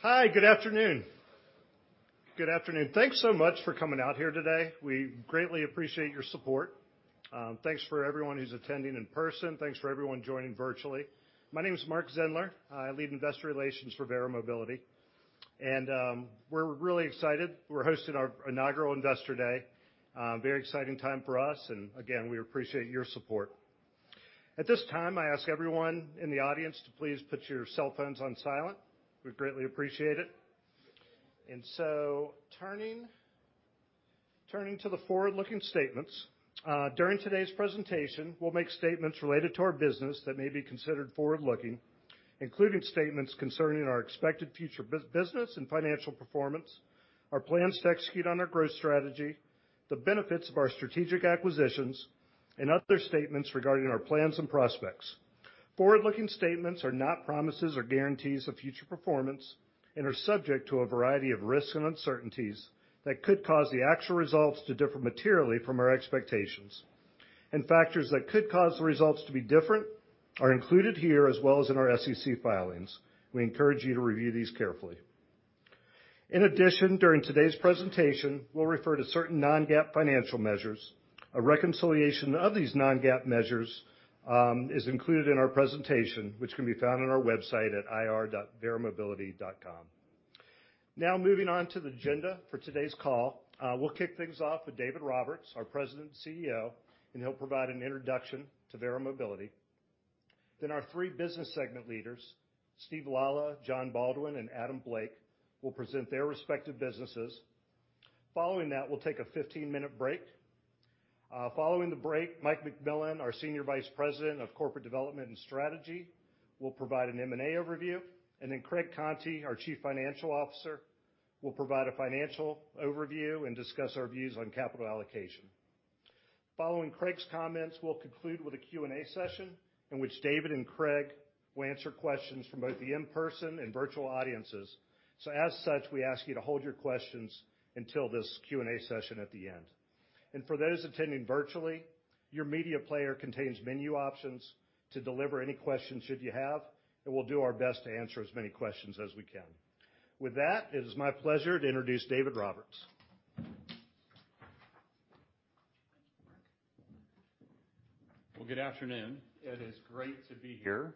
Hi, good afternoon. Thanks so much for coming out here today. We greatly appreciate your support. Thanks for everyone who's attending in person. Thanks for everyone joining virtually. My name is Mark Zindler. I lead Investor Relations for Verra Mobility. We're really excited. We're hosting our inaugural Investor Day. Very exciting time for us. Again, we appreciate your support. At this time, I ask everyone in the audience to please put your cell phones on silent. We greatly appreciate it. Turning to the forward-looking statements, during today's presentation, we'll make statements related to our business that may be considered forward-looking, including statements concerning our expected future business and financial performance, our plans to execute on our growth strategy, the benefits of our strategic acquisitions, and other statements regarding our plans and prospects. Forward-looking statements are not promises or guarantees of future performance and are subject to a variety of risks and uncertainties that could cause the actual results to differ materially from our expectations. Factors that could cause the results to be different are included here as well as in our SEC filings. We encourage you to review these carefully. In addition, during today's presentation, we'll refer to certain non-GAAP financial measures. A reconciliation of these non-GAAP measures is included in our presentation, which can be found on our website at ir.verramobility.com. Now, moving on to the agenda for today's call. We'll kick things off with David Roberts, our President and CEO, and he'll provide an introduction to Verra Mobility. Then our three business segment leaders, Steve Lalla, Jon Baldwin, and Adam Blake, will present their respective businesses. Following that, we'll take a 15-minute break. Following the break, Mike McMillin, our Senior Vice President of Corporate Development and Strategy, will provide an M&A overview. Then Craig Conti, our Chief Financial Officer, will provide a financial overview and discuss our views on capital allocation. Following Craig's comments, we'll conclude with a Q&A session in which David and Craig will answer questions from both the in-person and virtual audiences. As such, we ask you to hold your questions until this Q&A session at the end. For those attending virtually, your media player contains menu options to deliver any questions should you have, and we'll do our best to answer as many questions as we can. With that, it is my pleasure to introduce David Roberts. Well, good afternoon. It is great to be here.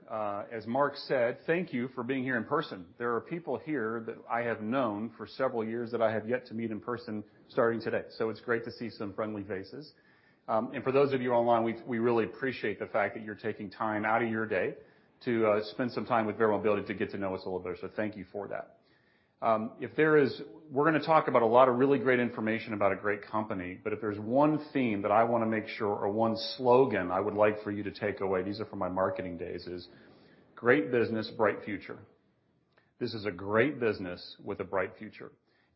As Mark said, thank you for being here in person. There are people here that I have known for several years that I have yet to meet in person starting today. It's great to see some friendly faces. For those of you online, we really appreciate the fact that you're taking time out of your day to spend some time with Verra Mobility to get to know us a little better. Thank you for that. We're gonna talk about a lot of really great information about a great company, but if there's one theme that I wanna make sure or one slogan I would like for you to take away, these are from my marketing days, is great business, bright future. This is a great business with a bright future.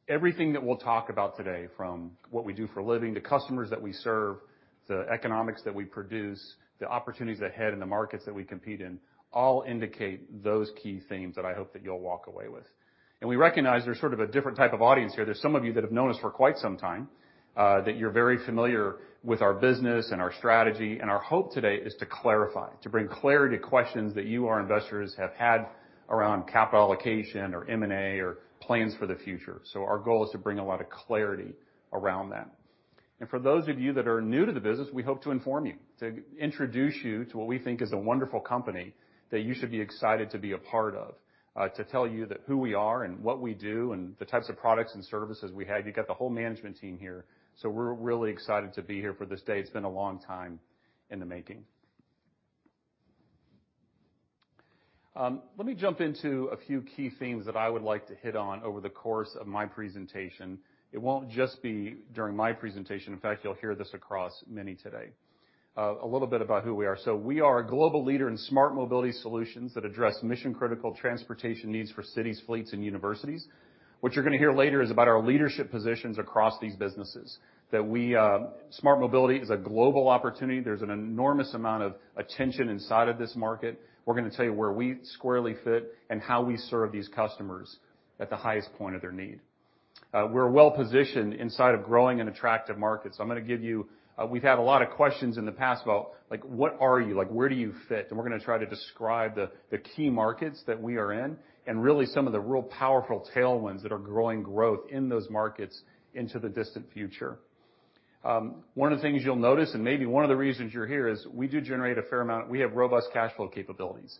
Everything that we'll talk about today, from what we do for a living, the customers that we serve, the economics that we produce, the opportunities ahead in the markets that we compete in, all indicate those key themes that I hope that you'll walk away with. We recognize there's sort of a different type of audience here. There's some of you that have known us for quite some time, that you're very familiar with our business and our strategy, and our hope today is to clarify, to bring clarity to questions that you, our investors, have had around capital allocation or M&A or plans for the future. Our goal is to bring a lot of clarity around that. For those of you that are new to the business, we hope to inform you, to introduce you to what we think is a wonderful company that you should be excited to be a part of, to tell you that who we are and what we do and the types of products and services we have. You got the whole management team here, so we're really excited to be here for this day. It's been a long time in the making. Let me jump into a few key themes that I would like to hit on over the course of my presentation. It won't just be during my presentation. In fact, you'll hear this across many today. A little bit about who we are. We are a global leader in smart mobility solutions that address mission-critical transportation needs for cities, fleets, and universities. What you're gonna hear later is about our leadership positions across these businesses, that we, smart mobility is a global opportunity. There's an enormous amount of attention inside of this market. We're gonna tell you where we squarely fit and how we serve these customers at the highest point of their need. We're well-positioned inside of growing and attractive markets. We've had a lot of questions in the past about, like, what are you? Like, where do you fit? We're gonna try to describe the key markets that we are in and really some of the real powerful tailwinds that are growing growth in those markets into the distant future. One of the things you'll notice, and maybe one of the reasons you're here is we have robust cash flow capabilities.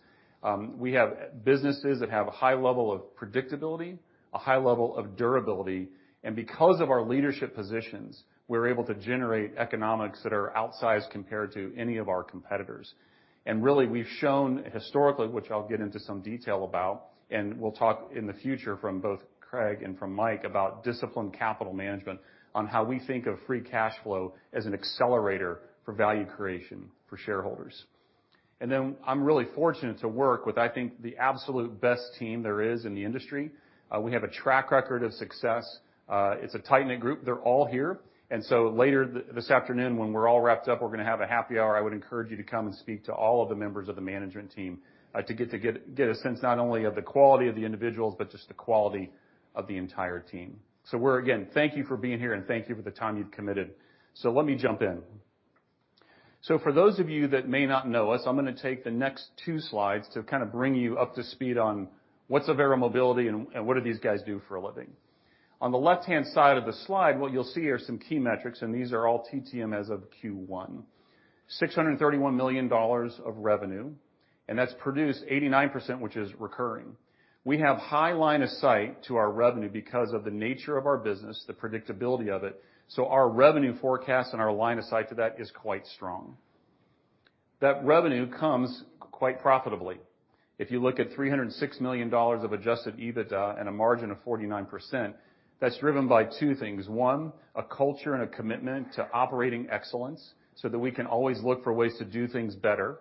We have businesses that have a high level of predictability, a high level of durability, and because of our leadership positions, we're able to generate economics that are outsized compared to any of our competitors. Really, we've shown historically, which I'll get into some detail about, and we'll talk in the future from both Craig and from Mike about disciplined capital management on how we think of free cash flow as an accelerator for value creation for shareholders. Then I'm really fortunate to work with, I think, the absolute best team there is in the industry. We have a track record of success. It's a tight-knit group. They're all here. Later this afternoon, when we're all wrapped up, we're gonna have a happy hour. I would encourage you to come and speak to all of the members of the management team, to get a sense not only of the quality of the individuals, but just the quality of the entire team. Again, thank you for being here, and thank you for the time you've committed. Let me jump in. For those of you that may not know us, I'm gonna take the next two slides to kind of bring you up to speed on what's Verra Mobility and what these guys do for a living. On the left-hand side of the slide, what you'll see are some key metrics, and these are all TTM as of Q1. $631 million of revenue, and 89% of which is recurring. We have high line of sight to our revenue because of the nature of our business, the predictability of it, so our revenue forecast and our line of sight to that is quite strong. That revenue comes quite profitably. If you look at $306 million of adjusted EBITDA and a margin of 49%, that's driven by two things. One, a culture and a commitment to operating excellence so that we can always look for ways to do things better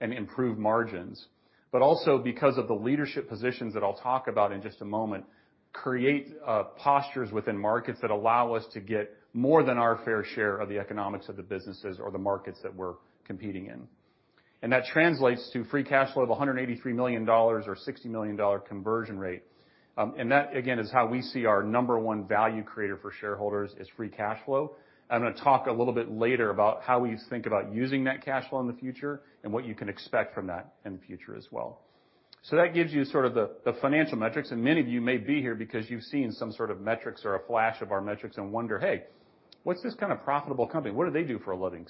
and improve margins. But also, because of the leadership positions that I'll talk about in just a moment, create postures within markets that allow us to get more than our fair share of the economics of the businesses or the markets that we're competing in. That translates to free cash flow of $183 million or $60 million conversion rate. And that, again, is how we see our number one value creator for shareholders is free cash flow. I'm gonna talk a little bit later about how we think about using that cash flow in the future and what you can expect from that in the future as well. that gives you sort of the financial metrics, and many of you may be here because you've seen some sort of metrics or a flash of our metrics and wonder, "Hey, what's this kind of profitable company? What do they do for a living?"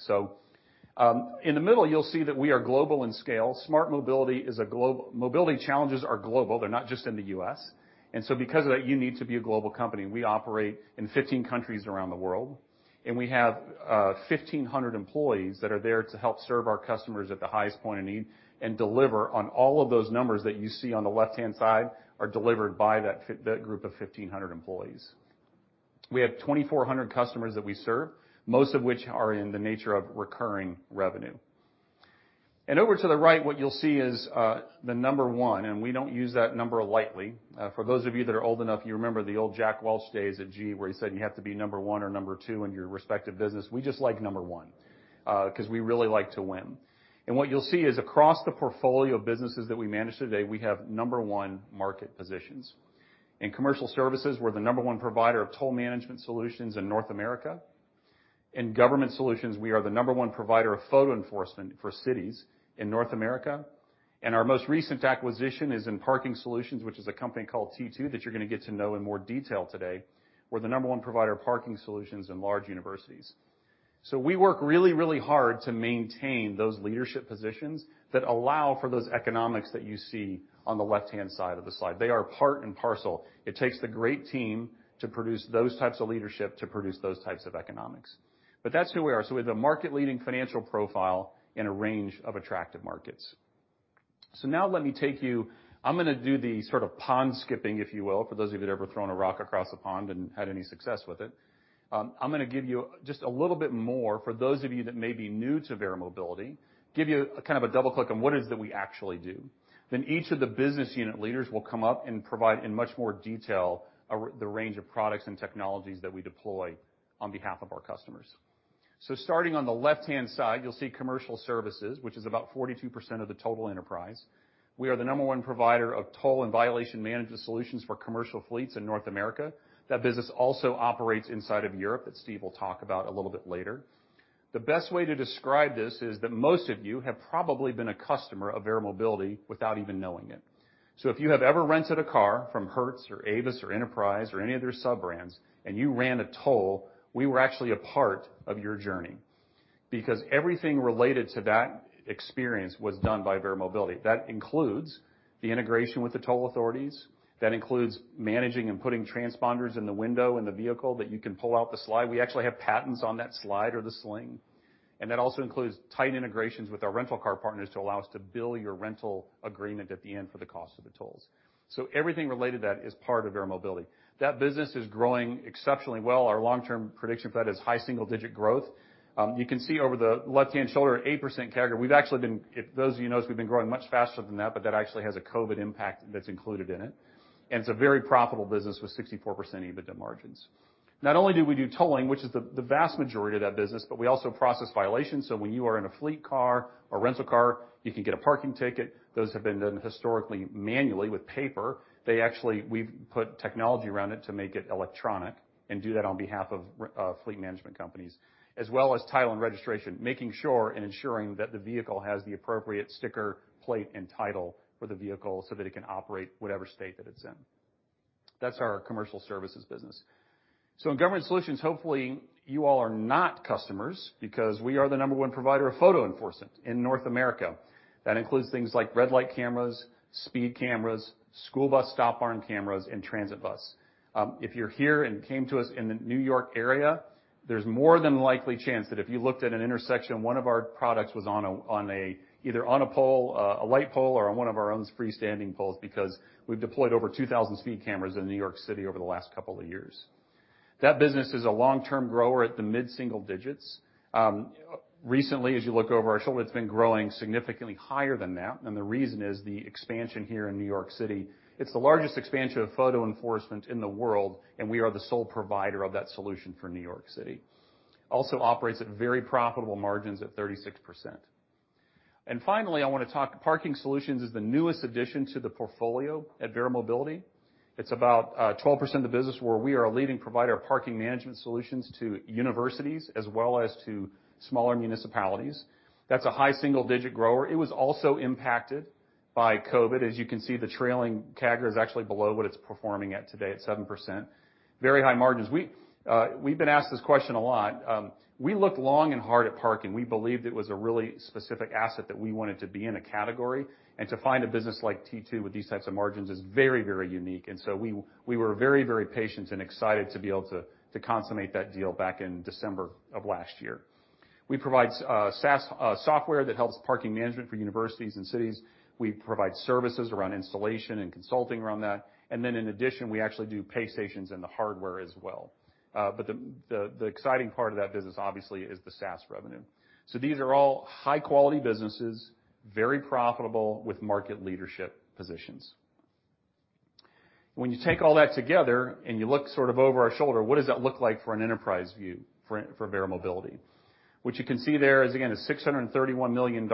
in the middle, you'll see that we are global in scale. Mobility challenges are global. They're not just in the U.S. because of that, you need to be a global company, and we operate in 15 countries around the world. We have 1,500 employees that are there to help serve our customers at the highest point of need and deliver on all of those numbers that you see on the left-hand side, are delivered by that group of 1,500 employees. We have 2,400 customers that we serve, most of which are in the nature of recurring revenue. Over to the right, what you'll see is the number one, and we don't use that number lightly. For those of you that are old enough, you remember the old Jack Welch days at GE where he said you have to be number one or number two in your respective business. We just like number one, 'cause we really like to win. What you'll see is across the portfolio of businesses that we manage today, we have number one market positions. In commercial services, we're the number one provider of toll management solutions in North America. In government solutions, we are the number one provider of photo enforcement for cities in North America. Our most recent acquisition is in parking solutions, which is a company called T2 that you're gonna get to know in more detail today. We're the number one provider of parking solutions in large universities. We work really, really hard to maintain those leadership positions that allow for those economics that you see on the left-hand side of the slide. They are part and parcel. It takes the great team to produce those types of leadership to produce those types of economics. That's who we are. We have the market leading financial profile in a range of attractive markets. I'm gonna do the sort of pond skipping, if you will, for those of you who've ever thrown a rock across a pond and had any success with it. I'm gonna give you just a little bit more, for those of you that may be new to Verra Mobility, give you a kind of a double click on what it is that we actually do. Then each of the business unit leaders will come up and provide in much more detail our, the range of products and technologies that we deploy on behalf of our customers. Starting on the left-hand side, you'll see commercial services, which is about 42% of the total enterprise. We are the number one provider of toll and violation management solutions for commercial fleets in North America. That business also operates inside of Europe, that Steve will talk about a little bit later. The best way to describe this is that most of you have probably been a customer of Verra Mobility without even knowing it. If you have ever rented a car from Hertz or Avis or Enterprise or any of their sub-brands and you ran a toll, we were actually a part of your journey because everything related to that experience was done by Verra Mobility. That includes the integration with the toll authorities. That includes managing and putting transponders in the window in the vehicle that you can pull out the slide. We actually have patents on that slide or the sling. And that also includes tight integrations with our rental car partners to allow us to bill your rental agreement at the end for the cost of the tolls. Everything related to that is part of Verra Mobility. That business is growing exceptionally well. Our long-term prediction for that is high single-digit growth. You can see over the left-hand shoulder, 8% category. We've actually been, if those of you know us, we've been growing much faster than that, but that actually has a COVID impact that's included in it. It's a very profitable business with 64% EBITDA margins. Not only do we do tolling, which is the vast majority of that business, but we also process violations. When you are in a fleet car or rental car, you can get a parking ticket. Those have been done historically, manually with paper. They actually, we've put technology around it to make it electronic and do that on behalf of fleet management companies, as well as title and registration, making sure and ensuring that the vehicle has the appropriate sticker, plate, and title for the vehicle so that it can operate whatever state that it's in. That's our commercial services business. In government solutions, hopefully you all are not customers because we are the number one provider of photo enforcement in North America. That includes things like red light cameras, speed cameras, school bus stop arm cameras, and transit bus. If you're here and came to us in the New York area, there's more than likely chance that if you looked at an intersection, one of our products was on either a pole, a light pole, or one of our own freestanding poles because we've deployed over 2,000 speed cameras in New York City over the last couple of years. That business is a long-term grower at the mid-single digits. Recently, as you look over our shoulder, it's been growing significantly higher than that, and the reason is the expansion here in New York City. It's the largest expansion of photo enforcement in the world, and we are the sole provider of that solution for New York City. Operates at very profitable margins at 36%. Finally, I wanna talk Parking Solutions is the newest addition to the portfolio at Verra Mobility. It's about 12% of the business where we are a leading provider of parking management solutions to universities as well as to smaller municipalities. That's a high single-digit grower. It was also impacted by COVID. As you can see, the trailing CAGR is actually below what it's performing at today at 7%. Very high margins. We've been asked this question a lot. We looked long and hard at parking. We believed it was a really specific asset that we wanted to be in a category, and to find a business like T2 with these types of margins is very, very unique. We were very patient and excited to be able to consummate that deal back in December of last year. We provide SaaS software that helps parking management for universities and cities. We provide services around installation and consulting around that. In addition, we actually do pay stations and the hardware as well. But the exciting part of that business obviously is the SaaS revenue. These are all high quality businesses, very profitable with market leadership positions. When you take all that together and you look sort of over our shoulder, what does that look like for an enterprise view for Verra Mobility? What you can see there is again $631 million and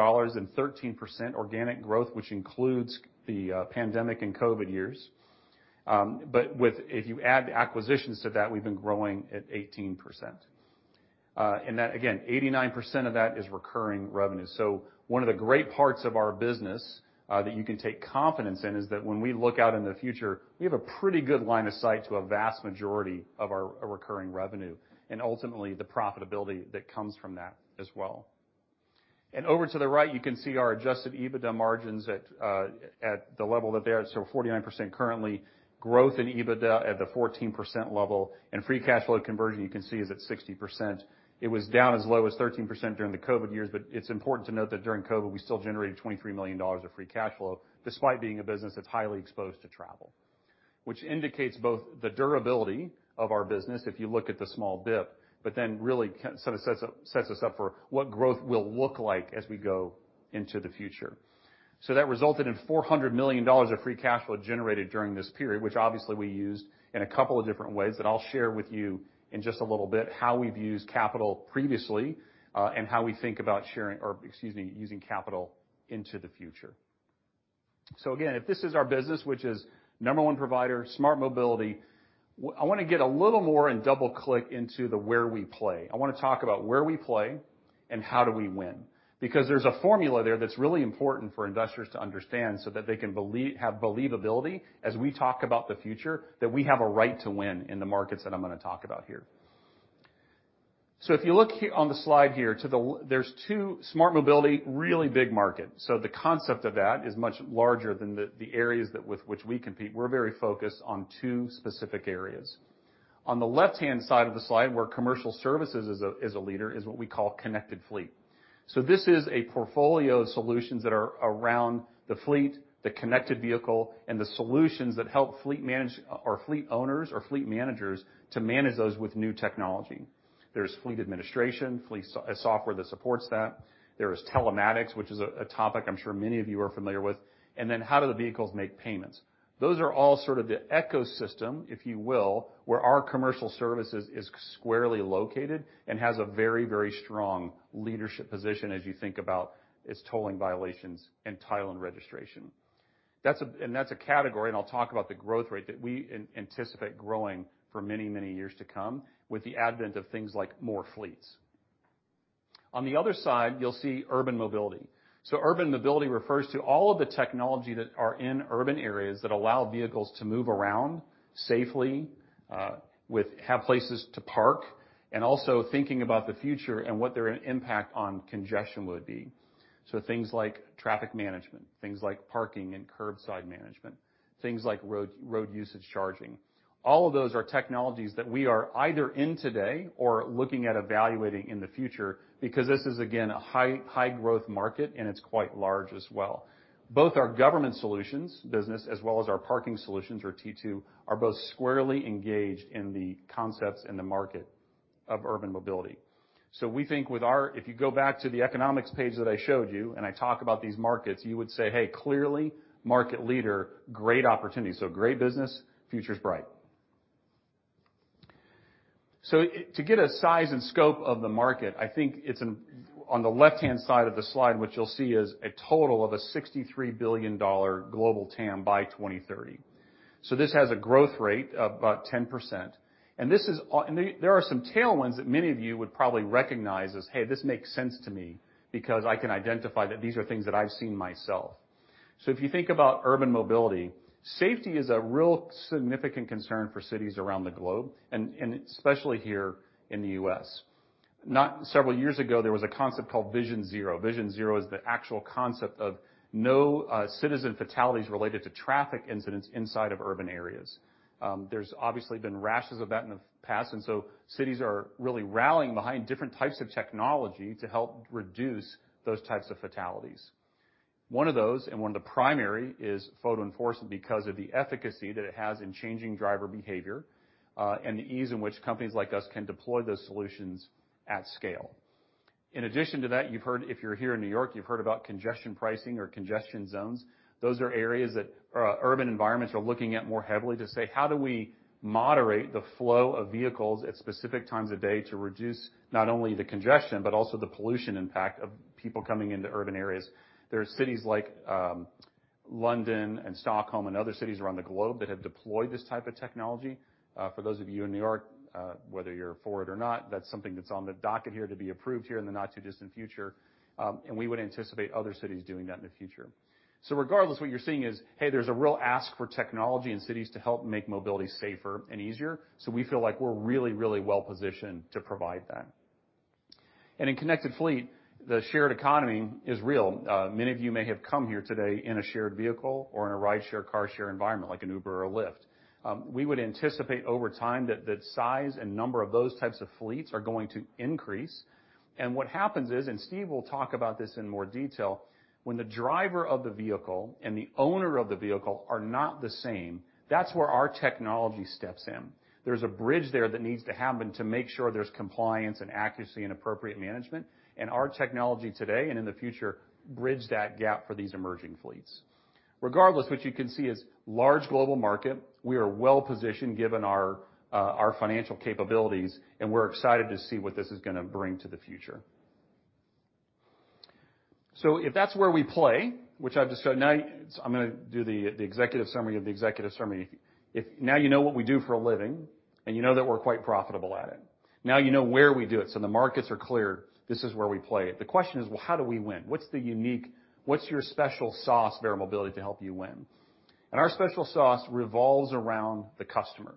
13% organic growth, which includes the pandemic and COVID years. If you add the acquisitions to that, we've been growing at 18%. That again, 89% of that is recurring revenue. One of the great parts of our business that you can take confidence in is that when we look out in the future, we have a pretty good line of sight to a vast majority of our recurring revenue and ultimately the profitability that comes from that as well. Over to the right, you can see our adjusted EBITDA margins at the level that they are, so 49% currently. Growth in EBITDA at the 14% level, and free cash flow conversion, you can see, is at 60%. It was down as low as 13% during the COVID years, but it's important to note that during COVID, we still generated $23 million of free cash flow despite being a business that's highly exposed to travel, which indicates both the durability of our business, if you look at the small dip, but then really sort of sets us up for what growth will look like as we go into the future. That resulted in $400 million of free cash flow generated during this period, which obviously we used in a couple of different ways that I'll share with you in just a little bit, how we've used capital previously, and how we think about sharing, or excuse me, using capital into the future. Again, if this is our business, which is number one provider, smart mobility, I wanna get a little more and double click into where we play. I wanna talk about where we play and how do we win, because there's a formula there that's really important for investors to understand so that they can have believability as we talk about the future, that we have a right to win in the markets that I'm gonna talk about here. If you look on the slide here, to the left, there's two smart mobility really big market. The concept of that is much larger than the areas with which we compete. We're very focused on two specific areas. On the left-hand side of the slide, where commercial services is a leader, is what we call connected fleet. This is a portfolio of solutions that are around the fleet, the connected vehicle, and the solutions that help fleet owners or fleet managers to manage those with new technology. There's fleet administration, fleet software that supports that. There is telematics, which is a topic I'm sure many of you are familiar with. Then how do the vehicles make payments? Those are all sort of the ecosystem, if you will, where our Commercial Services is squarely located and has a very, very strong leadership position as you think about its tolling violations and toll and registration. That's a category, and I'll talk about the growth rate that we anticipate growing for many, many years to come with the advent of things like more fleets. On the other side, you'll see urban mobility. Urban Mobility refers to all of the technology that are in urban areas that allow vehicles to move around safely, with places to park, and also thinking about the future and what their impact on congestion would be. Things like traffic management, things like parking and curbside management, things like road usage charging. All of those are technologies that we are either in today or looking at evaluating in the future because this is again, a high growth market, and it's quite large as well. Both our government solutions business as well as our parking solutions or T2 are both squarely engaged in the concepts in the market of urban mobility. We think with our, if you go back to the economics page that I showed you, and I talk about these markets, you would say, "Hey, clearly market leader, great opportunity." Great business, future's bright. To get a size and scope of the market, I think it's in, on the left-hand side of the slide, what you'll see is a total of a $63 billion global TAM by 2030. This has a growth rate of about 10%. This is, there are some tailwinds that many of you would probably recognize as, "Hey, this makes sense to me because I can identify that these are things that I've seen myself." If you think about urban mobility, safety is a real significant concern for cities around the globe, and especially here in the U.S. Several years ago, there was a concept called Vision Zero. Vision Zero is the actual concept of no citizen fatalities related to traffic incidents inside of urban areas. There's obviously been rashes of that in the past, and so cities are really rallying behind different types of technology to help reduce those types of fatalities. One of those, and one of the primary, is photo enforcement because of the efficacy that it has in changing driver behavior, and the ease in which companies like us can deploy those solutions at scale. In addition to that, you've heard, if you're here in New York, you've heard about congestion pricing or congestion zones. Those are areas that urban environments are looking at more heavily to say, "How do we moderate the flow of vehicles at specific times of day to reduce not only the congestion but also the pollution impact of people coming into urban areas?" There are cities like London and Stockholm and other cities around the globe that have deployed this type of technology. For those of you in New York, whether you're for it or not, that's something that's on the docket here to be approved here in the not too distant future. We would anticipate other cities doing that in the future. Regardless, what you're seeing is, hey, there's a real ask for technology in cities to help make mobility safer and easier. We feel like we're really, really well positioned to provide that. In connected fleet, the shared economy is real. Many of you may have come here today in a shared vehicle or in a rideshare, carshare environment like an Uber or a Lyft. We would anticipate over time that the size and number of those types of fleets are going to increase. What happens is, and Steve will talk about this in more detail, when the driver of the vehicle and the owner of the vehicle are not the same, that's where our technology steps in. There's a bridge there that needs to happen to make sure there's compliance and accuracy and appropriate management. Our technology today and in the future bridge that gap for these emerging fleets. Regardless, what you can see is large global market. We are well positioned given our financial capabilities, and we're excited to see what this is gonna bring to the future. If that's where we play, which I've just showed. Now, I'm gonna do the executive summary of the executive summary. If now you know what we do for a living, and you know that we're quite profitable at it. Now you know where we do it, so the markets are clear. This is where we play. The question is, well, how do we win? What's the unique? What's your special sauce, Verra Mobility, to help you win? Our special sauce revolves around the customer.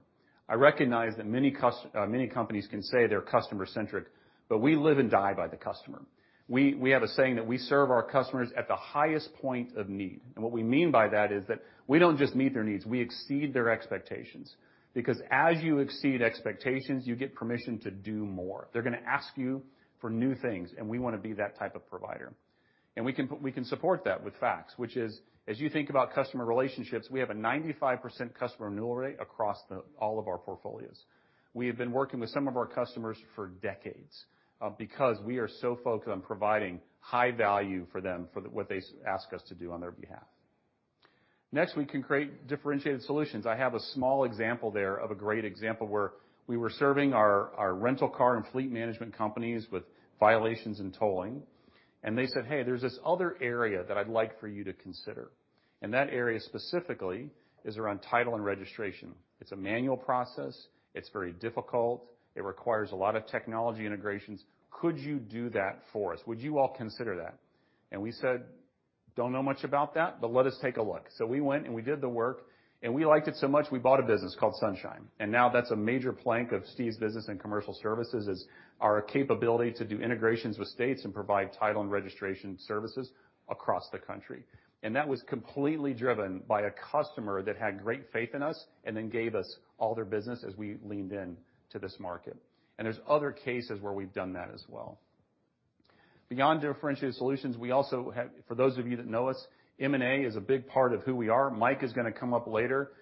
I recognize that many companies can say they're customer-centric, but we live and die by the customer. We have a saying that we serve our customers at the highest point of need. What we mean by that is that we don't just meet their needs, we exceed their expectations. Because as you exceed expectations, you get permission to do more. They're gonna ask you for new things, and we wanna be that type of provider. We can support that with facts, which is, as you think about customer relationships, we have a 95% customer renewal rate across all of our portfolios. We have been working with some of our customers for decades, because we are so focused on providing high value for them for what they ask us to do on their behalf. Next, we can create differentiated solutions. I have a small example there of a great example where we were serving our rental car and fleet management companies with violations in tolling, and they said, "Hey, there's this other area that I'd like for you to consider. And that area specifically is around title and registration. It's a manual process. It's very difficult. It requires a lot of technology integrations. Could you do that for us? Would you all consider that?" We said, "Don't know much about that, but let us take a look." We went, and we did the work, and we liked it so much, we bought a business called Sunshine. Now that's a major plank of Steve's business and Commercial Services is our capability to do integrations with states and provide title and registration services across the country. That was completely driven by a customer that had great faith in us and then gave us all their business as we leaned in to this market. There's other cases where we've done that as well. Beyond differentiated solutions, we also have, for those of you that know us, M&A is a big part of who we are. Mike is gonna come up later,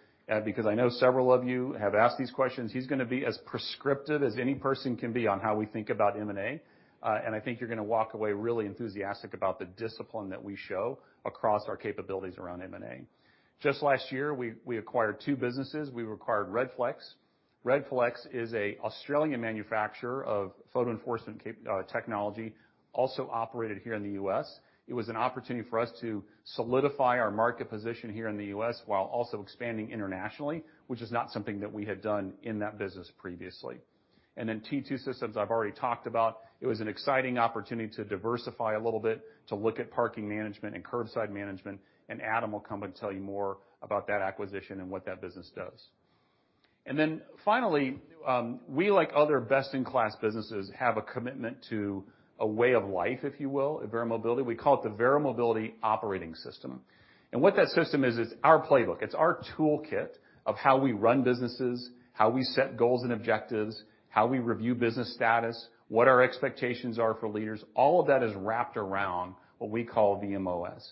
because I know several of you have asked these questions. He's gonna be as prescriptive as any person can be on how we think about M&A. I think you're gonna walk away really enthusiastic about the discipline that we show across our capabilities around M&A. Just last year, we acquired two businesses. We acquired Redflex. Redflex is an Australian manufacturer of photo enforcement technology, also operated here in the U.S. It was an opportunity for us to solidify our market position here in the U.S. while also expanding internationally, which is not something that we had done in that business previously. T2 Systems, I've already talked about. It was an exciting opportunity to diversify a little bit, to look at parking management and curbside management, and Adam will come and tell you more about that acquisition and what that business does. We, like other best-in-class businesses, have a commitment to a way of life, if you will, at Verra Mobility. We call it the Verra Mobility Operating System. What that system is it's our playbook. It's our toolkit of how we run businesses, how we set goals and objectives, how we review business status, what our expectations are for leaders. All of that is wrapped around what we call vmOS.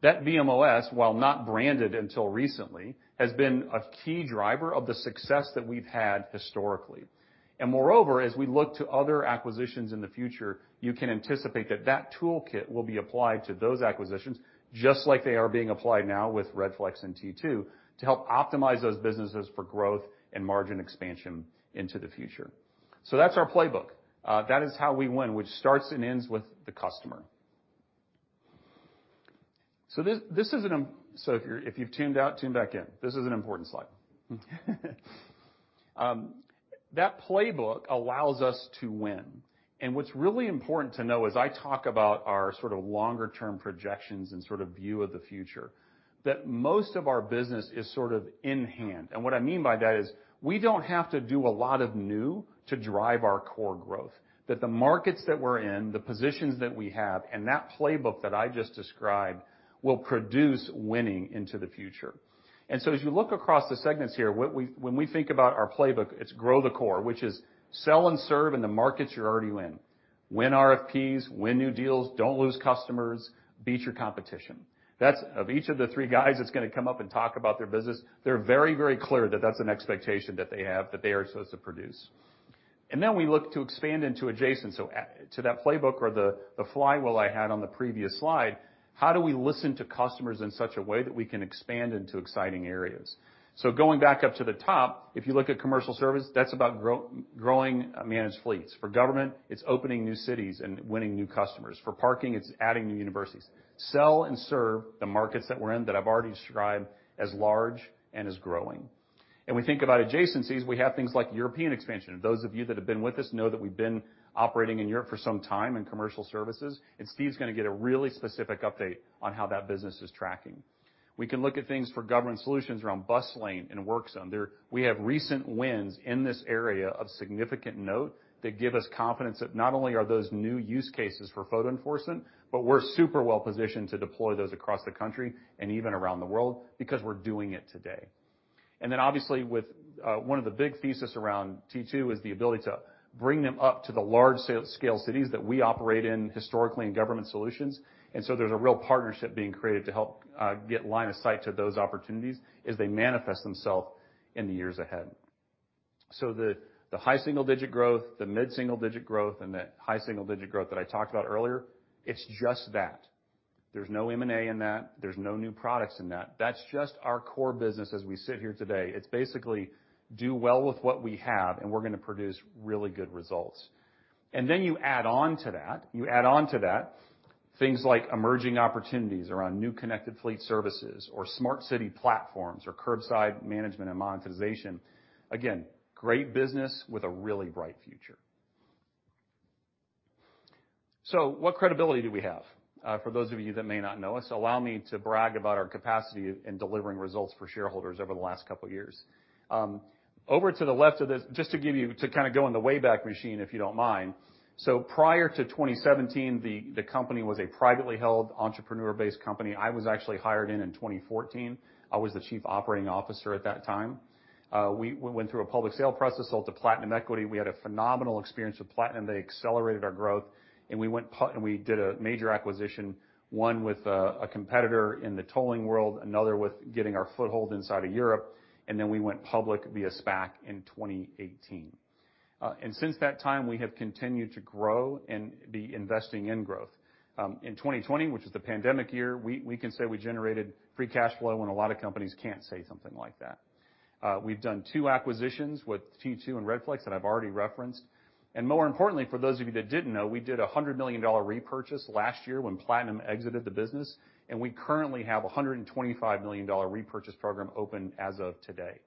That vmOS, while not branded until recently, has been a key driver of the success that we've had historically. Moreover, as we look to other acquisitions in the future, you can anticipate that that toolkit will be applied to those acquisitions just like they are being applied now with Redflex and T2 to help optimize those businesses for growth and margin expansion into the future. That's our playbook. That is how we win, which starts and ends with the customer. If you've tuned out, tune back in. This is an important slide. That playbook allows us to win. What's really important to know as I talk about our sort of longer term projections and sort of view of the future, that most of our business is sort of in hand. What I mean by that is we don't have to do a lot of new to drive our core growth, that the markets that we're in, the positions that we have, and that playbook that I just described will produce winning into the future. As you look across the segments here, what we, when we think about our playbook, it's grow the core, which is sell and serve in the markets you're already in. Win RFPs, win new deals, don't lose customers, beat your competition. That's of each of the three guys that's gonna come up and talk about their business, they're very, very clear that that's an expectation that they have that they are supposed to produce. Then we look to expand into adjacent. To that playbook or the flywheel I had on the previous slide, how do we listen to customers in such a way that we can expand into exciting areas? Going back up to the top, if you look at commercial service, that's about growing managed fleets. For government, it's opening new cities and winning new customers. For parking, it's adding new universities. Sell and serve the markets that we're in that I've already described as large and as growing. We think about adjacencies, we have things like European expansion. Those of you that have been with us know that we've been operating in Europe for some time in commercial services, and Steve's gonna get a really specific update on how that business is tracking. We can look at things for Government Solutions around bus lane and work zone. There we have recent wins in this area of significant note that give us confidence that not only are those new use cases for photo enforcement, but we're super well-positioned to deploy those across the country and even around the world because we're doing it today. Obviously, with one of the big thesis around T2 is the ability to bring them up to the large scale cities that we operate in historically in Government Solutions. There's a real partnership being created to help get line of sight to those opportunities as they manifest themselves in the years ahead. The high single digit growth, the mid-single digit growth, and the high single digit growth that I talked about earlier, it's just that. There's no M&A in that. There's no new products in that. That's just our core business as we sit here today. It's basically do well with what we have, and we're gonna produce really good results. You add on to that, you add on to that things like emerging opportunities around new connected fleet services or smart city platforms or curbside management and monetization. Again, great business with a really bright future. What credibility do we have? For those of you that may not know us, allow me to brag about our capacity in delivering results for shareholders over the last couple years. Over to the left of this, just to give you, to kind of go in the way back machine, if you don't mind. Prior to 2017, the company was a privately held entrepreneur-based company. I was actually hired in 2014. I was the Chief Operating Officer at that time. We went through a public sale process, sold to Platinum Equity. We had a phenomenal experience with Platinum. They accelerated our growth, and we did a major acquisition, one with a competitor in the tolling world, another with getting our foothold inside of Europe, and then we went public via SPAC in 2018. Since that time, we have continued to grow and be investing in growth. In 2020, which is the pandemic year, we can say we generated free cash flow when a lot of companies can't say something like that. We've done two acquisitions with T2 and Redflex that I've already referenced. More importantly, for those of you that didn't know, we did a $100 million repurchase last year when Platinum Equity exited the business, and we currently have a $125 million repurchase program open as of today.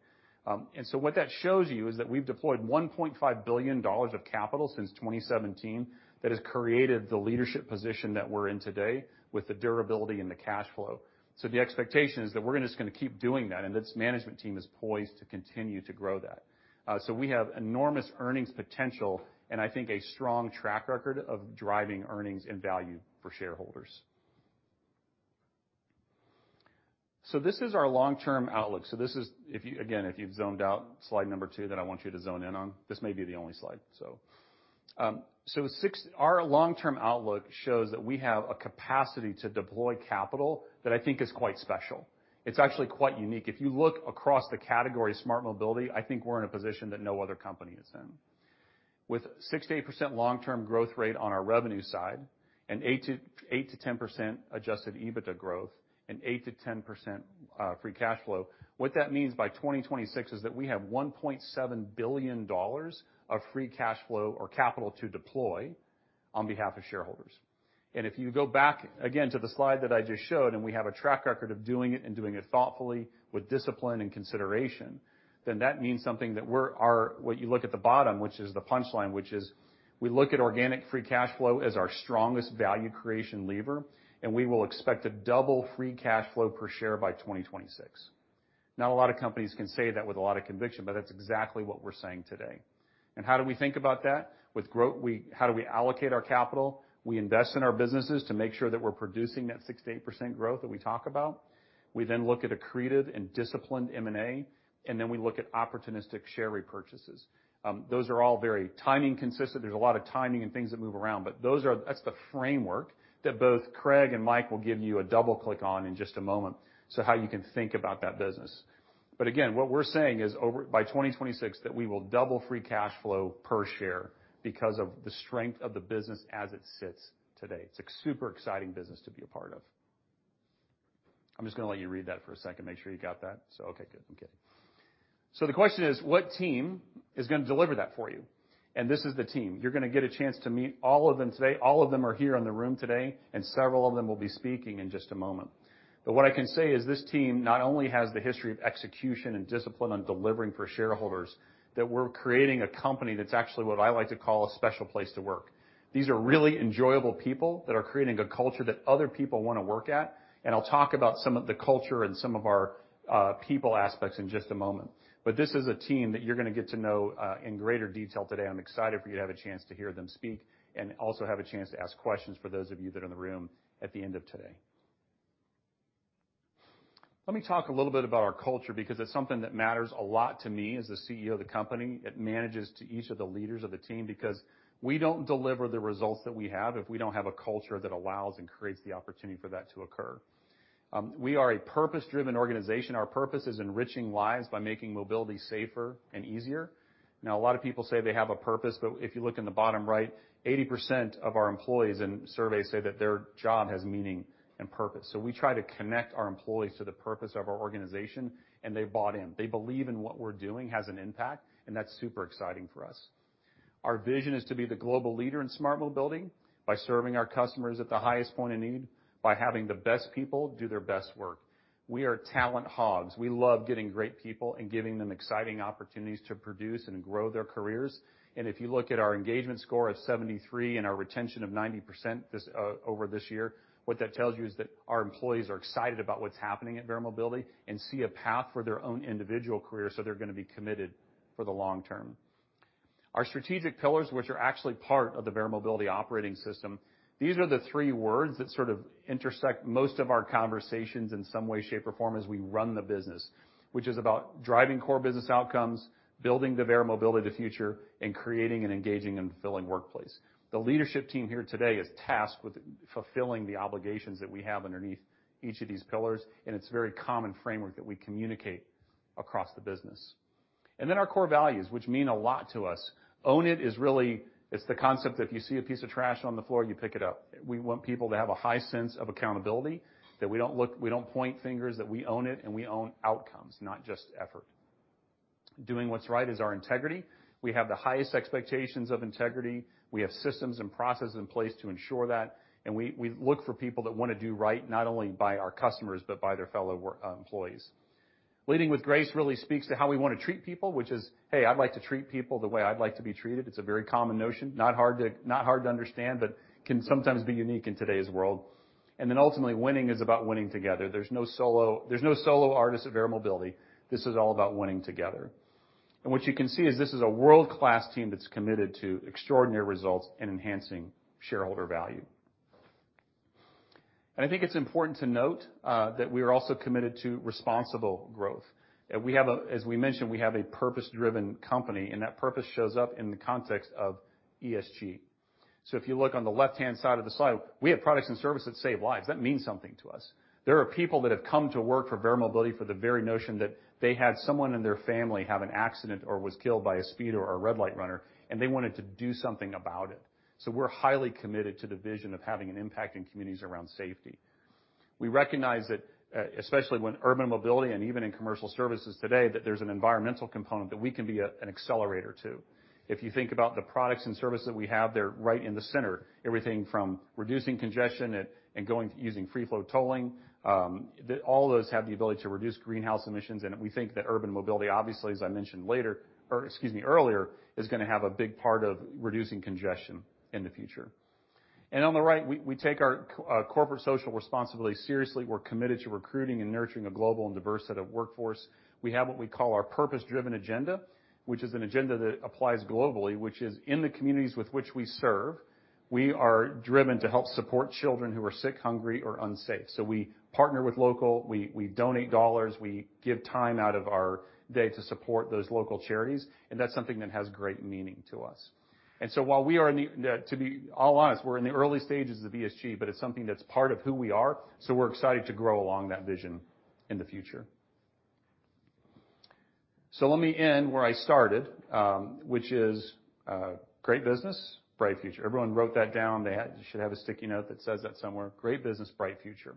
What that shows you is that we've deployed $1.5 billion of capital since 2017 that has created the leadership position that we're in today with the durability and the cash flow. The expectation is that we're just gonna keep doing that, and this management team is poised to continue to grow that. We have enormous earnings potential and I think a strong track record of driving earnings and value for shareholders. This is our long-term outlook. This is, if you've zoned out, slide number two that I want you to zone in on. This may be the only slide. Our long-term outlook shows that we have a capacity to deploy capital that I think is quite special. It's actually quite unique. If you look across the category of smart mobility, I think we're in a position that no other company is in. With 6% to 8% long-term growth rate on our revenue side and 8% to 10% adjusted EBITDA growth and 8% to 10% free cash flow, what that means by 2026 is that we have $1.7 billion of free cash flow or capital to deploy on behalf of shareholders. If you go back again to the slide that I just showed, and we have a track record of doing it and doing it thoughtfully with discipline and consideration, then that means something. What you look at the bottom, which is the punchline, which is we look at organic free cash flow as our strongest value creation lever, and we will expect to double free cash flow per share by 2026. Not a lot of companies can say that with a lot of conviction, but that's exactly what we're saying today. How do we think about that? With growth, how do we allocate our capital? We invest in our businesses to make sure that we're producing that 6%-8% growth that we talk about. We then look at accretive and disciplined M&A, and then we look at opportunistic share repurchases. Those are all very timing consistent. There's a lot of timing and things that move around, but that's the framework that both Craig and Mike will give you a double click on in just a moment, so how you can think about that business. Again, what we're saying is overall, by 2026 that we will double free cash flow per share because of the strength of the business as it sits today. It's a super exciting business to be a part of. I'm just gonna let you read that for a second, make sure you got that. The question is, what team is gonna deliver that for you? This is the team. You're gonna get a chance to meet all of them today. All of them are here in the room today, and several of them will be speaking in just a moment. What I can say is this team not only has the history of execution and discipline on delivering for shareholders, that we're creating a company that's actually what I like to call a special place to work. These are really enjoyable people that are creating a culture that other people wanna work at, and I'll talk about some of the culture and some of our people aspects in just a moment. This is a team that you're gonna get to know in greater detail today. I'm excited for you to have a chance to hear them speak and also have a chance to ask questions for those of you that are in the room at the end of today. Let me talk a little bit about our culture because it's something that matters a lot to me as the CEO of the company. It matters to each of the leaders of the team because we don't deliver the results that we have if we don't have a culture that allows and creates the opportunity for that to occur. We are a purpose-driven organization. Our purpose is enriching lives by making mobility safer and easier. Now a lot of people say they have a purpose, but if you look in the bottom right, 80% of our employees in surveys say that their job has meaning and purpose. We try to connect our employees to the purpose of our organization, and they've bought in. They believe in what we're doing has an impact, and that's super exciting for us. Our vision is to be the global leader in smart mobility by serving our customers at the highest point of need, by having the best people do their best work. We are talent hogs. We love getting great people and giving them exciting opportunities to produce and grow their careers. If you look at our engagement score of 73 and our retention of 90% this over this year, what that tells you is that our employees are excited about what's happening at Verra Mobility and see a path for their own individual career, so they're gonna be committed for the long term. Our strategic pillars, which are actually part of the Verra Mobility Operating System, these are the three words that sort of intersect most of our conversations in some way, shape, or form as we run the business, which is about driving core business outcomes, building the Verra Mobility of the future, and creating an engaging and fulfilling workplace. The leadership team here today is tasked with fulfilling the obligations that we have underneath each of these pillars, and it's a very common framework that we communicate across the business. Our core values, which mean a lot to us. Own it is really it's the concept that if you see a piece of trash on the floor, you pick it up. We want people to have a high sense of accountability, that we don't look, we don't point fingers, that we own it, and we own outcomes, not just effort. Doing what's right is our integrity. We have the highest expectations of integrity. We have systems and processes in place to ensure that, and we look for people that wanna do right, not only by our customers, but by their fellow work, employees. Leading with grace really speaks to how we wanna treat people, which is, hey, I'd like to treat people the way I'd like to be treated. It's a very common notion. Not hard to understand, but can sometimes be unique in today's world. Ultimately, winning is about winning together. There's no solo artist at Verra Mobility. This is all about winning together. What you can see is this is a world-class team that's committed to extraordinary results and enhancing shareholder value. I think it's important to note that we are also committed to responsible growth. As we mentioned, we have a purpose-driven company, and that purpose shows up in the context of ESG. If you look on the left-hand side of the slide, we have products and services that save lives. That means something to us. There are people that have come to work for Verra Mobility for the very notion that they had someone in their family have an accident or was killed by a speeder or a red-light runner, and they wanted to do something about it. We're highly committed to the vision of having an impact in communities around safety. We recognize that, especially when urban mobility and even in commercial services today, that there's an environmental component that we can be an accelerator to. If you think about the products and services that we have, they're right in the center. Everything from reducing congestion and going, using free flow tolling, all those have the ability to reduce greenhouse emissions, and we think that urban mobility obviously, as I mentioned later, or excuse me, earlier, is gonna have a big part of reducing congestion in the future. On the right, we take our corporate social responsibility seriously. We're committed to recruiting and nurturing a global and diverse set of workforce. We have what we call our purpose-driven agenda, which is an agenda that applies globally, which is in the communities with which we serve. We are driven to help support children who are sick, hungry, or unsafe. We partner with local, we donate dollars, we give time out of our day to support those local charities, and that's something that has great meaning to us. While we are in the early stages of ESG, but it's something that's part of who we are, so we're excited to grow along that vision in the future. Let me end where I started, which is great business, bright future. Everyone wrote that down. They should have a sticky note that says that somewhere. Great business, bright future.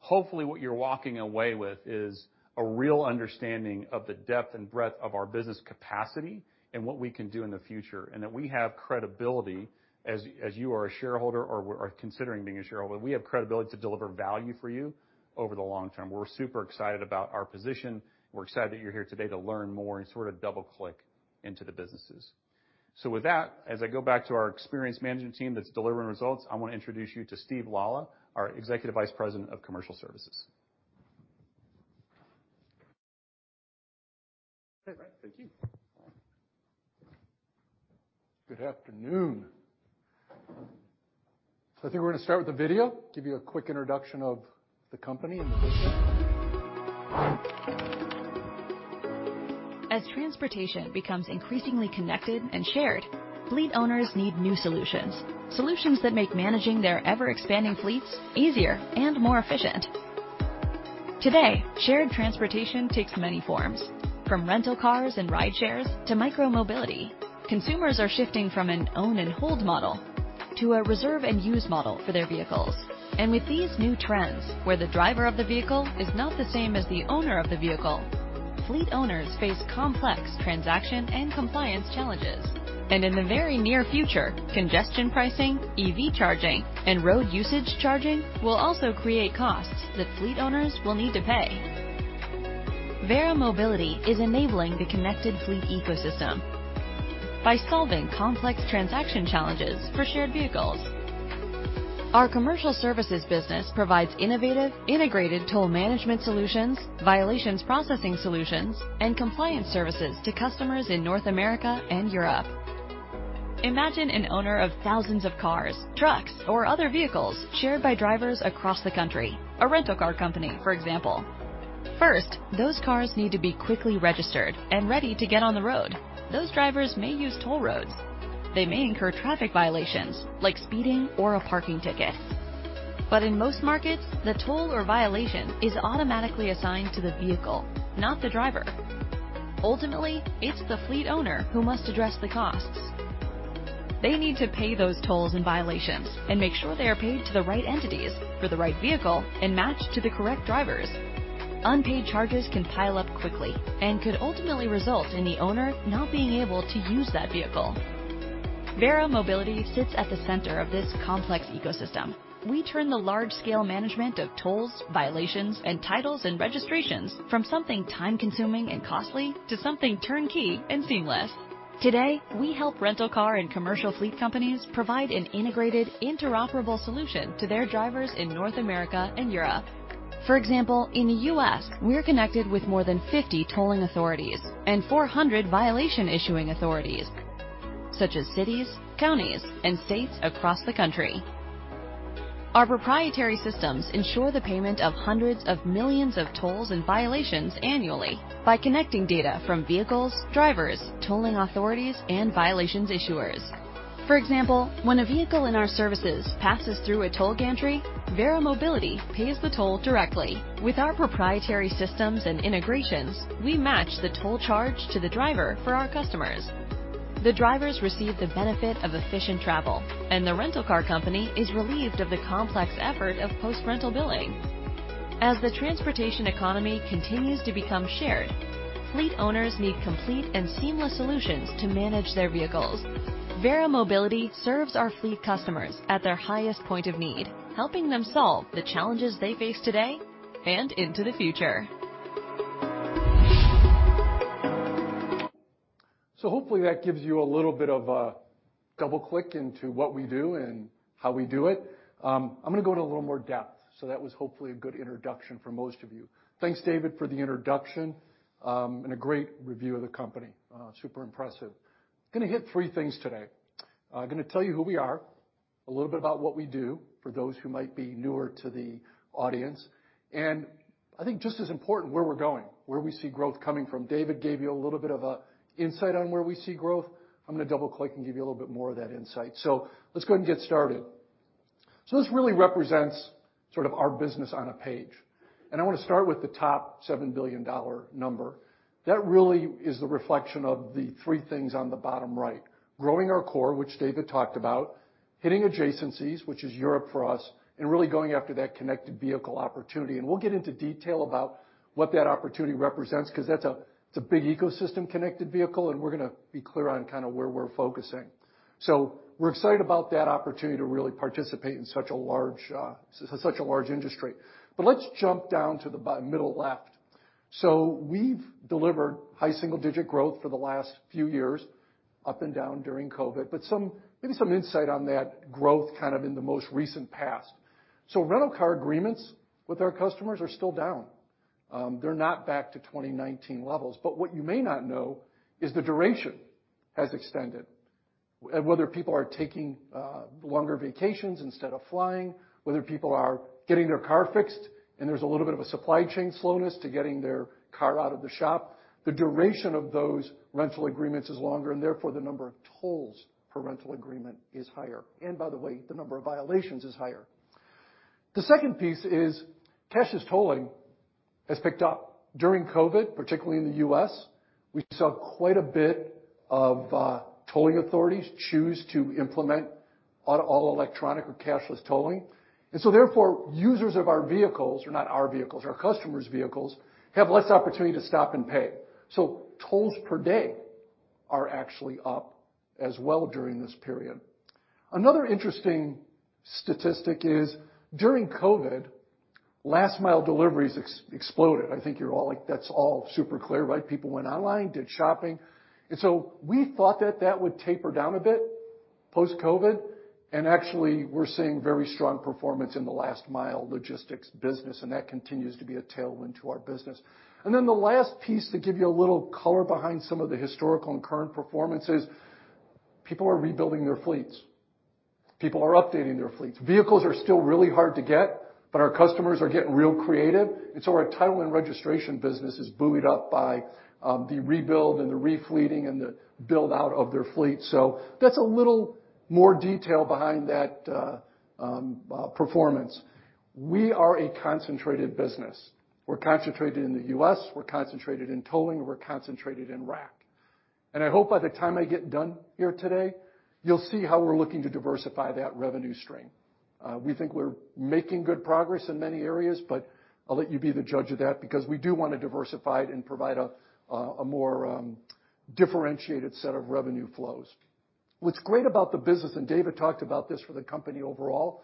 Hopefully, what you're walking away with is a real understanding of the depth and breadth of our business capacity and what we can do in the future, and that we have credibility as you are a shareholder or are considering being a shareholder, we have credibility to deliver value for you over the long term. We're super excited about our position. We're excited that you're here today to learn more and sort of double-click into the businesses. With that, as I go back to our experienced management team that's delivering results, I wanna introduce you to Steve Lalla, our Executive Vice President, Commercial Services. All right. Thank you. Good afternoon. I think we're gonna start with a video, give you a quick introduction of the company and the business. As transportation becomes increasingly connected and shared, fleet owners need new solutions that make managing their ever-expanding fleets easier and more efficient. Today, shared transportation takes many forms, from rental cars and rideshares to micro-mobility. Consumers are shifting from an own and hold model to a reserve and use model for their vehicles. With these new trends, where the driver of the vehicle is not the same as the owner of the vehicle, fleet owners face complex transaction and compliance challenges. In the very near future, congestion pricing, EV charging, and road usage charging will also create costs that fleet owners will need to pay. Verra Mobility is enabling the connected fleet ecosystem by solving complex transaction challenges for shared vehicles. Our commercial services business provides innovative, integrated toll management solutions, violations processing solutions, and compliance services to customers in North America and Europe. Imagine an owner of thousands of cars, trucks, or other vehicles shared by drivers across the country. A rental car company, for example. First, those cars need to be quickly registered and ready to get on the road. Those drivers may use toll roads. They may incur traffic violations like speeding or a parking ticket. But in most markets, the toll or violation is automatically assigned to the vehicle, not the driver. Ultimately, it's the fleet owner who must address the costs. They need to pay those tolls and violations and make sure they are paid to the right entities for the right vehicle and matched to the correct drivers. Unpaid charges can pile up quickly and could ultimately result in the owner not being able to use that vehicle. Verra Mobility sits at the center of this complex ecosystem. We turn the large-scale management of tolls, violations, and titles and registrations from something time-consuming and costly to something turnkey and seamless. Today, we help rental car and commercial fleet companies provide an integrated, interoperable solution to their drivers in North America and Europe. For example, in the U.S., we're connected with more than 50 tolling authorities and 400 violation-issuing authorities, such as cities, counties, and states across the country. Our proprietary systems ensure the payment of hundreds of millions of tolls and violations annually by connecting data from vehicles, drivers, tolling authorities, and violations issuers. For example, when a vehicle in our services passes through a toll gantry, Verra Mobility pays the toll directly. With our proprietary systems and integrations, we match the toll charge to the driver for our customers. The drivers receive the benefit of efficient travel, and the rental car company is relieved of the complex effort of post-rental billing. As the transportation economy continues to become shared, fleet owners need complete and seamless solutions to manage their vehicles. Verra Mobility serves our fleet customers at their highest point of need, helping them solve the challenges they face today and into the future. Hopefully that gives you a little bit of a double-click into what we do and how we do it. I'm gonna go into a little more depth. That was hopefully a good introduction for most of you. Thanks, David, for the introduction, and a great review of the company. Super impressive. Got to hit three things today. Got to tell you who we are, a little bit about what we do for those who might be newer to the audience, and I think just as important, where we're going, where we see growth coming from. David gave you a little bit of a insight on where we see growth. I'm gonna double-click and give you a little bit more of that insight. Let's go ahead and get started. This really represents sort of our business on a page, and I wanna start with the top $7 billion number. That really is the reflection of the three things on the bottom right. Growing our core, which David talked about, hitting adjacencies, which is Europe for us, and really going after that connected vehicle opportunity. We'll get into detail about what that opportunity represents because that's a big ecosystem connected vehicle, and we're got to be clear on kinda where we're focusing. We're excited about that opportunity to really participate in such a large industry. Let's jump down to the middle left. We've delivered high single-digit growth for the last few years, up and down during COVID, but maybe some insight on that growth kind of in the most recent past. Rental car agreements with our customers are still down. They're not back to 2019 levels, but what you may not know is the duration has extended. Whether people are taking longer vacations instead of flying, whether people are getting their car fixed, and there's a little bit of a supply chain slowness to getting their car out of the shop, the duration of those rental agreements is longer, and therefore, the number of tolls per rental agreement is higher. By the way, the number of violations is higher. The second piece is cashless tolling has picked up during COVID, particularly in the U.S. We saw quite a bit of tolling authorities choose to implement all-electronic or cashless tolling. Therefore, users of our vehicles or not our vehicles, our customers' vehicles, have less opportunity to stop and pay. Tolls per day are actually up as well during this period. Another interesting statistic is during COVID, last mile deliveries exploded. I think you're all like, that's all super clear, right? People went online, did shopping, and so we thought that would taper down a bit post-COVID, and actually we're seeing very strong performance in the last mile logistics business, and that continues to be a tailwind to our business. The last piece to give you a little color behind some of the historical and current performance is people are rebuilding their fleets. People are updating their fleets. Vehicles are still really hard to get, but our customers are getting real creative, and so our title and registration business is buoyed up by the rebuild and the refleeting and the build-out of their fleet. That's a little more detail behind that performance. We are a concentrated business. We're concentrated in the U.S. We're concentrated in tolling. We're concentrated in RAC. I hope by the time I get done here today, you'll see how we're looking to diversify that revenue stream. We think we're making good progress in many areas, but I'll let you be the judge of that because we do wanna diversify it and provide a more differentiated set of revenue flows. What's great about the business, and David talked about this for the company overall,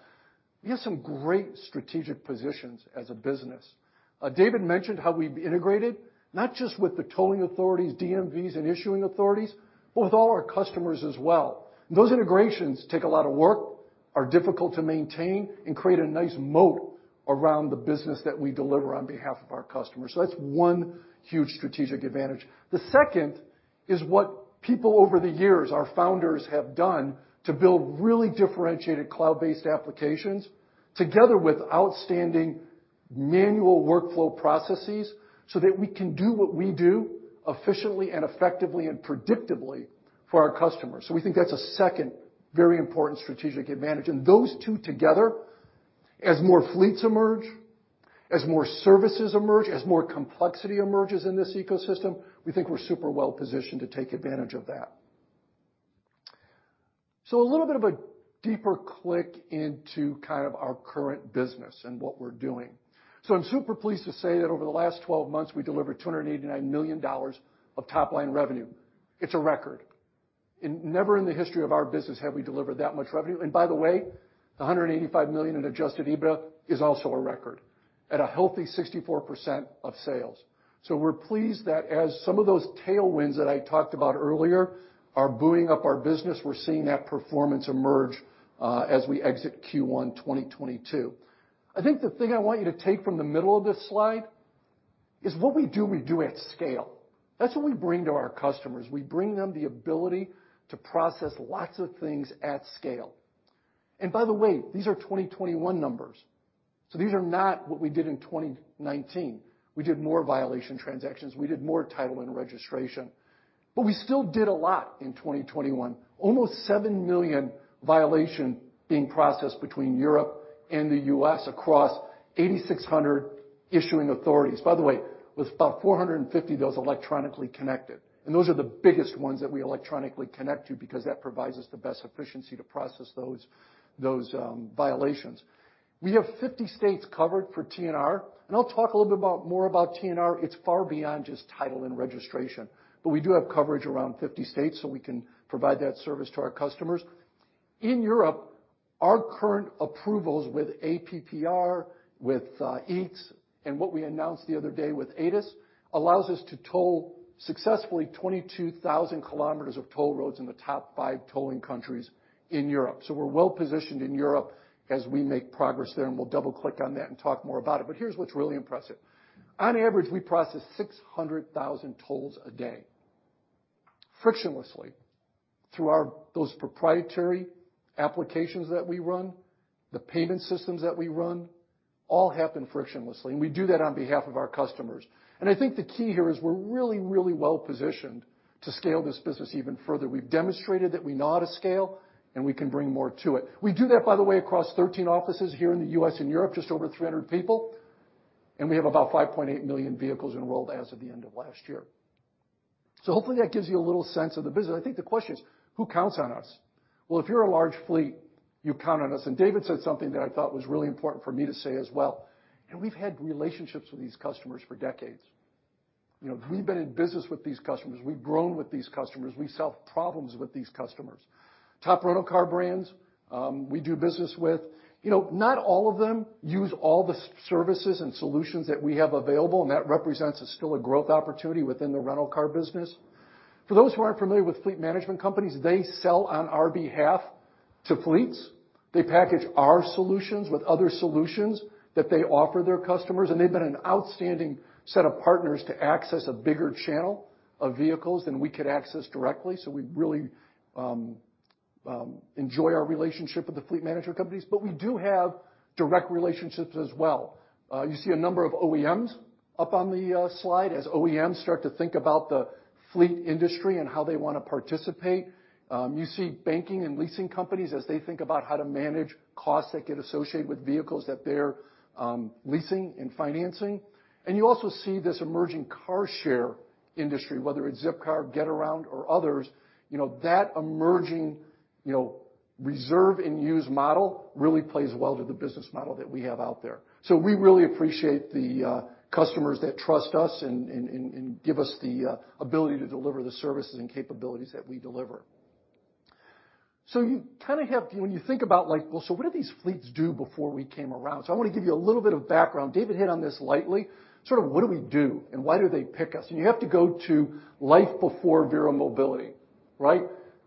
we have some great strategic positions as a business. David mentioned how we've integrated, not just with the tolling authorities, DMVs, and issuing authorities, but with all our customers as well. Those integrations take a lot of work, are difficult to maintain, and create a nice moat around the business that we deliver on behalf of our customers. That's one huge strategic advantage. The second is what people over the years, our founders, have done to build really differentiated cloud-based applications together with outstanding manual workflow processes so that we can do what we do efficiently and effectively and predictably for our customers. We think that's a second very important strategic advantage. As more fleets emerge, as more services emerge, as more complexity emerges in this ecosystem, we think we're super well-positioned to take advantage of that. A little bit of a deeper click into kind of our current business and what we're doing. I'm super pleased to say that over the last 12 months, we delivered $289 million of top-line revenue. It's a record. Never in the history of our business have we delivered that much revenue. By the way, $185 million in adjusted EBITDA is also a record at a healthy 64% of sales. We're pleased that as some of those tailwinds that I talked about earlier are buoying up our business, we're seeing that performance emerge, as we exit Q1 2022. I think the thing I want you to take from the middle of this slide is what we do, we do at scale. That's what we bring to our customers. We bring them the ability to process lots of things at scale. By the way, these are 2021 numbers. These are not what we did in 2019. We did more violation transactions. We did more title and registration. We still did a lot in 2021. Almost 7 million violations being processed between Europe and the U.S. across 8,600 issuing authorities. By the way, with about 450, those electronically connected, and those are the biggest ones that we electronically connect to because that provides us the best efficiency to process those violations. We have 50 states covered for TNR, and I'll talk a little bit more about TNR. It's far beyond just title and registration. We do have coverage around 50 states, so we can provide that service to our customers. In Europe, our current approvals with APPR, with EETS, and what we announced the other day with AETIS, allows us to toll successfully 22,000 kilometers of toll roads in the top five tolling countries in Europe. We're well-positioned in Europe as we make progress there, and we'll double-click on that and talk more about it. Here's what's really impressive. On average, we process 600,000 tolls a day frictionlessly through those proprietary applications that we run, the payment systems that we run all happen frictionlessly, and we do that on behalf of our customers. I think the key here is we're really, really well-positioned to scale this business even further. We've demonstrated that we know how to scale, and we can bring more to it. We do that, by the way, across 13 offices here in the U.S. and Europe, just over 300 people, and we have about 5.8 million vehicles enrolled as of the end of last year. Hopefully that gives you a little sense of the business. I think the question is, who counts on us? Well, if you're a large fleet, you count on us. David said something that I thought was really important for me to say as well, and we've had relationships with these customers for decades. You know, we've been in business with these customers. We've grown with these customers. We solve problems with these customers. Top rental car brands, we do business with. You know, not all of them use all the services and solutions that we have available, and that represents still a growth opportunity within the rental car business. For those who aren't familiar with fleet management companies, they sell on our behalf to fleets. They package our solutions with other solutions that they offer their customers, and they've been an outstanding set of partners to access a bigger channel of vehicles than we could access directly. We really enjoy our relationship with the fleet management companies. We do have direct relationships as well. You see a number of OEMs up on the slide. As OEMs start to think about the fleet industry and how they wanna participate, you see banking and leasing companies as they think about how to manage costs that get associated with vehicles that they're leasing and financing. You also see this emerging car share industry, whether it's Zipcar, Getaround or others, you know, that emerging, you know, reserve and use model really plays well to the business model that we have out there. We really appreciate the customers that trust us and give us the ability to deliver the services and capabilities that we deliver. You kinda have to. When you think about like, well, so what did these fleets do before we came around? I wanna give you a little bit of background. David hit on this lightly, sort of what do we do and why do they pick us? You have to go to life before Verra Mobility, right?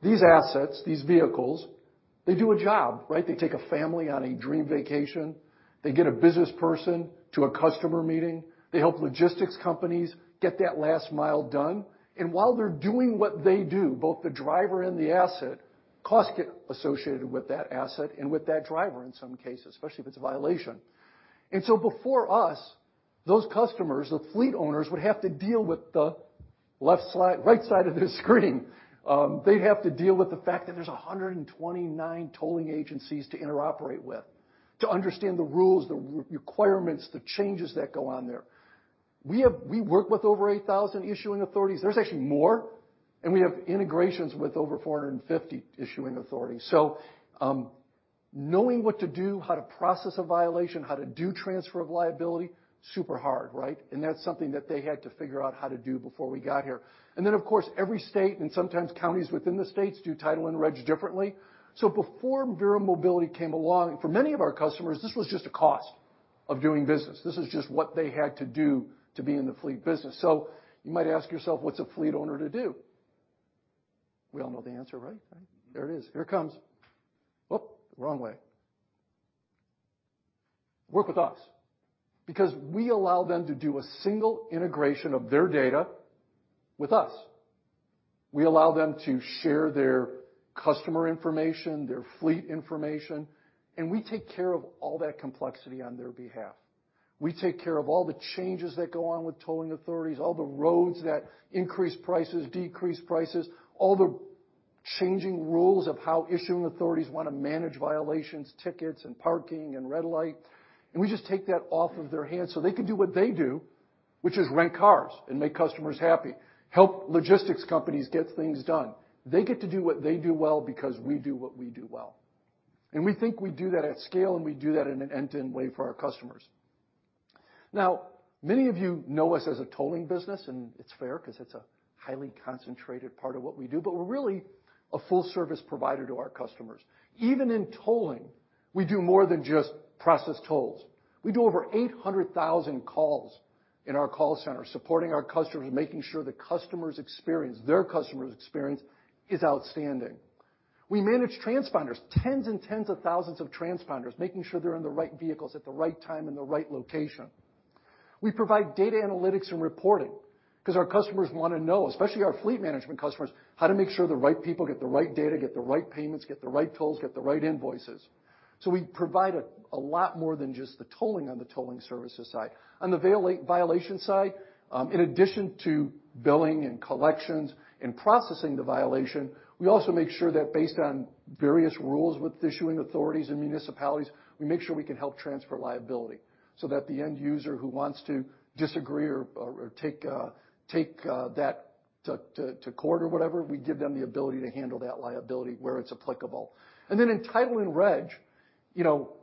These assets, these vehicles, they do a job, right? They take a family on a dream vacation. They get a business person to a customer meeting. They help logistics companies get that last mile done. While they're doing what they do, both the driver and the asset, costs get associated with that asset and with that driver in some cases, especially if it's a violation. Before us, those customers, the fleet owners, would have to deal with the left side, right side of the screen. They'd have to deal with the fact that there's 129 tolling agencies to interoperate with to understand the rules, the requirements, the changes that go on there. We work with over 8,000 issuing authorities. There's actually more, and we have integrations with over 450 issuing authorities. Knowing what to do, how to process a violation, how to do transfer of liability, super hard, right? That's something that they had to figure out how to do before we got here. Then, of course, every state and sometimes counties within the states do title and reg differently. Before Verra Mobility came along, for many of our customers, this was just a cost of doing business. This is just what they had to do to be in the fleet business. You might ask yourself, what's a fleet owner to do? We all know the answer, right? Right? There it is. Here it comes. Wrong way. Work with us because we allow them to do a single integration of their data with us. We allow them to share their customer information, their fleet information, and we take care of all that complexity on their behalf. We take care of all the changes that go on with tolling authorities, all the roads that increase prices, decrease prices, all the changing rules of how issuing authorities wanna manage violations, tickets, and parking and red light, and we just take that off of their hands so they can do what they do, which is rent cars and make customers happy. Help logistics companies get things done. They get to do what they do well because we do what we do well. We think we do that at scale, and we do that in an end-to-end way for our customers. Now, many of you know us as a tolling business, and it's fair 'cause it's a highly concentrated part of what we do, but we're really a full service provider to our customers. Even in tolling, we do more than just process tolls. We do over 800,000 calls in our call center supporting our customers, making sure the customers' experience, their customers' experience is outstanding. We manage transponders, tens and tens of thousands of transponders, making sure they're in the right vehicles at the right time, in the right location. We provide data analytics and reporting 'cause our customers wanna know, especially our fleet management customers, how to make sure the right people get the right data, get the right payments, get the right tolls, get the right invoices. We provide a lot more than just the tolling on the tolling services side. On the violation side, in addition to billing and collections and processing the violation, we also make sure that based on various rules with the issuing authorities and municipalities, we make sure we can help transfer liability so that the end user who wants to disagree or take that to court or whatever, we give them the ability to handle that liability where it's applicable. Then in title and reg, you know,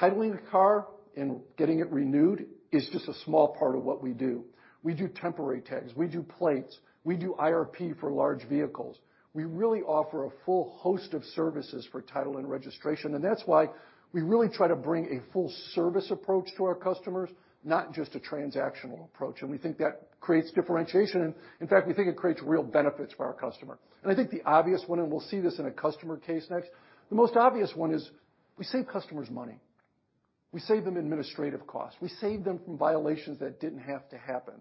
titling a car and getting it renewed is just a small part of what we do. We do temporary tags. We do plates. We do IRP for large vehicles. We really offer a full host of services for title and registration, and that's why we really try to bring a full service approach to our customers, not just a transactional approach, and we think that creates differentiation, and in fact, we think it creates real benefits for our customer. I think the obvious one, and we'll see this in a customer case next, the most obvious one is we save customers money. We save them administrative costs. We save them from violations that didn't have to happen.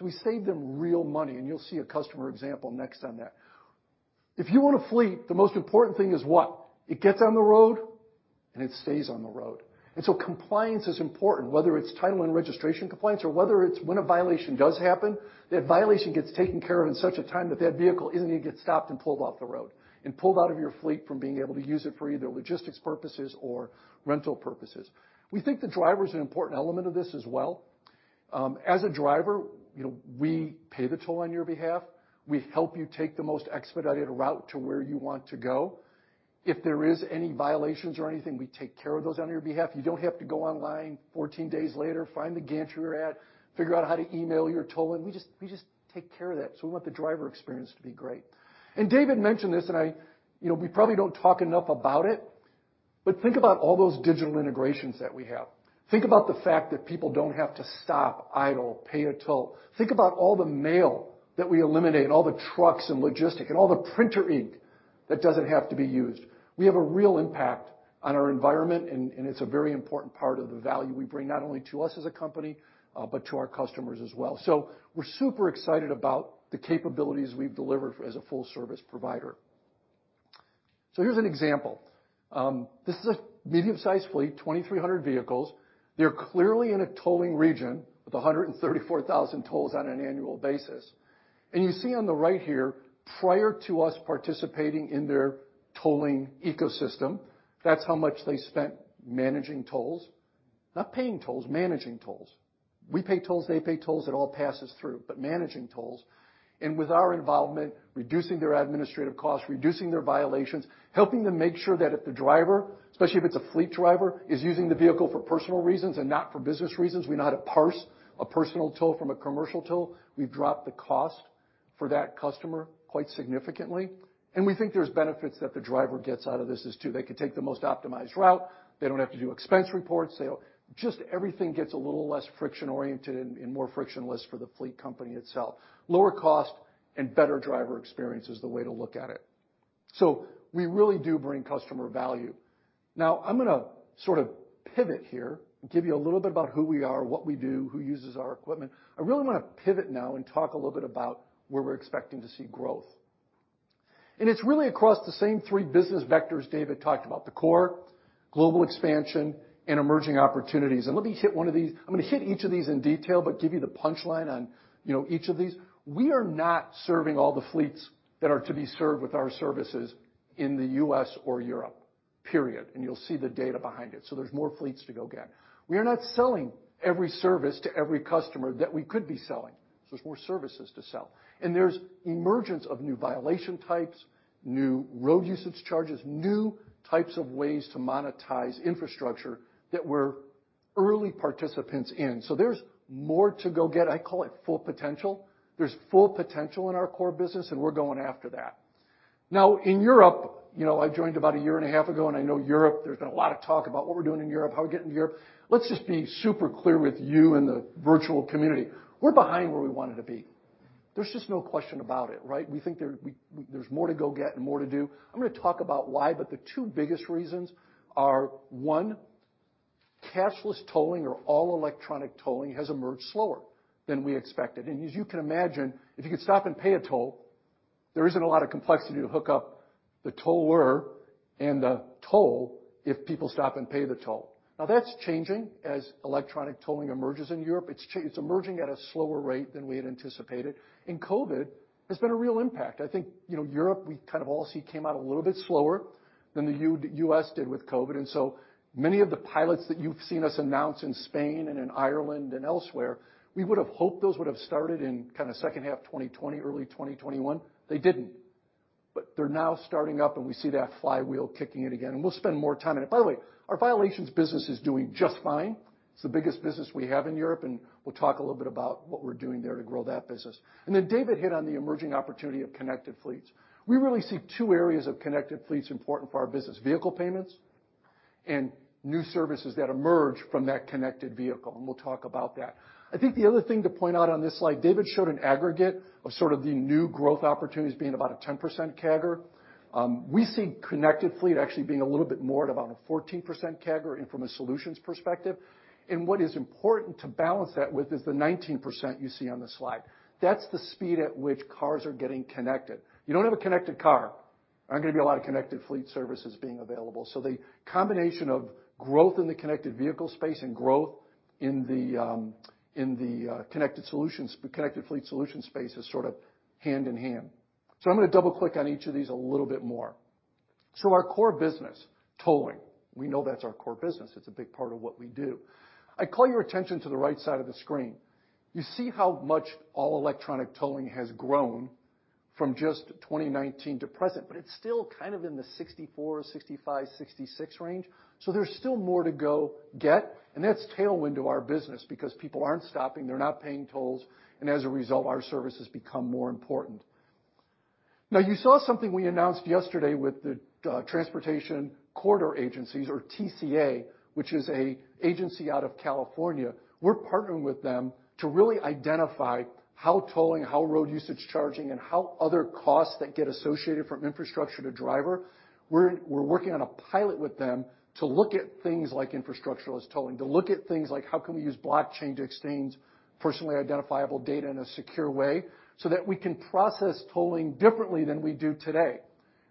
We save them real money, and you'll see a customer example next on that. If you own a fleet, the most important thing is what? It gets on the road, and it stays on the road. Compliance is important, whether it's title and registration compliance or whether it's when a violation does happen, that violation gets taken care of in such a time that that vehicle isn't gonna get stopped and pulled off the road and pulled out of your fleet from being able to use it for either logistics purposes or rental purposes. We think the driver's an important element of this as well. As a driver, you know, we pay the toll on your behalf. We help you take the most expedited route to where you want to go. If there is any violations or anything, we take care of those on your behalf. You don't have to go online 14 days later, find the gantry you were at, figure out how to email your tolling. We just take care of that, so we want the driver experience to be great. David mentioned this, and I. You know, we probably don't talk enough about it, but think about all those digital integrations that we have. Think about the fact that people don't have to stop, idle, pay a toll. Think about all the mail that we eliminate, all the trucks and logistics and all the printer ink that doesn't have to be used. We have a real impact on our environment, and it's a very important part of the value we bring not only to us as a company, but to our customers as well. We're super excited about the capabilities we've delivered as a full service provider. Here's an example. This is a medium-sized fleet, 2,300 vehicles. They're clearly in a tolling region with 134,000 tolls on an annual basis. You see on the right here, prior to us participating in their tolling ecosystem, that's how much they spent managing tolls. Not paying tolls, managing tolls. We pay tolls, they pay tolls, it all passes through, but managing tolls. With our involvement, reducing their administrative costs, reducing their violations, helping them make sure that if the driver, especially if it's a fleet driver, is using the vehicle for personal reasons and not for business reasons, we know how to parse a personal toll from a commercial toll. We've dropped the cost for that customer quite significantly. We think there's benefits that the driver gets out of this as well. They can take the most optimized route. They don't have to do expense reports. Just everything gets a little less friction oriented and more frictionless for the fleet company itself. Lower cost and better driver experience is the way to look at it. We really do bring customer value. Now I'm gonna sort of pivot here and give you a little bit about who we are, what we do, who uses our equipment. I really wanna pivot now and talk a little bit about where we're expecting to see growth. It's really across the same three business vectors David talked about, the core, global expansion, and emerging opportunities. Let me hit one of these. I'm gonna hit each of these in detail, but give you the punch line on, you know, each of these. We are not serving all the fleets that are to be served with our services in the U.S. or Europe, period. You'll see the data behind it. There's more fleets to go get. We are not selling every service to every customer that we could be selling, so there's more services to sell. There's emergence of new violation types, new road usage charges, new types of ways to monetize infrastructure that we're early participants in. There's more to go get. I call it full potential. There's full potential in our core business, and we're going after that. Now in Europe, you know, I joined about a year and a half ago, and I know Europe. There's been a lot of talk about what we're doing in Europe, how we're getting to Europe. Let's just be super clear with you and the virtual community. We're behind where we wanted to be. There's just no question about it, right? We think there. There's more to go get and more to do. I'm gonna talk about why, but the two biggest reasons are, one, cashless tolling or all electronic tolling has emerged slower than we expected. As you can imagine, if you could stop and pay a toll, there isn't a lot of complexity to hook up the toll if people stop and pay the toll. Now that's changing as electronic tolling emerges in Europe. It's emerging at a slower rate than we had anticipated. COVID has been a real impact. I think, you know, Europe, we kind of all see, came out a little bit slower than the U.S. did with COVID. Many of the pilots that you've seen us announce in Spain and in Ireland and elsewhere, we would have hoped those would have started in kind of second half 2020, early 2021. They didn't. They're now starting up, and we see that flywheel kicking it again, and we'll spend more time on it. By the way, our violations business is doing just fine. It's the biggest business we have in Europe, and we'll talk a little bit about what we're doing there to grow that business. Then David hit on the emerging opportunity of connected fleets. We really see two areas of connected fleets important for our business, vehicle payments and new services that emerge from that connected vehicle. We'll talk about that. I think the other thing to point out on this slide, David showed an aggregate of sort of the new growth opportunities being about a 10% CAGR. We see connected fleet actually being a little bit more at about a 14% CAGR and from a solutions perspective. What is important to balance that with is the 19% you see on the slide. That's the speed at which cars are getting connected. You don't have a connected car, aren't gonna be a lot of connected fleet services being available. The combination of growth in the connected vehicle space and growth in the connected fleet solution space is sort of hand in hand. I'm gonna double-click on each of these a little bit more. Our core business, tolling. We know that's our core business. It's a big part of what we do. I call your attention to the right side of the screen. You see how much all electronic tolling has grown from just 2019 to present, but it's still kind of in the 64, 65, 66 range. There's still more to go get, and that's tailwind to our business because people aren't stopping, they're not paying tolls, and as a result, our services become more important. Now you saw something we announced yesterday with the Transportation Corridor Agencies, or TCA, which is an agency out of California. We're partnering with them to really identify how tolling, how road usage charging, and how other costs that get associated from infrastructure to driver. We're working on a pilot with them to look at things like infrastructure as tolling, to look at things like how can we use blockchain to exchange personally identifiable data in a secure way so that we can process tolling differently than we do today.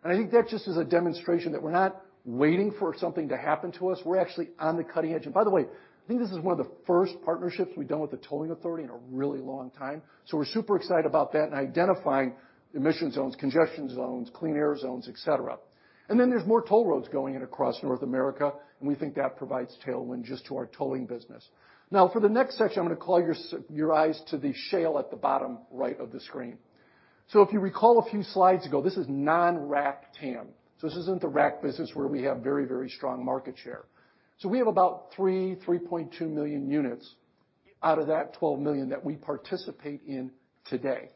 I think that just is a demonstration that we're not waiting for something to happen to us. We're actually on the cutting edge. By the way, I think this is one of the first partnerships we've done with the tolling authority in a really long time. We're super excited about that and identifying emission zones, congestion zones, clean air zones, etc. There's more toll roads going in across North America, and we think that provides tailwind just to our tolling business. Now for the next section, I'm gonna call your eyes to the slide at the bottom right of the screen. If you recall a few slides ago, this is non-RAC TAM. This isn't the RAC business where we have very, very strong market share. We have about 3.2 million units out of that 12 million that we participate in today.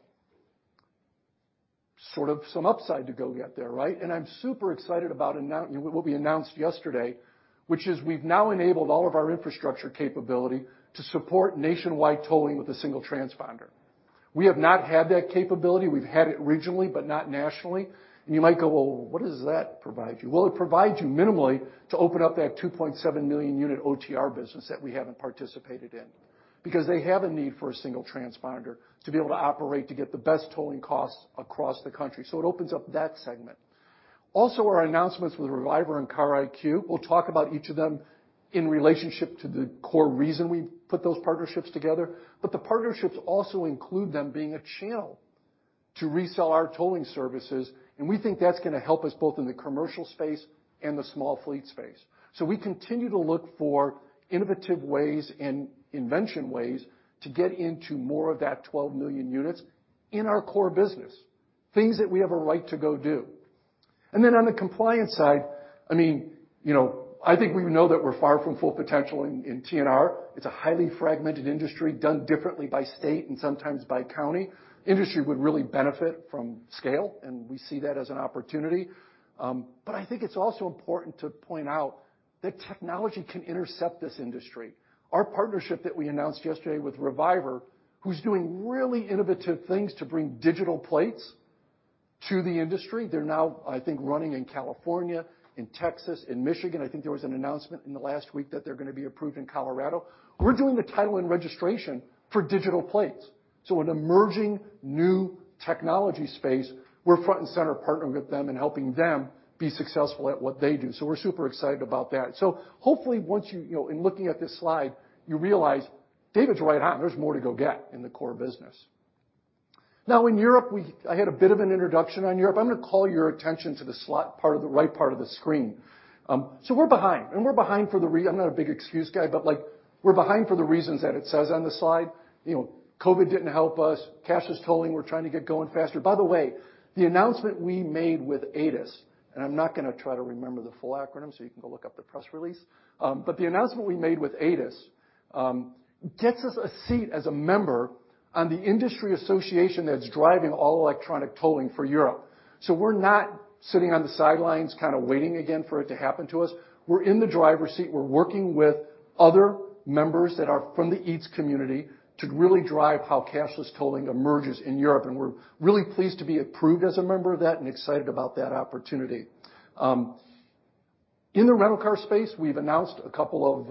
Sort of some upside to go get there, right? I'm super excited about what we announced yesterday, which is we've now enabled all of our infrastructure capability to support nationwide tolling with a single transponder. We have not had that capability. We've had it regionally, but not nationally. You might go, "Well, what does that provide you?" Well, it provides you minimally to open up that 2.7 million unit OTR business that we haven't participated in. Because they have a need for a single transponder to be able to operate to get the best tolling costs across the country. It opens up that segment. Also, our announcements with Reviver and Car IQ, we'll talk about each of them in relationship to the core reason we put those partnerships together. The partnerships also include them being a channel to resell our tolling services, and we think that's gonna help us both in the commercial space and the small fleet space. We continue to look for innovative ways and invention ways to get into more of that 12 million units in our core business, things that we have a right to go do. On the compliance side, I mean, you know, I think we know that we're far from full potential in TNR. It's a highly fragmented industry done differently by state and sometimes by county. Industry would really benefit from scale, and we see that as an opportunity. I think it's also important to point out that technology can intercept this industry. Our partnership that we announced yesterday with Reviver, who's doing really innovative things to bring digital plates to the industry. They're now, I think, running in California, in Texas, in Michigan. I think there was an announcement in the last week that they're gonna be approved in Colorado. We're doing the title and registration for digital plates. An emerging new technology space, we're front and center partnering with them and helping them be successful at what they do. We're super excited about that. Hopefully once you you know, in looking at this slide, you realize David's right on, there's more to go get in the core business. Now in Europe, I had a bit of an introduction on Europe. I'm gonna call your attention to the right part of the screen. We're behind. I'm not a big excuse guy, but, like, we're behind for the reasons that it says on the slide. You know, COVID didn't help us. Cashless tolling, we're trying to get going faster. By the way, the announcement we made with AETIS, and I'm not gonna try to remember the full acronym, so you can go look up the press release. But the announcement we made with AETIS gets us a seat as a member on the industry association that's driving all electronic tolling for Europe. So we're not sitting on the sidelines kind of waiting again for it to happen to us. We're in the driver's seat. We're working with other members that are from the EETS community to really drive how cashless tolling emerges in Europe. We're really pleased to be approved as a member of that and excited about that opportunity. In the rental car space, we've announced a couple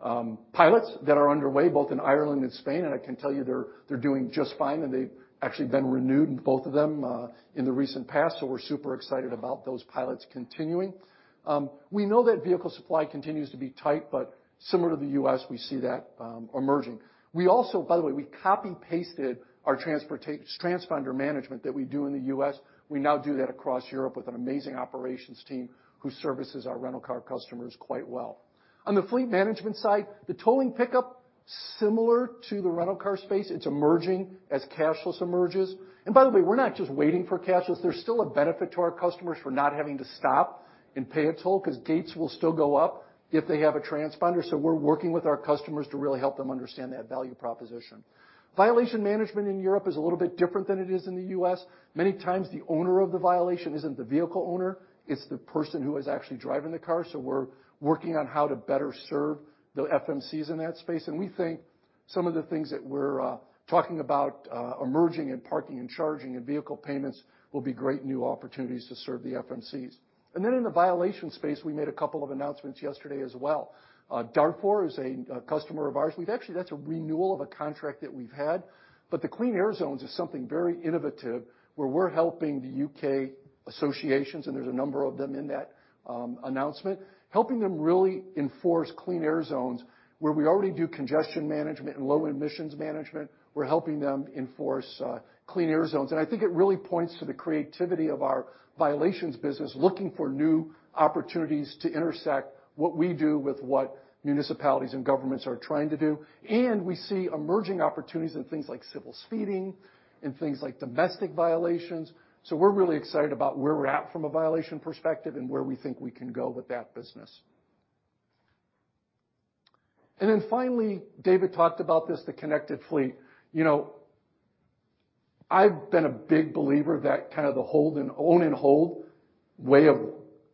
of pilots that are underway both in Ireland and Spain, and I can tell you they're doing just fine, and they've actually been renewed, both of them, in the recent past. We're super excited about those pilots continuing. We know that vehicle supply continues to be tight, but similar to the U.S., we see that emerging. We also. By the way, we copy-pasted our transponder management that we do in the U.S. We now do that across Europe with an amazing operations team who services our rental car customers quite well. On the fleet management side, the tolling pickup, similar to the rental car space, it's emerging as cashless emerges. By the way, we're not just waiting for cashless. There's still a benefit to our customers for not having to stop and pay a toll 'cause gates will still go up if they have a transponder. We're working with our customers to really help them understand that value proposition. Violation management in Europe is a little bit different than it is in the U.S. Many times, the owner of the violation isn't the vehicle owner, it's the person who is actually driving the car. We're working on how to better serve the FMCs in that space. We think some of the things that we're talking about emerging in parking and charging and vehicle payments will be great new opportunities to serve the FMCs. Then in the violation space, we made a couple of announcements yesterday as well. Dartford is a customer of ours. That's a renewal of a contract that we've had. The clean air zones is something very innovative, where we're helping the U.K. associations, and there's a number of them in that announcement, helping them really enforce clean air zones. Where we already do congestion management and low emissions management, we're helping them enforce clean air zones. I think it really points to the creativity of our violations business looking for new opportunities to intersect what we do with what municipalities and governments are trying to do. We see emerging opportunities in things like civil speeding and things like domestic violations. We're really excited about where we're at from a violation perspective and where we think we can go with that business. Finally, David talked about this, the connected fleet. You know, I've been a big believer that kind of the own and hold way of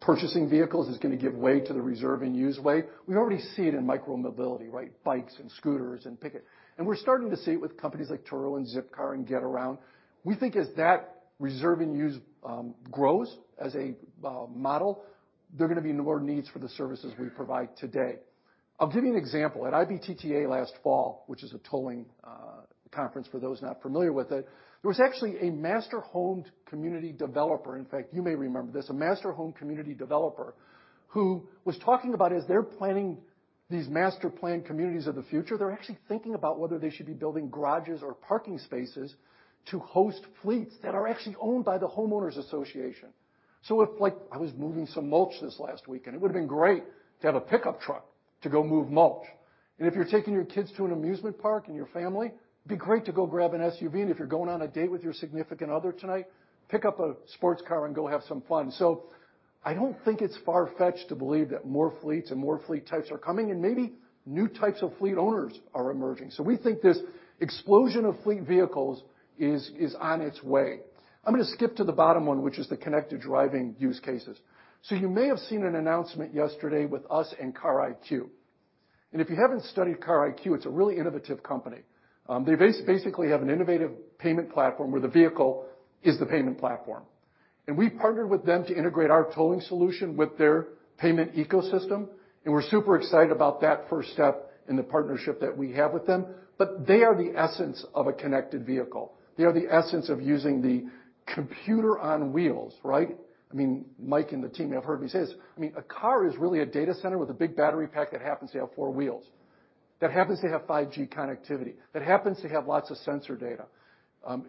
purchasing vehicles is gonna give way to the reserve and use way. We already see it in micro-mobility, right? Bikes and scooters and pick it. We're starting to see it with companies like Turo and Zipcar and Getaround. We think as that reserve and use grows as a model, there are gonna be more needs for the services we provide today. I'll give you an example. At IBTTA last fall, which is a tolling conference for those not familiar with it, there was actually a master-planned community developer. In fact, you may remember this. A master home community developer who was talking about as they're planning these master planned communities of the future, they're actually thinking about whether they should be building garages or parking spaces to host fleets that are actually owned by the homeowners association. If, like, I was moving some mulch this last week, and it would've been great to have a pickup truck to go move mulch. If you're taking your kids to an amusement park and your family, it'd be great to go grab an SUV. If you're going on a date with your significant other tonight, pick up a sports car and go have some fun. I don't think it's far-fetched to believe that more fleets and more fleet types are coming, and maybe new types of fleet owners are emerging. We think this explosion of fleet vehicles is on its way. I'm gonna skip to the bottom one, which is the connected driving use cases. You may have seen an announcement yesterday with us and Car IQ. If you haven't studied Car IQ, it's a really innovative company. They basically have an innovative payment platform where the vehicle is the payment platform. We partnered with them to integrate our tolling solution with their payment ecosystem, and we're super excited about that first step in the partnership that we have with them. They are the essence of a connected vehicle. They are the essence of using the computer on wheels, right? I mean, Mike and the team have heard me say this. I mean, a car is really a data center with a big battery pack that happens to have four wheels, that happens to have 5G connectivity, that happens to have lots of sensor data.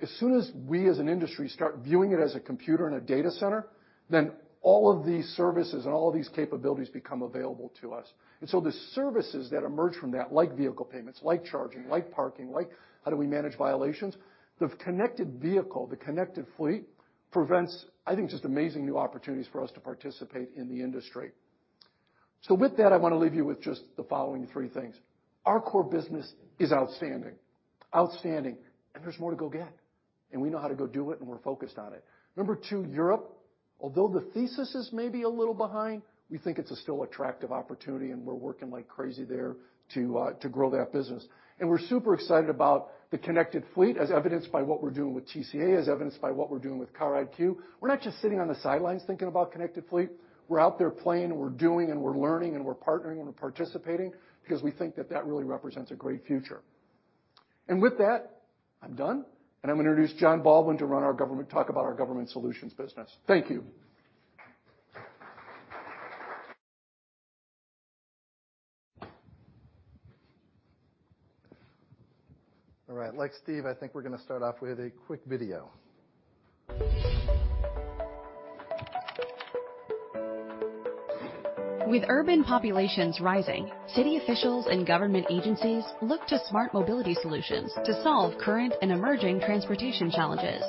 As soon as we as an industry start viewing it as a computer and a data center, then all of these services and all of these capabilities become available to us. The services that emerge from that, like vehicle payments, like charging, like parking, like how do we manage violations, the connected vehicle, the connected fleet presents, I think, just amazing new opportunities for us to participate in the industry. With that, I wanna leave you with just the following three things. Our core business is outstanding. Outstanding, and there's more to go get, and we know how to go do it, and we're focused on it. Number two, Europe. Although the thesis is maybe a little behind, we think it's a still attractive opportunity, and we're working like crazy there to grow that business. We're super excited about the connected fleet, as evidenced by what we're doing with TCA, as evidenced by what we're doing with Car IQ. We're not just sitting on the sidelines thinking about connected fleet. We're out there playing, and we're doing, and we're learning, and we're partnering, and we're participating because we think that that really represents a great future. With that, I'm done, and I'm gonna introduce Jon Baldwin to talk about our government solutions business. Thank you. All right. Like Steve, I think we're gonna start off with a quick video. With urban populations rising, city officials and government agencies look to smart mobility solutions to solve current and emerging transportation challenges.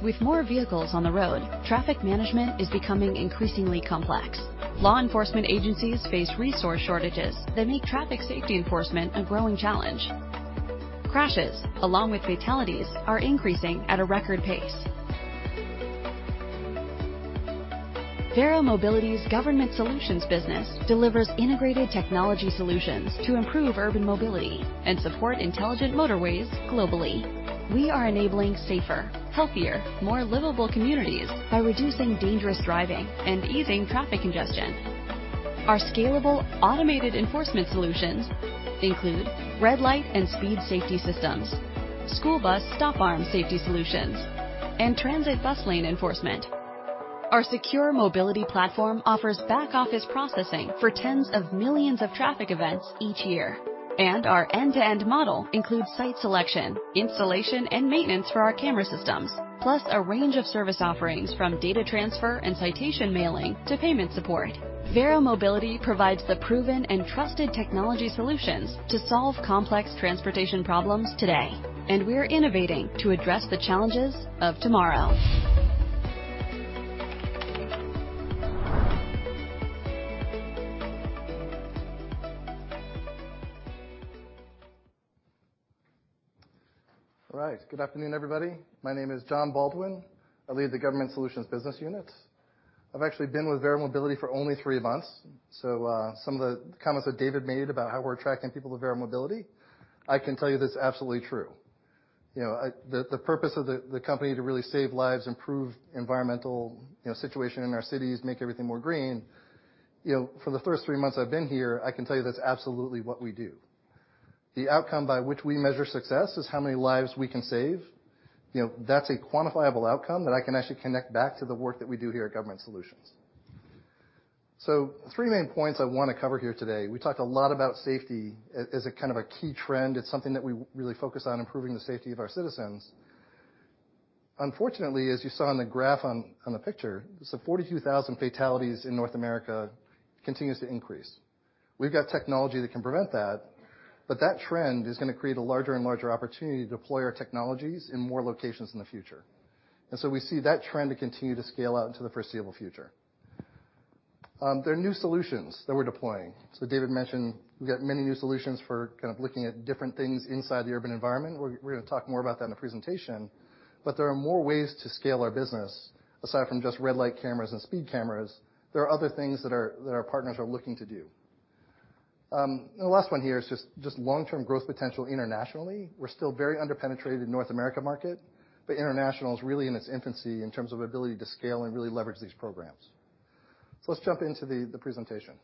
With more vehicles on the road, traffic management is becoming increasingly complex. Law enforcement agencies face resource shortages that make traffic safety enforcement a growing challenge. Crashes, along with fatalities, are increasing at a record pace. Verra Mobility's government solutions business delivers integrated technology solutions to improve urban mobility and support intelligent motorways globally. We are enabling safer, healthier, more livable communities by reducing dangerous driving and easing traffic congestion. Our scalable automated enforcement solutions include red light and speed safety systems, school bus stop arm safety solutions, and transit bus lane enforcement. Our secure mobility platform offers back-office processing for tens of millions of traffic events each year. Our end-to-end model includes site selection, installation, and maintenance for our camera systems, plus a range of service offerings from data transfer and citation mailing to payment support. Verra Mobility provides the proven and trusted technology solutions to solve complex transportation problems today, and we're innovating to address the challenges of tomorrow. All right. Good afternoon, everybody. My name is Jon Baldwin. I lead the Government Solutions business unit. I've actually been with Verra Mobility for only three months, so some of the comments that David made about how we're attracting people to Verra Mobility, I can tell you that's absolutely true. You know, the purpose of the company to really save lives, improve environmental situation in our cities, make everything more green, you know, for the first three months I've been here, I can tell you that's absolutely what we do. The outcome by which we measure success is how many lives we can save. You know, that's a quantifiable outcome that I can actually connect back to the work that we do here at Government Solutions. Three main points I wanna cover here today. We talked a lot about safety as a kind of a key trend. It's something that we really focus on, improving the safety of our citizens. Unfortunately, as you saw on the graph on the picture, 42,000 fatalities in North America continues to increase. We've got technology that can prevent that, but that trend is gonna create a larger and larger opportunity to deploy our technologies in more locations in the future. We see that trend to continue to scale out into the foreseeable future. There are new solutions that we're deploying. David mentioned we've got many new solutions for kind of looking at different things inside the urban environment. We're gonna talk more about that in the presentation, but there are more ways to scale our business aside from just red light cameras and speed cameras. There are other things that our partners are looking to do. The last one here is just long-term growth potential internationally. We're still very under-penetrated in North America market, but international is really in its infancy in terms of ability to scale and really leverage these programs. Let's jump into the presentation.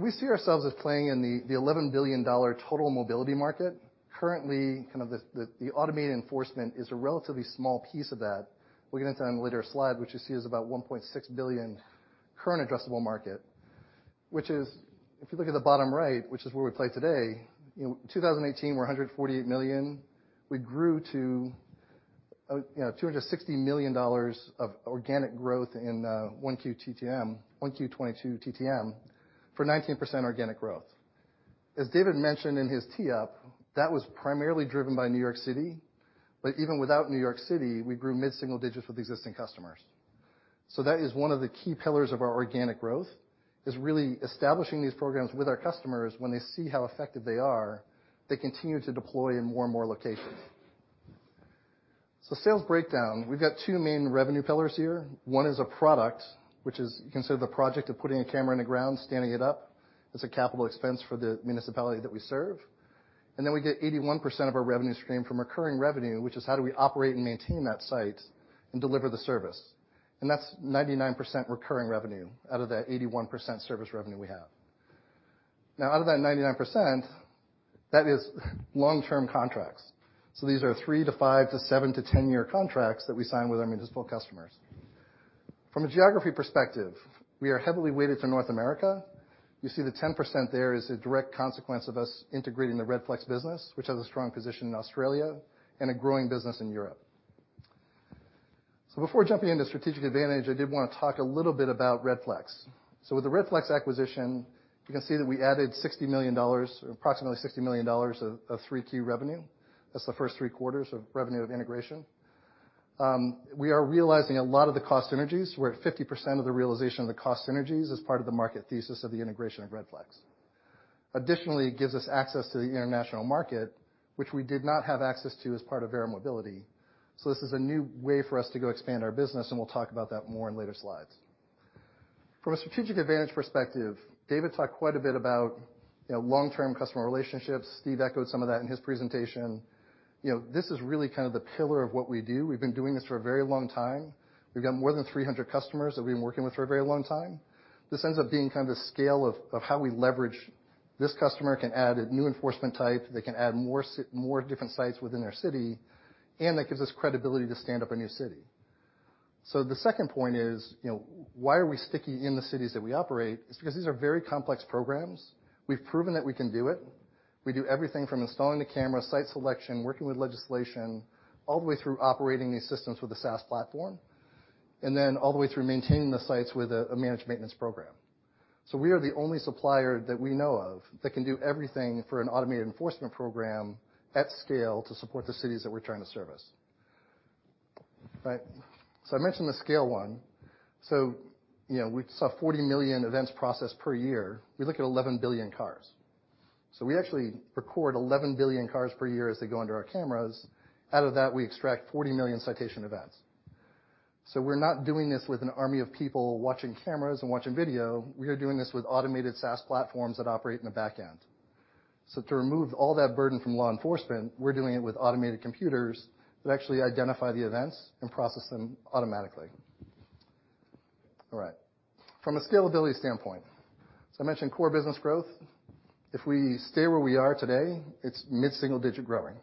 We see ourselves as playing in the $11 billion total mobility market. Currently, kind of the automated enforcement is a relatively small piece of that. We'll get into that in a later slide, which you see is about $1.6 billion current addressable market. If you look at the bottom right, which is where we play today, you know, 2018, we're $148 million. We grew to $260 million of organic growth in 1Q TTM, 1Q 2022 TTM for 19% organic growth. As David mentioned in his tee up, that was primarily driven by New York City. Even without New York City, we grew mid-single digits with existing customers. That is one of the key pillars of our organic growth, is really establishing these programs with our customers. When they see how effective they are, they continue to deploy in more and more locations. Sales breakdown. We've got two main revenue pillars here. One is a product which is, you can consider the project of putting a camera in the ground, standing it up. It's a capital expense for the municipality that we serve. Then we get 81% of our revenue stream from recurring revenue, which is how do we operate and maintain that site and deliver the service. That's 99% recurring revenue out of that 81% service revenue we have. Now, out of that 99%, that is long-term contracts. These are 3 to 5 to 7 to 10-year contracts that we sign with our municipal customers. From a geography perspective, we are heavily weighted to North America. You see the 10% there is a direct consequence of us integrating the Redflex business, which has a strong position in Australia and a growing business in Europe. Before jumping into strategic advantage, I did wanna talk a little bit about Redflex. With the Redflex acquisition, you can see that we added $60 million, approximately $60 million of three key revenue. That's the first three quarters of revenue of integration. We are realizing a lot of the cost synergies. We're at 50% of the realization of the cost synergies as part of the market thesis of the integration of Redflex. Additionally, it gives us access to the international market, which we did not have access to as part of Verra Mobility. This is a new way for us to go expand our business, and we'll talk about that more in later slides. From a strategic advantage perspective, David talked quite a bit about, you know, long-term customer relationships. Steve echoed some of that in his presentation. You know, this is really kind of the pillar of what we do. We've been doing this for a very long time. We've got more than 300 customers that we've been working with for a very long time. This ends up being kind of the scale of how we leverage. This customer can add a new enforcement type, they can add more different sites within their city, and that gives us credibility to stand up a new city. The second point is, you know, why are we sticky in the cities that we operate? It's because these are very complex programs. We've proven that we can do it. We do everything from installing the camera, site selection, working with legislation, all the way through operating these systems with a SaaS platform. Then all the way through maintaining the sites with a managed maintenance program. We are the only supplier that we know of that can do everything for an automated enforcement program at scale to support the cities that we're trying to service. All right. I mentioned the scale one. You know, we saw 40 million events processed per year. We look at 11 billion cars. We actually record 11 billion cars per year as they go under our cameras. Out of that, we extract 40 million citation events. We're not doing this with an army of people watching cameras and watching video. We are doing this with automated SaaS platforms that operate in the back end. To remove all that burden from law enforcement, we're doing it with automated computers that actually identify the events and process them automatically. All right. From a scalability standpoint, I mentioned core business growth. If we stay where we are today, it's mid-single digit growing,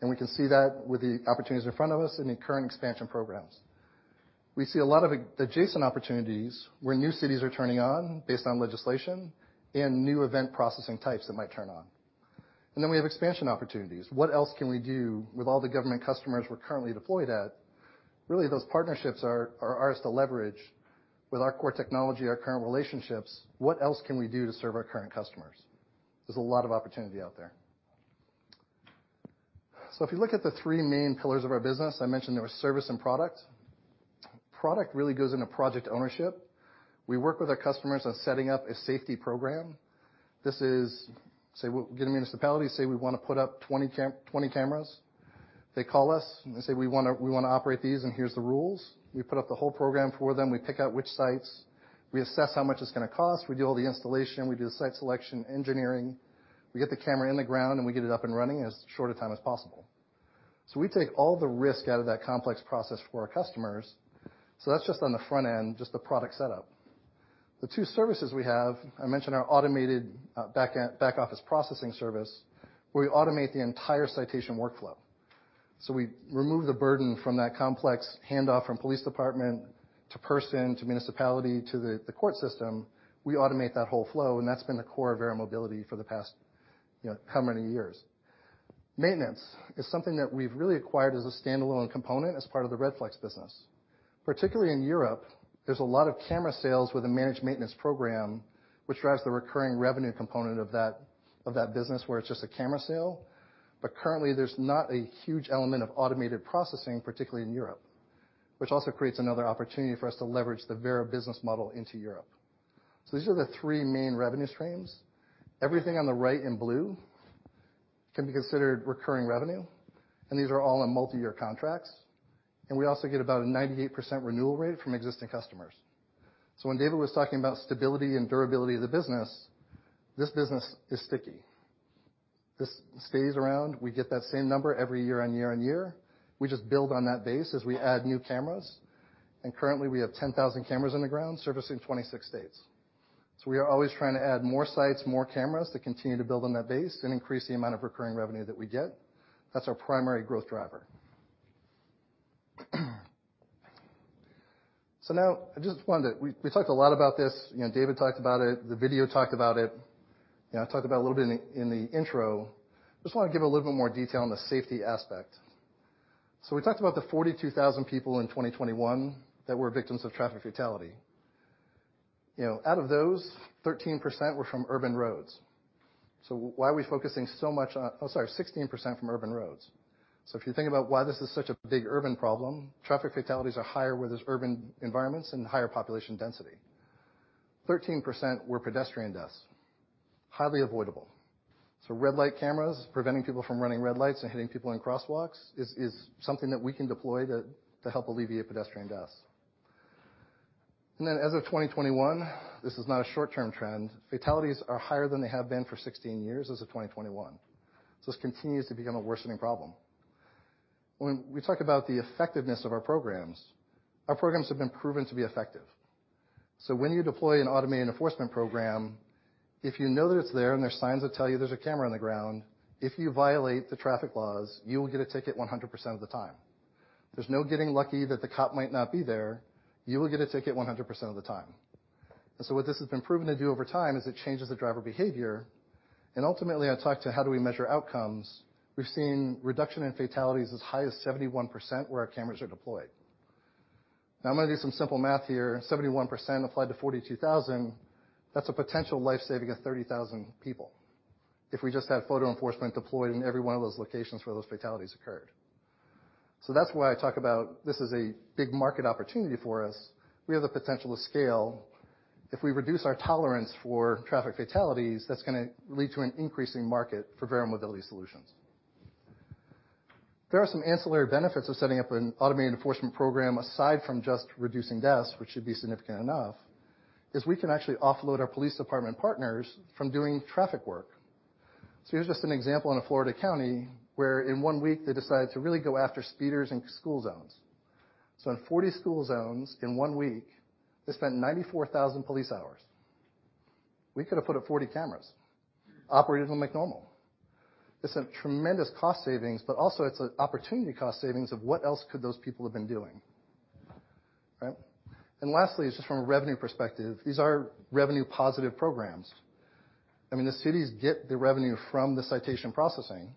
and we can see that with the opportunities in front of us in the current expansion programs. We see a lot of adjacent opportunities where new cities are turning on based on legislation and new event processing types that might turn on. Then we have expansion opportunities. What else can we do with all the government customers we're currently deployed at? Really, those partnerships are ours to leverage with our core technology, our current relationships. What else can we do to serve our current customers? There's a lot of opportunity out there. If you look at the three main pillars of our business, I mentioned there was service and product. Product really goes into project ownership. We work with our customers on setting up a safety program. This is, say we're getting a municipality, say we wanna put up 20 cameras. They call us and they say, "We wanna operate these, and here's the rules." We put up the whole program for them. We pick out which sites. We assess how much it's gonna cost. We do all the installation. We do the site selection, engineering. We get the camera in the ground, and we get it up and running in as short a time as possible. We take all the risk out of that complex process for our customers. That's just on the front end, just the product setup. The two services we have, I mentioned our automated, back office processing service, where we automate the entire citation workflow. We remove the burden from that complex handoff from police department to person to municipality to the court system. We automate that whole flow, and that's been the core of Verra Mobility for the past, you know, how many years. Maintenance is something that we've really acquired as a standalone component as part of the Redflex business. Particularly in Europe, there's a lot of camera sales with a managed maintenance program which drives the recurring revenue component of that, of that business where it's just a camera sale. Currently, there's not a huge element of automated processing, particularly in Europe, which also creates another opportunity for us to leverage the Verra business model into Europe. These are the three main revenue streams. Everything on the right in blue can be considered recurring revenue, and these are all on multi-year contracts. We also get about a 98% renewal rate from existing customers. When David was talking about stability and durability of the business, this business is sticky. This stays around. We get that same number every year after year after year. We just build on that base as we add new cameras. Currently, we have 10,000 cameras on the ground servicing 26 states. We are always trying to add more sites, more cameras to continue to build on that base and increase the amount of recurring revenue that we get. That's our primary growth driver. We talked a lot about this. You know, David talked about it, the video talked about it. You know, I talked about a little bit in the intro. Just wanna give a little bit more detail on the safety aspect. We talked about the 42,000 people in 2021 that were victims of traffic fatality. You know, out of those, 13% were from urban roads. Oh, sorry, 16% from urban roads. If you think about why this is such a big urban problem, traffic fatalities are higher where there's urban environments and higher population density. 13% were pedestrian deaths, highly avoidable. Red light cameras, preventing people from running red lights and hitting people in crosswalks is something that we can deploy to help alleviate pedestrian deaths. As of 2021, this is not a short-term trend, fatalities are higher than they have been for 16 years as of 2021. This continues to become a worsening problem. When we talk about the effectiveness of our programs, our programs have been proven to be effective. When you deploy an automated enforcement program, if you know that it's there, and there's signs that tell you there's a camera on the ground, if you violate the traffic laws, you will get a ticket 100% of the time. There's no getting lucky that the cop might not be there. You will get a ticket 100% of the time. What this has been proven to do over time is it changes the driver behavior. Ultimately, I talked about how we measure outcomes. We've seen reduction in fatalities as high as 71% where our cameras are deployed. Now, I'm gonna do some simple math here. 71% applied to 42,000, that's a potential life saving of 30,000 people if we just had photo enforcement deployed in every one of those locations where those fatalities occurred. That's why I talk about this is a big market opportunity for us. We have the potential to scale. If we reduce our tolerance for traffic fatalities, that's gonna lead to an increasing market for Verra Mobility solutions. There are some ancillary benefits of setting up an automated enforcement program aside from just reducing deaths, which should be significant enough, is we can actually offload our police department partners from doing traffic work. Here's just an example in a Florida county where in one week they decided to really go after speeders in school zones. In 40 school zones in one week, they spent 94,000 police hours. We could have put up 40 cameras, operated them like normal. It's a tremendous cost savings, but also it's an opportunity cost savings of what else could those people have been doing, right? Lastly is just from a revenue perspective. These are revenue positive programs. I mean, the cities get the revenue from the citation processing.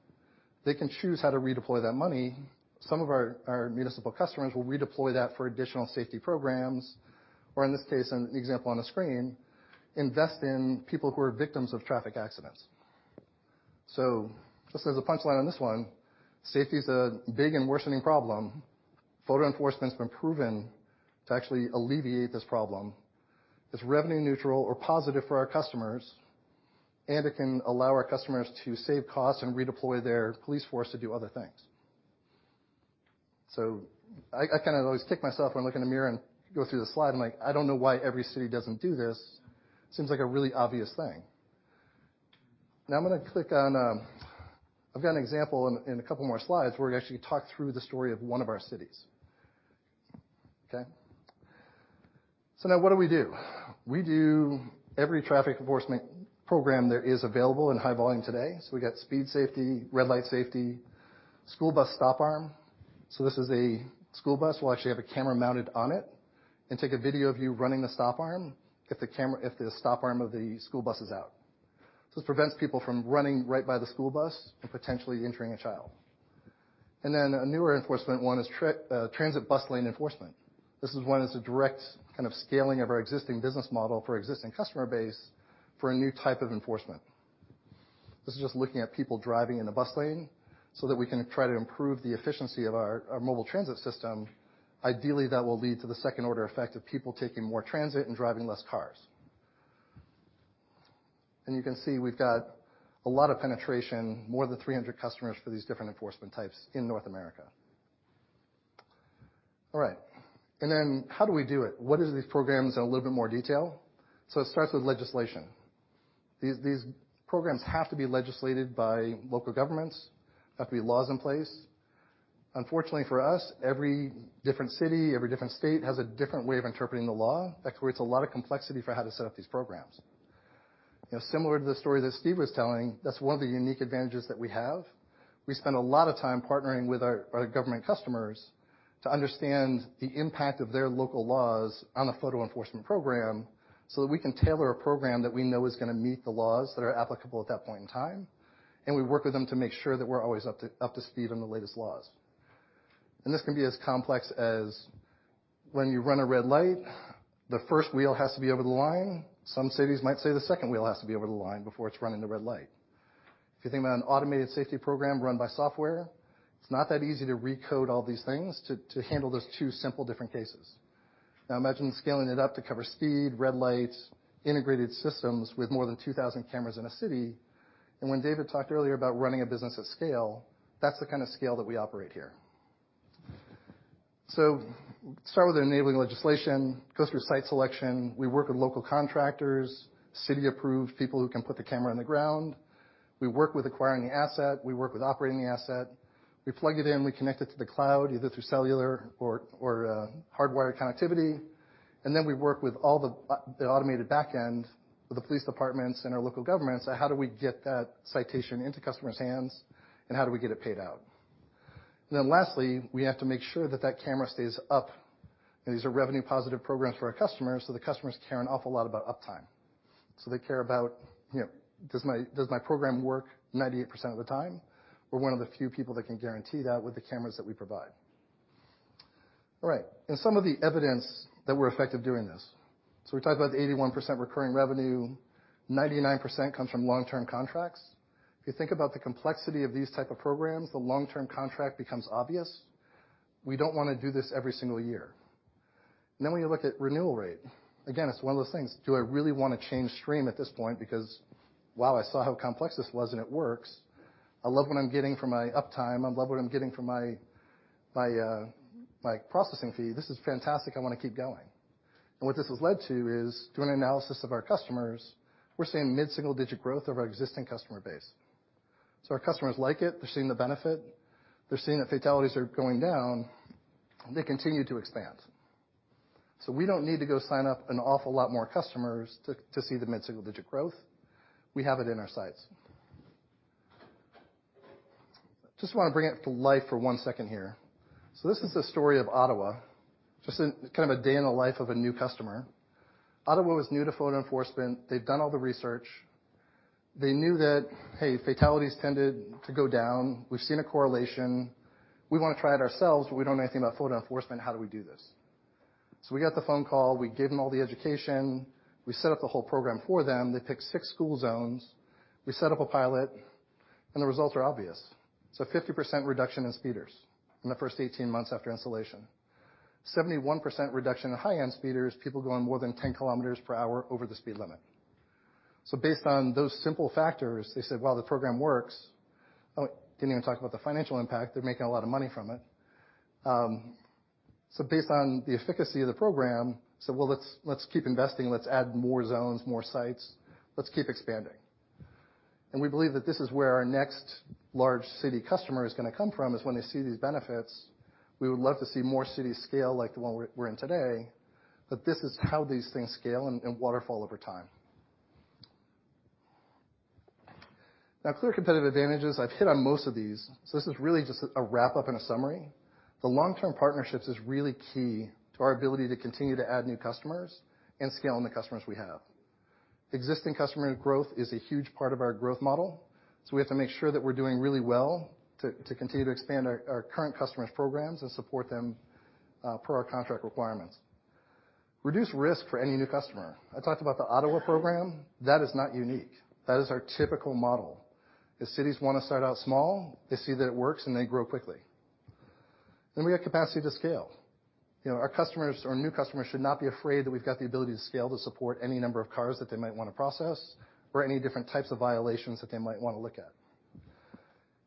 They can choose how to redeploy that money. Some of our municipal customers will redeploy that for additional safety programs, or in this case, in the example on the screen, invest in people who are victims of traffic accidents. Just as a punch line on this one, safety is a big and worsening problem. Photo enforcement's been proven to actually alleviate this problem. It's revenue neutral or positive for our customers, and it can allow our customers to save costs and redeploy their police force to do other things. I kind of always kick myself when I look in the mirror and go through the slide. I'm like, "I don't know why every city doesn't do this." Seems like a really obvious thing. Now I'm gonna click on. I've got an example in a couple more slides where we actually talk through the story of one of our cities. Okay? Now what do we do? We do every traffic enforcement program there is available in high volume today. We got speed safety, red light safety, school bus stop arm. This is a school bus. We'll actually have a camera mounted on it and take a video of you running the stop arm if the stop arm of the school bus is out. This prevents people from running right by the school bus and potentially injuring a child. A newer enforcement one is transit bus lane enforcement. This is one that's a direct kind of scaling of our existing business model for existing customer base for a new type of enforcement. This is just looking at people driving in a bus lane so that we can try to improve the efficiency of our mobile transit system. Ideally, that will lead to the second-order effect of people taking more transit and driving less cars. You can see we've got a lot of penetration, more than 300 customers for these different enforcement types in North America. All right. How do we do it? What is these programs in a little bit more detail? It starts with legislation. These programs have to be legislated by local governments, have to be laws in place. Unfortunately for us, every different city, every different state has a different way of interpreting the law. That creates a lot of complexity for how to set up these programs. You know, similar to the story that Steve was telling, that's one of the unique advantages that we have. We spend a lot of time partnering with our government customers to understand the impact of their local laws on a photo enforcement program, so that we can tailor a program that we know is gonna meet the laws that are applicable at that point in time, and we work with them to make sure that we're always up to speed on the latest laws. This can be as complex as when you run a red light, the first wheel has to be over the line. Some cities might say the second wheel has to be over the line before it's running the red light. If you think about an automated safety program run by software, it's not that easy to recode all these things to handle those two simple different cases. Now imagine scaling it up to cover speed, red light, integrated systems with more than 2,000 cameras in a city. When David talked earlier about running a business at scale, that's the kind of scale that we operate here. Start with enabling legislation, go through site selection. We work with local contractors, city-approved people who can put the camera in the ground. We work with acquiring the asset. We work with operating the asset. We plug it in, we connect it to the cloud, either through cellular or hardwire connectivity. Then we work with all the automated back end with the police departments and our local governments on how do we get that citation into customers' hands and how do we get it paid out. Then lastly, we have to make sure that camera stays up. These are revenue-positive programs for our customers, so the customers care an awful lot about uptime. They care about, you know, does my program work 98% of the time? We're one of the few people that can guarantee that with the cameras that we provide. All right. Some of the evidence that we're effective doing this. We talked about the 81% recurring revenue. 99% comes from long-term contracts. If you think about the complexity of these type of programs, the long-term contract becomes obvious. We don't wanna do this every single year. When you look at renewal rate, again, it's one of those things. Do I really wanna change Stream at this point because, wow, I saw how complex this was and it works. I love what I'm getting from my uptime. I love what I'm getting from my processing fee. This is fantastic. I wanna keep going. What this has led to is doing analysis of our customers, we're seeing mid-single digit growth of our existing customer base. Our customers like it. They're seeing the benefit. They're seeing that fatalities are going down, and they continue to expand. We don't need to go sign up an awful lot more customers to see the mid-single digit growth. We have it in our sights. Just wanna bring it to life for one second here. This is the story of Ottawa, just a kind of a day in the life of a new customer. Ottawa was new to photo enforcement. They've done all the research. They knew that, hey, fatalities tended to go down. We've seen a correlation. We wanna try it ourselves, but we don't know anything about photo enforcement. How do we do this? We got the phone call. We gave them all the education. We set up the whole program for them. They picked six school zones. We set up a pilot, and the results are obvious. 50% reduction in speeders in the first 18 months after installation. 71% reduction in high-end speeders, people going more than 10 kilometers per hour over the speed limit. Based on those simple factors, they said, "Well, the program works." Oh, didn't even talk about the financial impact. They're making a lot of money from it. Based on the efficacy of the program, said, "Well, let's keep investing. Let's add more zones, more sites. Let's keep expanding." We believe that this is where our next large city customer is gonna come from, is when they see these benefits. We would love to see more cities scale like the one we're in today. This is how these things scale and waterfall over time. Now, clear competitive advantages. I've hit on most of these. This is really just a wrap-up and a summary. The long-term partnerships is really key to our ability to continue to add new customers and scaling the customers we have. Existing customer growth is a huge part of our growth model, so we have to make sure that we're doing really well to continue to expand our current customers' programs and support them per our contract requirements. Reduce risk for any new customer. I talked about the Ottawa program. That is not unique. That is our typical model. Cities wanna start out small. They see that it works, and they grow quickly. We have capacity to scale. You know, our customers or new customers should not be afraid that we've got the ability to scale to support any number of cars that they might wanna process or any different types of violations that they might wanna look at.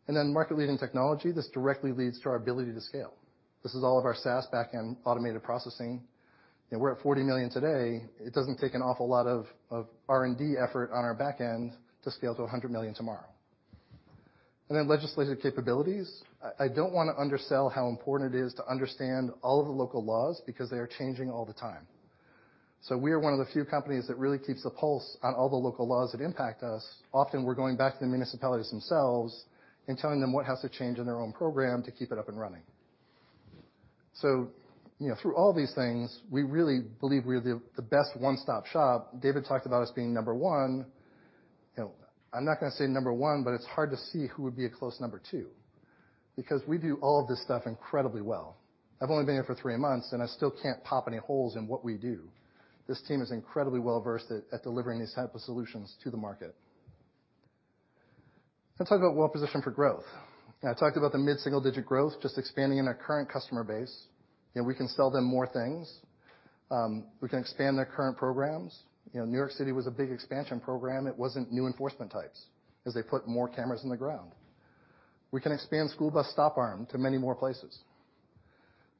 Market-leading technology. This directly leads to our ability to scale. This is all of our SaaS backend automated processing, and we're at 40 million today. It doesn't take an awful lot of R&D effort on our backend to scale to 100 million tomorrow. Legislative capabilities. I don't wanna undersell how important it is to understand all of the local laws because they are changing all the time. We are one of the few companies that really keeps a pulse on all the local laws that impact us. Often, we're going back to the municipalities themselves and telling them what has to change in their own program to keep it up and running. You know, through all these things, we really believe we're the best one-stop shop. David talked about us being number one. You know, I'm not gonna say number one, but it's hard to see who would be a close number two because we do all of this stuff incredibly well. I've only been here for three months, and I still can't poke any holes in what we do. This team is incredibly well-versed at delivering these type of solutions to the market. Let's talk about well-positioned for growth. I talked about the mid-single-digit growth just expanding in our current customer base, and we can sell them more things. We can expand their current programs. You know, New York City was a big expansion program. It wasn't new enforcement types as they put more cameras in the ground. We can expand school bus stop arm to many more places.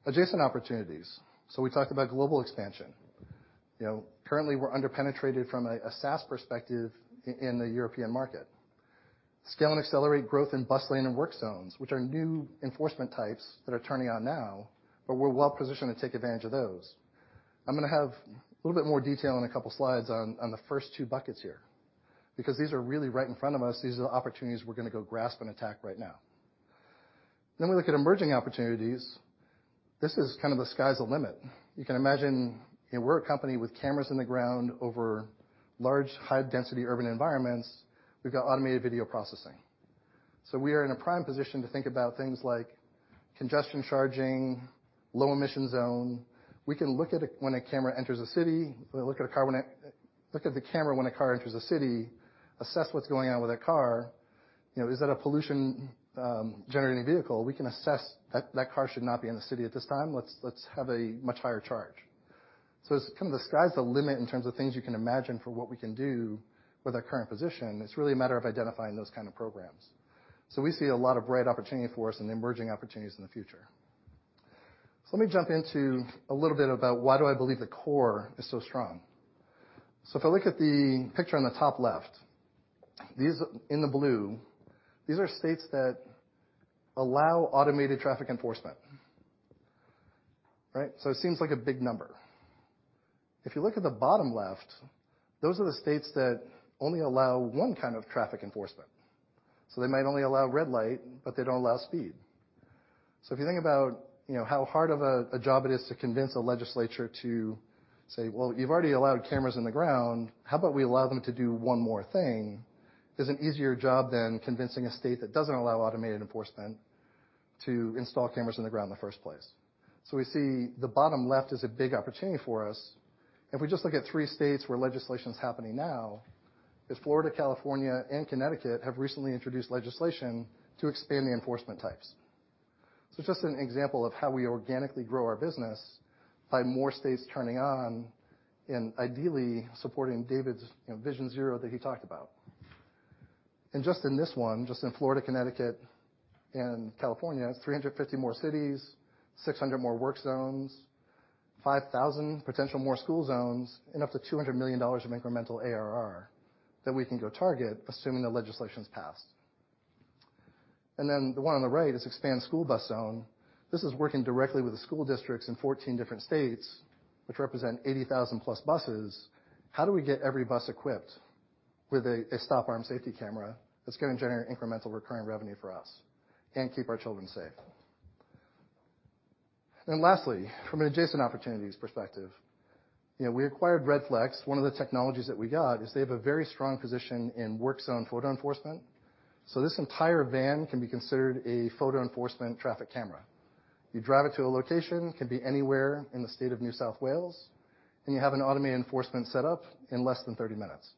Adjacent opportunities. We talked about global expansion. You know, currently we're under-penetrated from a SaaS perspective in the European market. Scale and accelerate growth in bus lane and work zones, which are new enforcement types that are turning on now, but we're well positioned to take advantage of those. I'm gonna have a little bit more detail in a couple of slides on the first two buckets here because these are really right in front of us. These are the opportunities we're gonna go grasp and attack right now. We look at emerging opportunities. This is kind of the sky's the limit. You can imagine we're a company with cameras in the ground over large, high-density urban environments. We've got automated video processing. We are in a prime position to think about things like congestion charging, low emission zone. We can look at it when a car enters a city. Look at the car when a car enters a city, assess what's going on with that car. You know, is that a pollution generating vehicle? We can assess that car should not be in the city at this time. Let's have a much higher charge. It's kinda the sky's the limit in terms of things you can imagine for what we can do with our current position. It's really a matter of identifying those kind of programs. We see a lot of bright opportunity for us and emerging opportunities in the future. Let me jump into a little bit about why do I believe the core is so strong. If I look at the picture on the top left, these in the blue, these are states that allow automated traffic enforcement, right? It seems like a big number. If you look at the bottom left, those are the states that only allow one kind of traffic enforcement. They might only allow red light, but they don't allow speed. If you think about, you know, how hard of a job it is to convince a legislature to say, "Well, you've already allowed cameras on the ground. How about we allow them to do one more thing?" is an easier job than convincing a state that doesn't allow automated enforcement to install cameras on the ground in the first place. We see the bottom left as a big opportunity for us. If we just look at three states where legislation's happening now, is Florida, California, and Connecticut have recently introduced legislation to expand the enforcement types. Just an example of how we organically grow our business by more states turning on and ideally supporting David's, you know, Vision Zero that he talked about. Just in this one, just in Florida, Connecticut, and California, 350 more cities, 600 more work zones, 5,000 potential more school zones, and up to $200 million of incremental ARR that we can go target, assuming the legislation's passed. The one on the right is expand school bus zone. This is working directly with the school districts in 14 different states, which represent 80,000+ buses. How do we get every bus equipped with a stop arm safety camera that's gonna generate incremental recurring revenue for us and keep our children safe? Lastly, from an adjacent opportunities perspective, you know, we acquired Redflex. One of the technologies that we got is they have a very strong position in work zone photo enforcement. So this entire van can be considered a photo enforcement traffic camera. You drive it to a location, it could be anywhere in the state of New South Wales, and you have an automated enforcement set up in less than 30 minutes.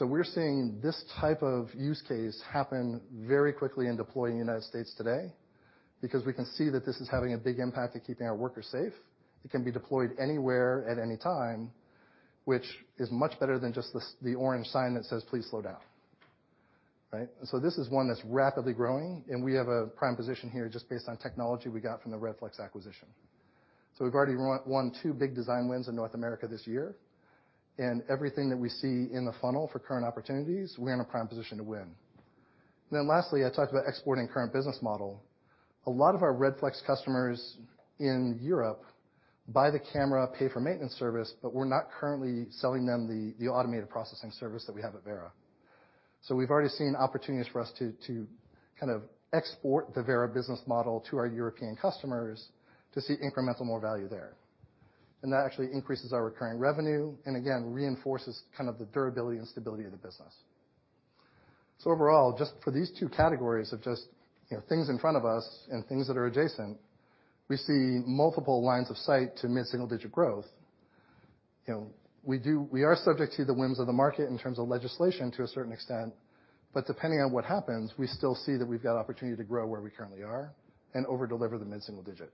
We're seeing this type of use case happen very quickly in deploying in the United States today because we can see that this is having a big impact in keeping our workers safe. It can be deployed anywhere at any time, which is much better than just the orange sign that says, "Please slow down." Right? This is one that's rapidly growing, and we have a prime position here just based on technology we got from the Redflex acquisition. We've already won two big design wins in North America this year. Everything that we see in the funnel for current opportunities, we're in a prime position to win. Lastly, I talked about exporting current business model. A lot of our Redflex customers in Europe buy the camera, pay for maintenance service, but we're not currently selling them the automated processing service that we have at Verra. We've already seen opportunities for us to kind of export the Verra business model to our European customers to see incremental more value there. That actually increases our recurring revenue and again, reinforces kind of the durability and stability of the business. Overall, just for these two categories of just, you know, things in front of us and things that are adjacent, we see multiple lines of sight to mid-single-digit growth. You know, we are subject to the whims of the market in terms of legislation to a certain extent, but depending on what happens, we still see that we've got opportunity to grow where we currently are and over-deliver the mid-single-digit.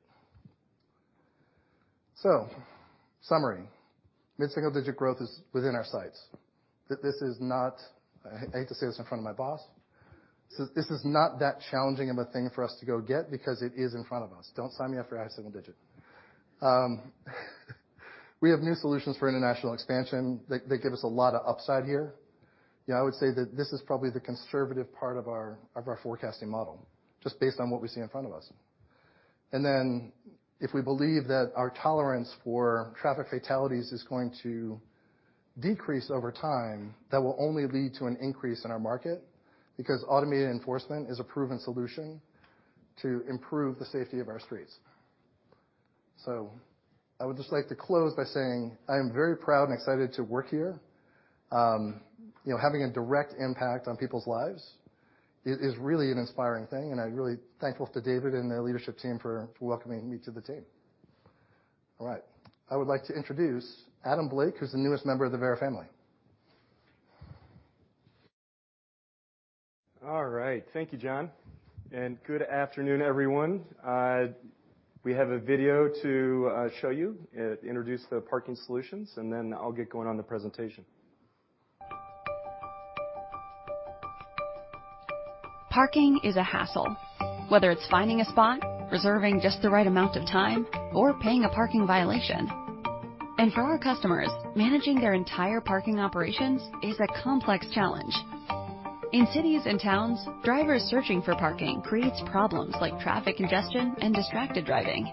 Summary, mid-single-digit growth is within our sights. I hate to say this in front of my boss, so this is not that challenging of a thing for us to go get because it is in front of us. Don't sign me up for high single-digit. We have new solutions for international expansion that give us a lot of upside here. You know, I would say that this is probably the conservative part of our forecasting model just based on what we see in front of us. If we believe that our tolerance for traffic fatalities is going to decrease over time, that will only lead to an increase in our market because automated enforcement is a proven solution to improve the safety of our streets. I would just like to close by saying I am very proud and excited to work here. You know, having a direct impact on people's lives is really an inspiring thing, and I'm really thankful to David and the leadership team for welcoming me to the team. All right. I would like to introduce Adam Blake, who's the newest member of the Verra family. All right. Thank you, Jon, and good afternoon, everyone. We have a video to show you introduce the parking solutions, and then I'll get going on the presentation. Parking is a hassle, whether it's finding a spot, reserving just the right amount of time or paying a parking violation. For our customers, managing their entire parking operations is a complex challenge. In cities and towns, drivers searching for parking creates problems like traffic congestion and distracted driving.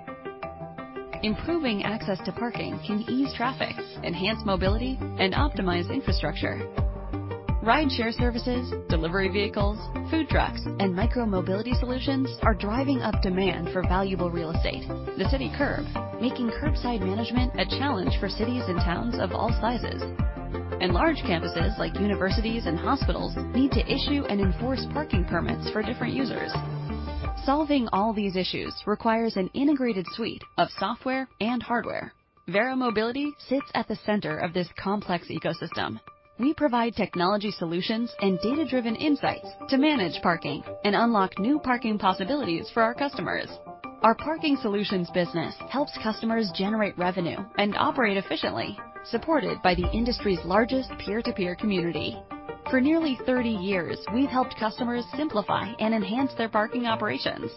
Improving access to parking can ease traffic, enhance mobility and optimize infrastructure. Rideshare services, delivery vehicles, food trucks and micro-mobility solutions are driving up demand for valuable real estate, the city curb, making curbside management a challenge for cities and towns of all sizes. Large campuses like universities and hospitals need to issue and enforce parking permits for different users. Solving all these issues requires an integrated suite of software and hardware. Verra Mobility sits at the center of this complex ecosystem. We provide technology solutions and data-driven insights to manage parking and unlock new parking possibilities for our customers. Our parking solutions business helps customers generate revenue and operate efficiently, supported by the industry's largest peer-to-peer community. For nearly 30 years, we've helped customers simplify and enhance their parking operations.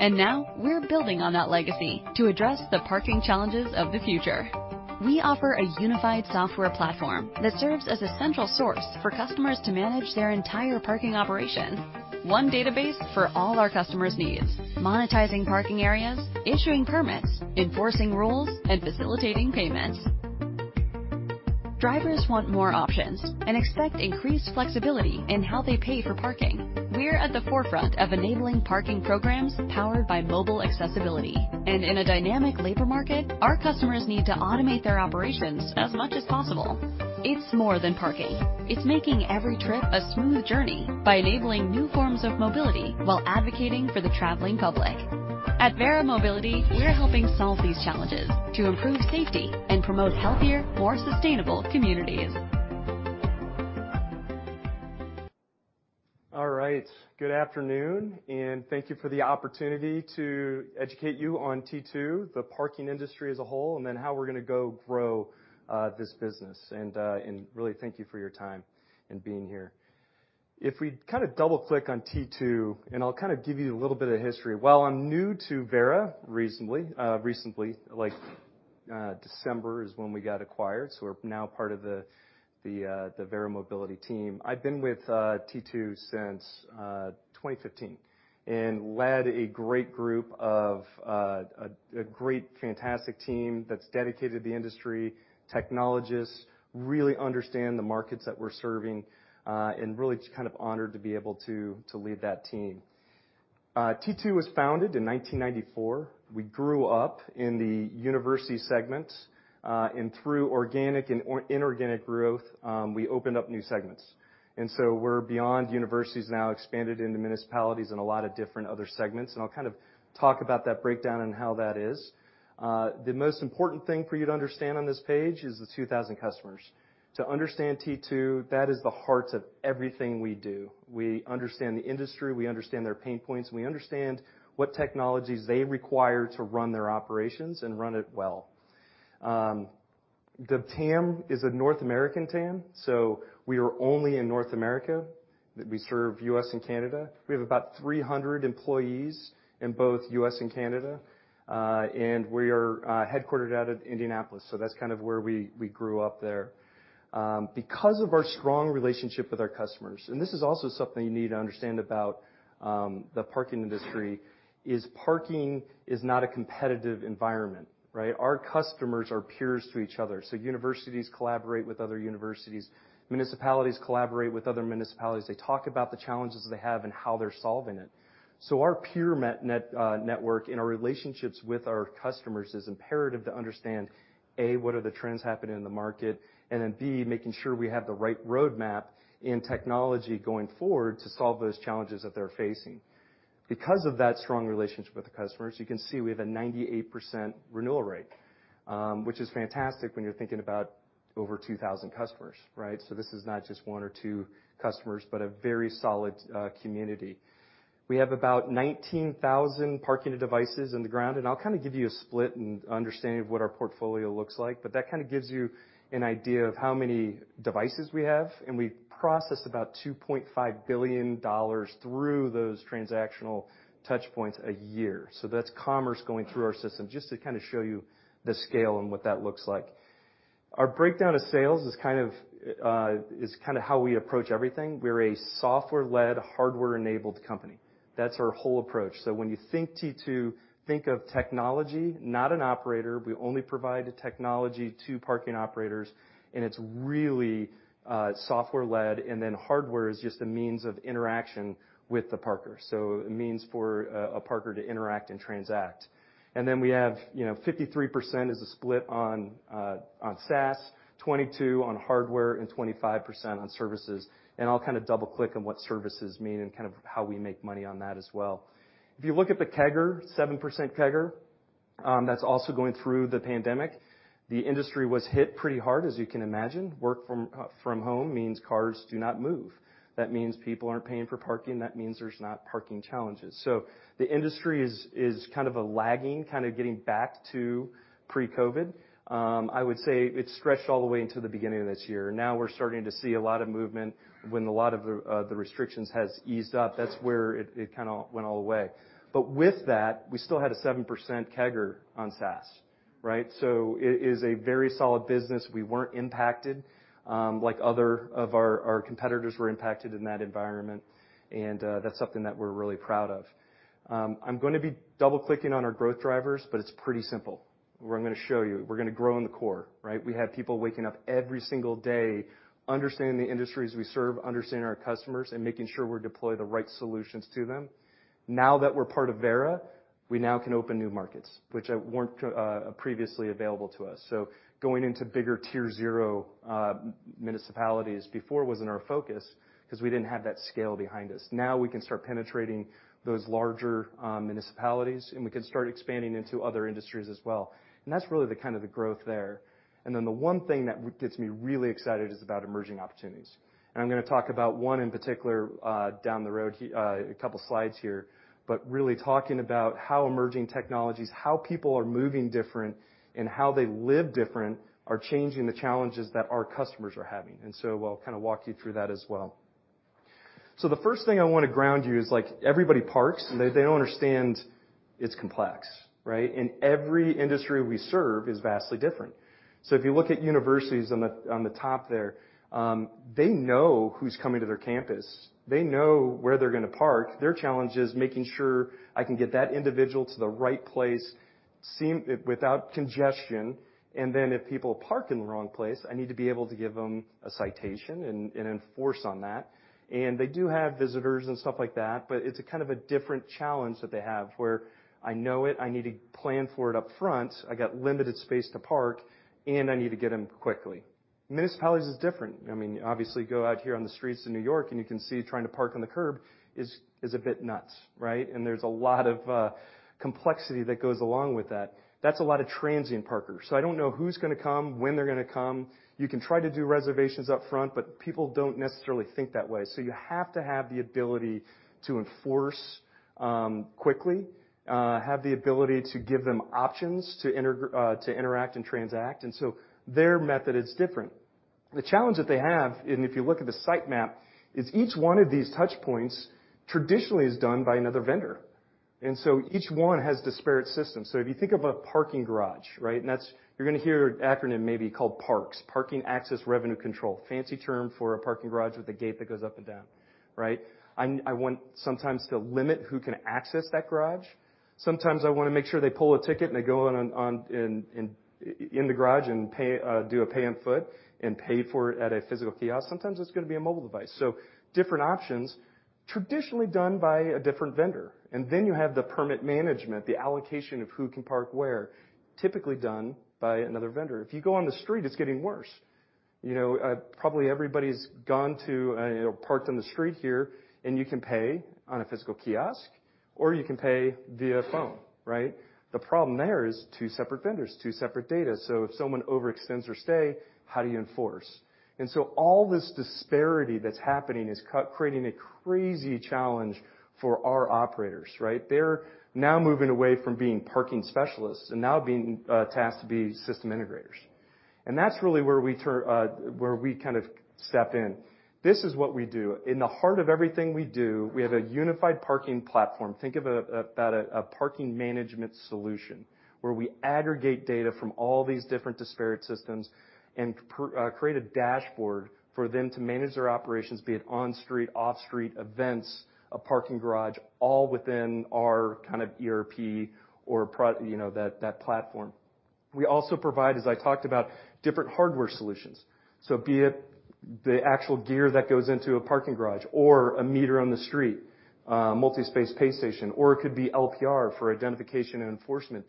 Now we're building on that legacy to address the parking challenges of the future. We offer a unified software platform that serves as a central source for customers to manage their entire parking operation. One database for all our customers' needs, monetizing parking areas, issuing permits, enforcing rules and facilitating payments. Drivers want more options and expect increased flexibility in how they pay for parking. We're at the forefront of enabling parking programs powered by mobile accessibility. In a dynamic labor market, our customers need to automate their operations as much as possible. It's more than parking. It's making every trip a smooth journey by enabling new forms of mobility while advocating for the traveling public. At Verra Mobility, we're helping solve these challenges to improve safety and promote healthier, more sustainable communities. All right. Good afternoon and thank you for the opportunity to educate you on T2, the parking industry as a whole, and then how we're gonna grow this business. Really thank you for your time and being here. If we kinda double-click on T2, I'll kinda give you a little bit of history. While I'm new to Verra recently, like, December is when we got acquired, so we're now part of the Verra Mobility team. I've been with T2 since 2015 and led a great group of a fantastic team that's dedicated to the industry, technologists really understand the markets that we're serving, and really just kind of honored to be able to lead that team. T2 was founded in 1994. We grew up in the university segment, and through organic and inorganic growth, we opened up new segments. We're beyond universities now, expanded into municipalities and a lot of different other segments. I'll kind of talk about that breakdown and how that is. The most important thing for you to understand on this page is the 2,000 customers. To understand T2, that is the heart of everything we do. We understand the industry, we understand their pain points, and we understand what technologies they require to run their operations and run it well. The TAM is a North American TAM, so we are only in North America. We serve U.S. and Canada. We have about 300 employees in both U.S. and Canada. We are headquartered out of Indianapolis, so that's kind of where we grew up there. Because of our strong relationship with our customers, and this is also something you need to understand about the parking industry, parking is not a competitive environment, right? Our customers are peers to each other, so universities collaborate with other universities, municipalities collaborate with other municipalities. They talk about the challenges they have and how they're solving it. Our network and our relationships with our customers is imperative to understand, A, what are the trends happening in the market, and then, B, making sure we have the right roadmap and technology going forward to solve those challenges that they're facing. Because of that strong relationship with the customers, you can see we have a 98% renewal rate, which is fantastic when you're thinking about over 2,000 customers, right? This is not just one or two customers, but a very solid community. We have about 19,000 parking devices in the ground, and I'll kinda give you a split and understanding of what our portfolio looks like. That kinda gives you an idea of how many devices we have, and we process about $2.5 billion through those transactional touch points a year. That's commerce going through our system, just to kinda show you the scale and what that looks like. Our breakdown of sales is kind of how we approach everything. We're a software-led, hardware-enabled company. That's our whole approach. When you think T2, think of technology, not an operator. We only provide the technology to parking operators, and it's really software-led, and then hardware is just a means of interaction with the parker. A means for a parker to interact and transact. Then we have 53% is a split on SaaS, 22% on hardware, and 25% on services. I'll kind of double-click on what services mean and kind of how we make money on that as well. If you look at the CAGR, 7% CAGR, that's also going through the pandemic. The industry was hit pretty hard, as you can imagine. Work from home means cars do not move. That means people aren't paying for parking. That means there's not parking challenges. The industry is kind of a lagging, kind of getting back to pre-COVID. I would say it stretched all the way into the beginning of this year. Now we're starting to see a lot of movement when a lot of the restrictions has eased up. That's where it kinda went all the way. With that, we still had a 7% CAGR on SaaS, right? It is a very solid business. We weren't impacted like other of our competitors were impacted in that environment, and that's something that we're really proud of. I'm gonna be double-clicking on our growth drivers, but it's pretty simple. What I'm gonna show you, we're gonna grow in the core, right? We have people waking up every single day, understanding the industries we serve, understanding our customers, and making sure we deploy the right solutions to them. Now that we're part of Verra, we now can open new markets, which weren't previously available to us. Going into bigger tier zero municipalities before wasn't our focus because we didn't have that scale behind us. Now we can start penetrating those larger municipalities, and we can start expanding into other industries as well. That's really the kind of the growth there. The one thing that gets me really excited is about emerging opportunities. I'm gonna talk about one in particular, down the road, a couple slides here. Really talking about how emerging technologies, how people are moving different and how they live different are changing the challenges that our customers are having. I'll kind of walk you through that as well. The first thing I wanna ground you is, like, everybody parks. They don't understand it's complex, right? Every industry we serve is vastly different. If you look at universities on the top there, they know who's coming to their campus. They know where they're gonna park. Their challenge is making sure I can get that individual to the right place without congestion, and then if people park in the wrong place, I need to be able to give them a citation and enforce on that. They do have visitors and stuff like that, but it's a kind of a different challenge that they have, where I know it, I need to plan for it up front. I got limited space to park, and I need to get them quickly. Municipalities is different. I mean, obviously, you go out here on the streets of New York, and you can see trying to park on the curb is a bit nuts, right? There's a lot of complexity that goes along with that. That's a lot of transient parkers. I don't know who's gonna come, when they're gonna come. You can try to do reservations up front, but people don't necessarily think that way. You have to have the ability to enforce quickly, have the ability to give them options to interact and transact, and their method is different. The challenge that they have, and if you look at the site map, is each one of these touch points traditionally is done by another vendor. Each one has disparate systems. If you think of a parking garage, right? You're gonna hear an acronym maybe called PARCS, Parking Access Revenue Control, fancy term for a parking garage with a gate that goes up and down, right? I want sometimes to limit who can access that garage. Sometimes I wanna make sure they pull a ticket, and they go in the garage and pay, do a pay on foot and pay for it at a physical kiosk. Sometimes it's gonna be a mobile device. Different options traditionally done by a different vendor. You have the permit management, the allocation of who can park where, typically done by another vendor. If you go on the street, it's getting worse. You know, probably everybody's gone to park, you know, on the street here, and you can pay on a physical kiosk, or you can pay via phone, right? The problem there is two separate vendors, two separate data. If someone overextends their stay, how do you enforce? All this disparity that's happening is creating a crazy challenge for our operators, right? They're now moving away from being parking specialists and now being tasked to be system integrators. That's really where we kind of step in. This is what we do. In the heart of everything we do, we have a unified parking platform. Think of about a parking management solution, where we aggregate data from all these different disparate systems and create a dashboard for them to manage their operations, be it on-street, off-street events, a parking garage, all within our kind of ERP or, you know, that platform. We also provide, as I talked about, different hardware solutions. So be it the actual gear that goes into a parking garage or a meter on the street, multi-space pay station, or it could be LPR for identification and enforcement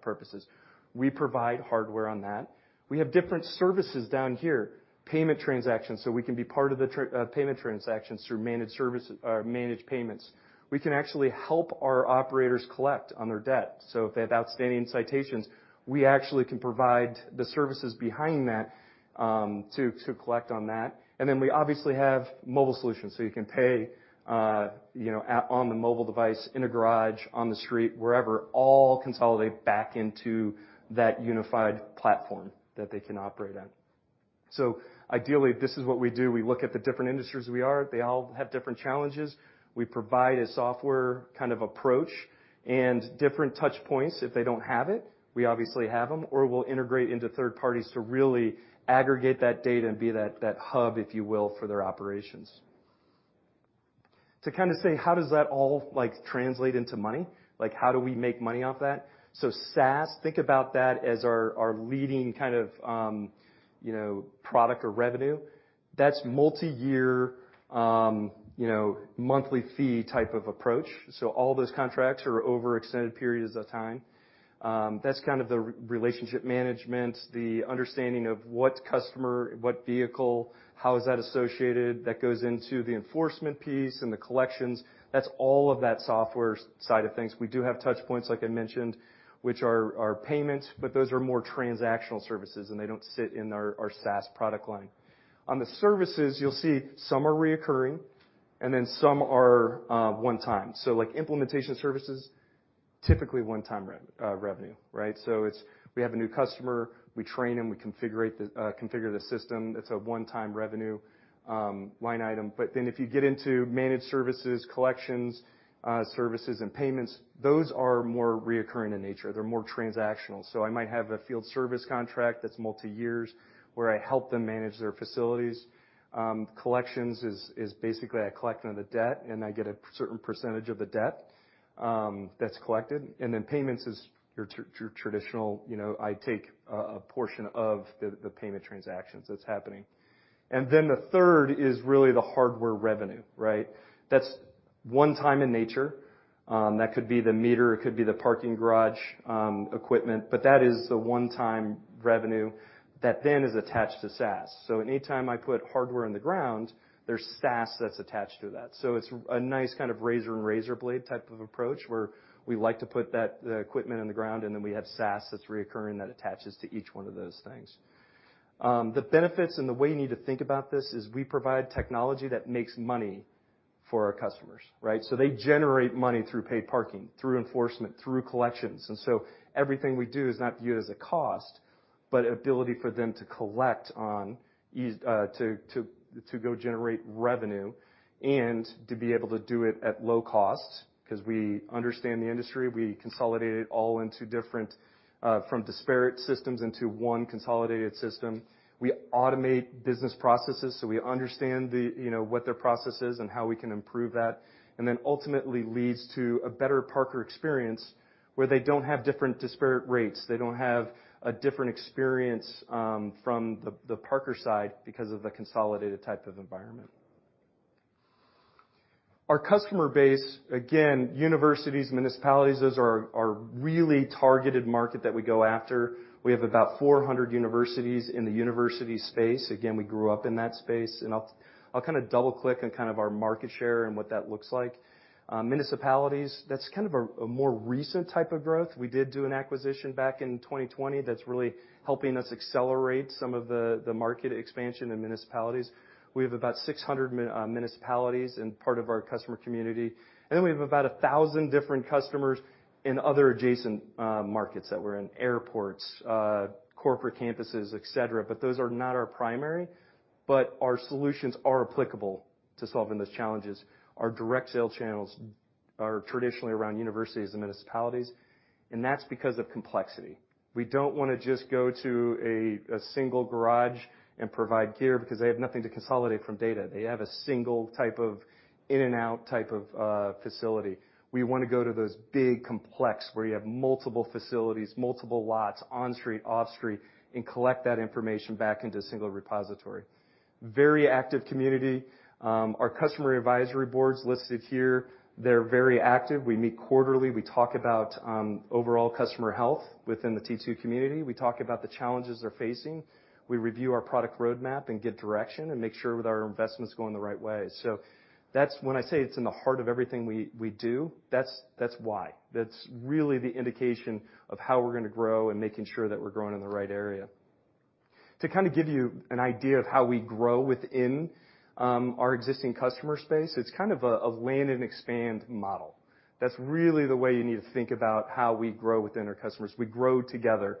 purposes. We provide hardware on that. We have different services down here, payment transactions, so we can be part of the payment transactions through managed service or managed payments. We can actually help our operators collect on their debt. If they have outstanding citations, we actually can provide the services behind that to collect on that. We obviously have mobile solutions, so you can pay, you know, on the mobile device, in a garage, on the street, wherever, all consolidate back into that unified platform that they can operate on. Ideally, this is what we do. We look at the different industries we are. They all have different challenges. We provide a software kind of approach and different touch points. If they don't have it, we obviously have them, or we'll integrate into third parties to really aggregate that data and be that hub, if you will, for their operations. To kind of say, how does that all, like, translate into money? Like, how do we make money off that? SaaS, think about that as our leading kind of, you know, product or revenue. That's multiyear, you know, monthly fee type of approach. All those contracts are over extended periods of time. That's kind of the relationship management, the understanding of what customer, what vehicle, how is that associated. That goes into the enforcement piece and the collections. That's all of that software side of things. We do have touch points, like I mentioned, which are payments, but those are more transactional services, and they don't sit in our SaaS product line. On the services, you'll see some are recurring and then some are one time. Like, implementation services, typically one time revenue, right? It's we have a new customer, we train them, we configure the system. It's a one-time revenue line item. If you get into managed services, collections, services, and payments, those are more recurring in nature. They're more transactional. I might have a field service contract that's multi-year where I help them manage their facilities. Collections is basically I collect on the debt, and I get a certain percentage of the debt that's collected. Payments is your traditional, you know, I take a portion of the payment transactions that's happening. The third is really the hardware revenue, right? That's one-time in nature. That could be the meter, it could be the parking garage equipment, but that is the one-time revenue that then is attached to SaaS. Anytime I put hardware in the ground, there's SaaS that's attached to that. It's a nice kind of razor and razor blade type of approach where we like to put that, the equipment in the ground, and then we have SaaS that's recurring that attaches to each one of those things. The benefits and the way you need to think about this is we provide technology that makes money for our customers, right? They generate money through paid parking, through enforcement, through collections. Everything we do is not viewed as a cost, but ability for them to collect to go generate revenue and to be able to do it at low cost because we understand the industry. We consolidate it all from different from disparate systems into one consolidated system. We automate business processes, so we understand the, you know, what their process is and how we can improve that, and then ultimately leads to a better parker experience where they don't have different disparate rates. They don't have a different experience from the parker side because of the consolidated type of environment. Our customer base, again, universities, municipalities, those are our really targeted market that we go after. We have about 400 universities in the university space. Again, we grew up in that space, and I'll kind of double-click on kind of our market share and what that looks like. Municipalities, that's kind of a more recent type of growth. We did do an acquisition back in 2020 that's really helping us accelerate some of the market expansion in municipalities. We have about 600 municipalities in part of our customer community. Then we have about 1,000 different customers in other adjacent markets that we're in, airports, corporate campuses, etc. Those are not our primary, but our solutions are applicable to solving those challenges. Our direct sale channels are traditionally around universities and municipalities, and that's because of complexity. We don't wanna just go to a single garage and provide gear because they have nothing to consolidate from data. They have a single type of in-and-out type of facility. We wanna go to those big complex where you have multiple facilities, multiple lots, on street, off street, and collect that information back into a single repository. Very active community. Our customer advisory boards listed here, they're very active. We meet quarterly. We talk about overall customer health within the T2 community. We talk about the challenges they're facing. We review our product roadmap and get direction and make sure that our investment's going the right way. That's when I say it's in the heart of everything we do, that's why. That's really the indication of how we're gonna grow and making sure that we're growing in the right area. To kind of give you an idea of how we grow within our existing customer space, it's kind of a land and expand model. That's really the way you need to think about how we grow within our customers. We grow together.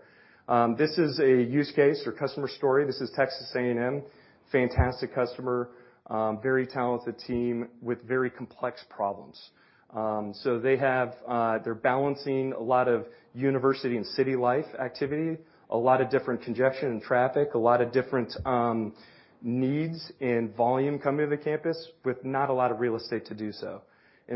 This is a use case or customer story. This is Texas A&M, fantastic customer, very talented team with very complex problems. They have they're balancing a lot of university and city life activity, a lot of different congestion and traffic, a lot of different needs and volume coming to the campus with not a lot of real estate to do so.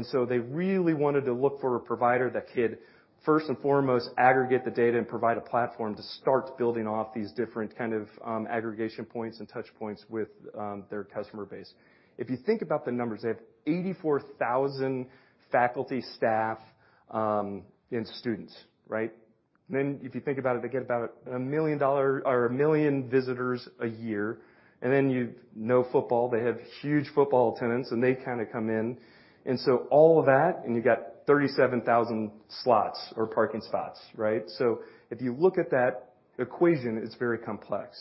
They really wanted to look for a provider that could, first and foremost, aggregate the data and provide a platform to start building off these different kind of aggregation points and touch points with their customer base. If you think about the numbers, they have 84,000 faculty staff and students, right? If you think about it, they get about $1 million or a million visitors a year, and you know football, they have huge football tenants, and they kind of come in. All of that, and you got 37,000 slots or parking spots, right? If you look at that equation, it's very complex.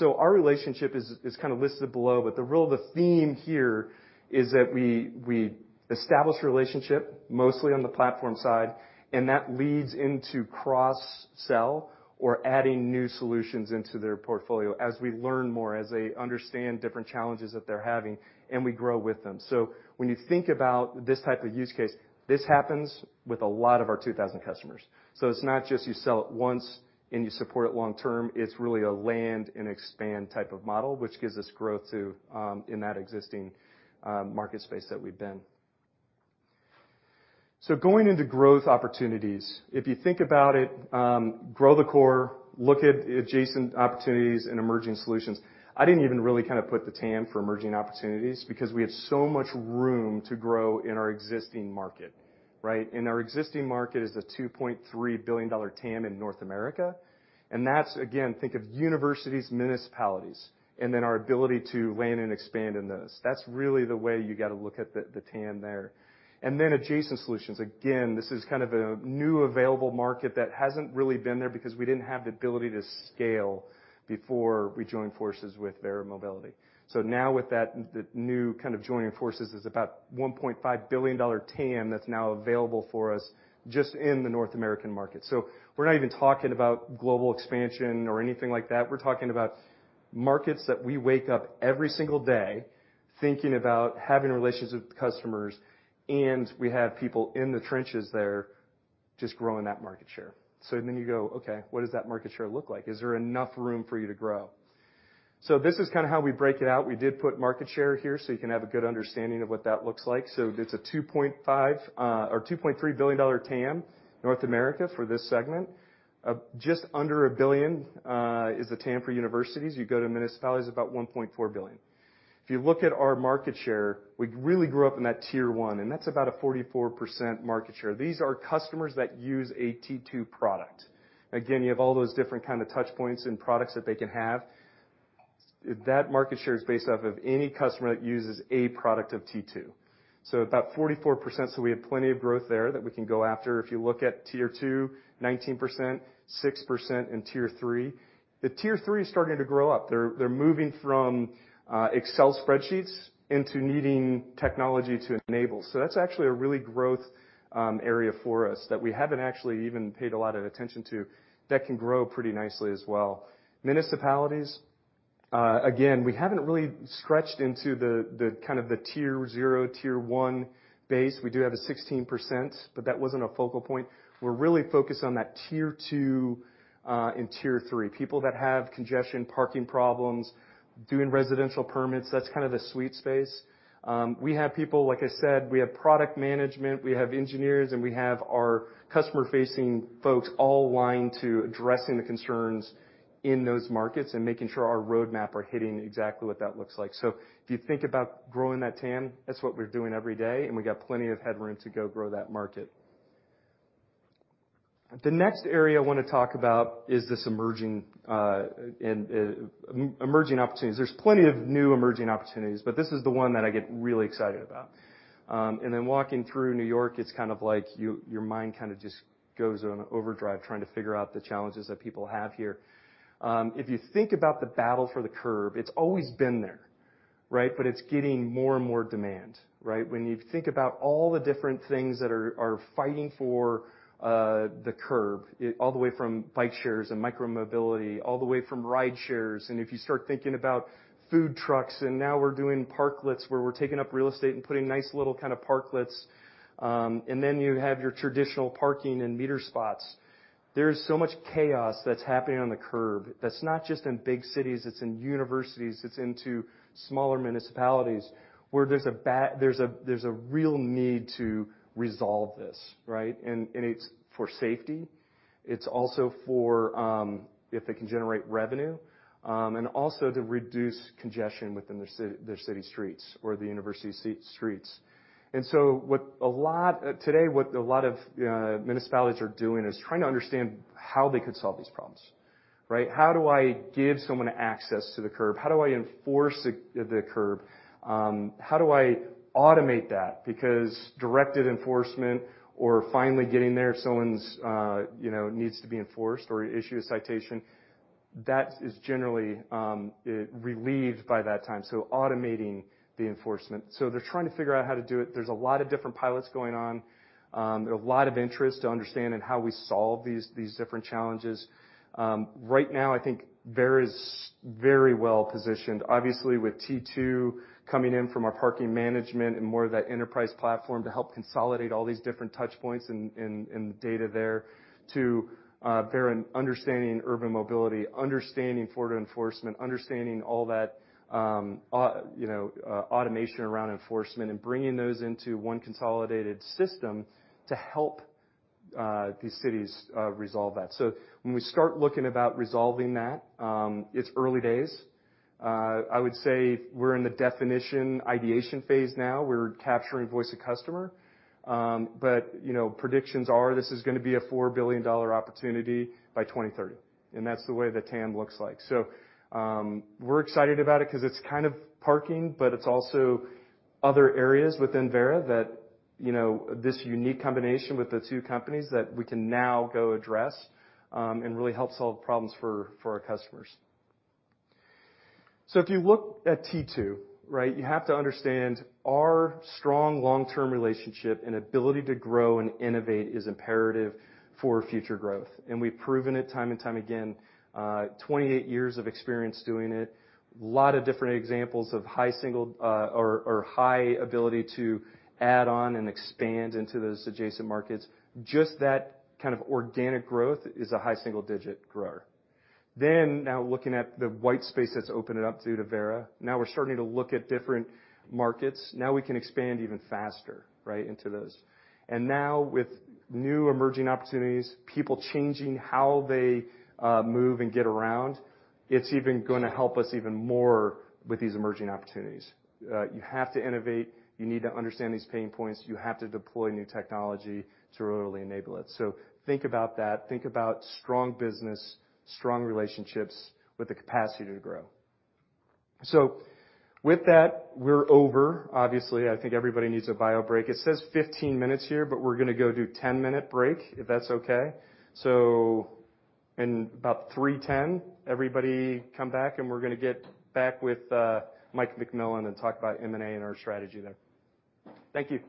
Our relationship is kind of listed below, but the theme here is that we establish relationship mostly on the platform side, and that leads into cross-sell or adding new solutions into their portfolio as we learn more, as they understand different challenges that they're having, and we grow with them. When you think about this type of use case, this happens with a lot of our 2,000 customers. It's not just you sell it once and you support it long term. It's really a land and expand type of model, which gives us growth to in that existing market space that we've been. Going into growth opportunities, if you think about it, grow the core, look at adjacent opportunities and emerging solutions. I didn't even really kind of put the TAM for emerging opportunities because we have so much room to grow in our existing market, right? Our existing market is a $2.3 billion TAM in North America. That's again, think of universities, municipalities, and then our ability to land and expand in those. That's really the way you got to look at the TAM there. Adjacent solutions. Again, this is kind of a new available market that hasn't really been there because we didn't have the ability to scale before we joined forces with Verra Mobility. Now with that, the new kind of joining forces is about a $1.5 billion TAM that's now available for us just in the North American market. We're not even talking about global expansion or anything like that. We're talking about markets that we wake up every single day thinking about having relationships with customers, and we have people in the trenches there just growing that market share. Then you go, "Okay, what does that market share look like? Is there enough room for you to grow?" This is kind of how we break it out. We did put market share here, so you can have a good understanding of what that looks like. It's a $2.5 or $2.3 billion TAM, North America for this segment. Just under $1 billion is the TAM for universities. You go to municipalities, about $1.4 billion. If you look at our market share, we really grew up in that tier one, and that's about a 44% market share. These are customers that use a T2 product. Again, you have all those different kind of touch points and products that they can have. That market share is based off of any customer that uses a product of T2. About 44%, we have plenty of growth there that we can go after. If you look at tier two, 19%, 6% in tier three. The tier three is starting to grow up. They're moving from Excel spreadsheets into needing technology to enable. That's actually a really growth area for us that we haven't actually even paid a lot of attention to that can grow pretty nicely as well. Municipalities, again, we haven't really stretched into the kind of the tier zero, tier one base. We do have a 16%, but that wasn't a focal point. We're really focused on that tier two, and tier three, people that have congestion, parking problems, doing residential permits. That's kind of the sweet space. We have people, like I said, we have product management, we have engineers, and we have our customer-facing folks all aligned to addressing the concerns in those markets and making sure our roadmap are hitting exactly what that looks like. So if you think about growing that TAM, that's what we're doing every day, and we got plenty of headroom to go grow that market. The next area I want to talk about is this emerging opportunities. There's plenty of new emerging opportunities, but this is the one that I get really excited about. Walking through New York, it's kind of like your mind kind of just goes on overdrive trying to figure out the challenges that people have here. If you think about the battle for the curb, it's always been there, right? It's getting more and more demand, right? When you think about all the different things that are fighting for the curb, all the way from bike shares and micro-mobility, all the way from ride shares, and if you start thinking about food trucks, and now we're doing parklets where we're taking up real estate and putting nice little kind of parklets, and then you have your traditional parking and meter spots. There is so much chaos that's happening on the curb that's not just in big cities, it's in universities, it's into smaller municipalities where there's a real need to resolve this, right? It's for safety. It's also for if they can generate revenue and also to reduce congestion within their city streets or the university streets. Today, what a lot of municipalities are doing is trying to understand how they could solve these problems, right? How do I give someone access to the curb? How do I enforce the curb? How do I automate that? Because directed enforcement or finally getting there, someone's you know needs to be enforced or issue a citation, that is generally relieved by that time, so automating the enforcement. They're trying to figure out how to do it. There's a lot of different pilots going on. There are a lot of interest to understand in how we solve these different challenges. Right now, I think Verra Mobility is very well-positioned, obviously, with T2 coming in from our parking management and more of that enterprise platform to help consolidate all these different touch points and the data there to Verra Mobility understanding urban mobility, understanding forward enforcement, understanding all that, you know, automation around enforcement and bringing those into one consolidated system to help these cities resolve that. When we start looking about resolving that, it's early days. I would say we're in the definition ideation phase now. We're capturing voice of customer. You know, predictions are this is gonna be a $4 billion opportunity by 2030, and that's the way the TAM looks like. We're excited about it 'cause it's kind of parking, but it's also other areas within Verra that, you know, this unique combination with the two companies that we can now go address, and really help solve problems for our customers. If you look at T2, right? You have to understand our strong long-term relationship and ability to grow and innovate is imperative for future growth, and we've proven it time and time again. 28 years of experience doing it. Lot of different examples of high single, or high ability to add on and expand into those adjacent markets. Just that kind of organic growth is a high single digit grower. Now looking at the white space that's opened up due to Verra, now we're starting to look at different markets. Now we can expand even faster, right, into those. Now with new emerging opportunities, people changing how they move and get around, it's even gonna help us even more with these emerging opportunities. You have to innovate. You need to understand these pain points. You have to deploy new technology to really enable it. Think about that. Think about strong business, strong relationships with the capacity to grow. With that, we're over. Obviously, I think everybody needs a bio break. It says 15 minutes here, but we're gonna go do 10-minute break if that's okay. In about 3:10, everybody come back, and we're gonna get back with Mike McMillin and talk about M&A and our strategy there. Thank you.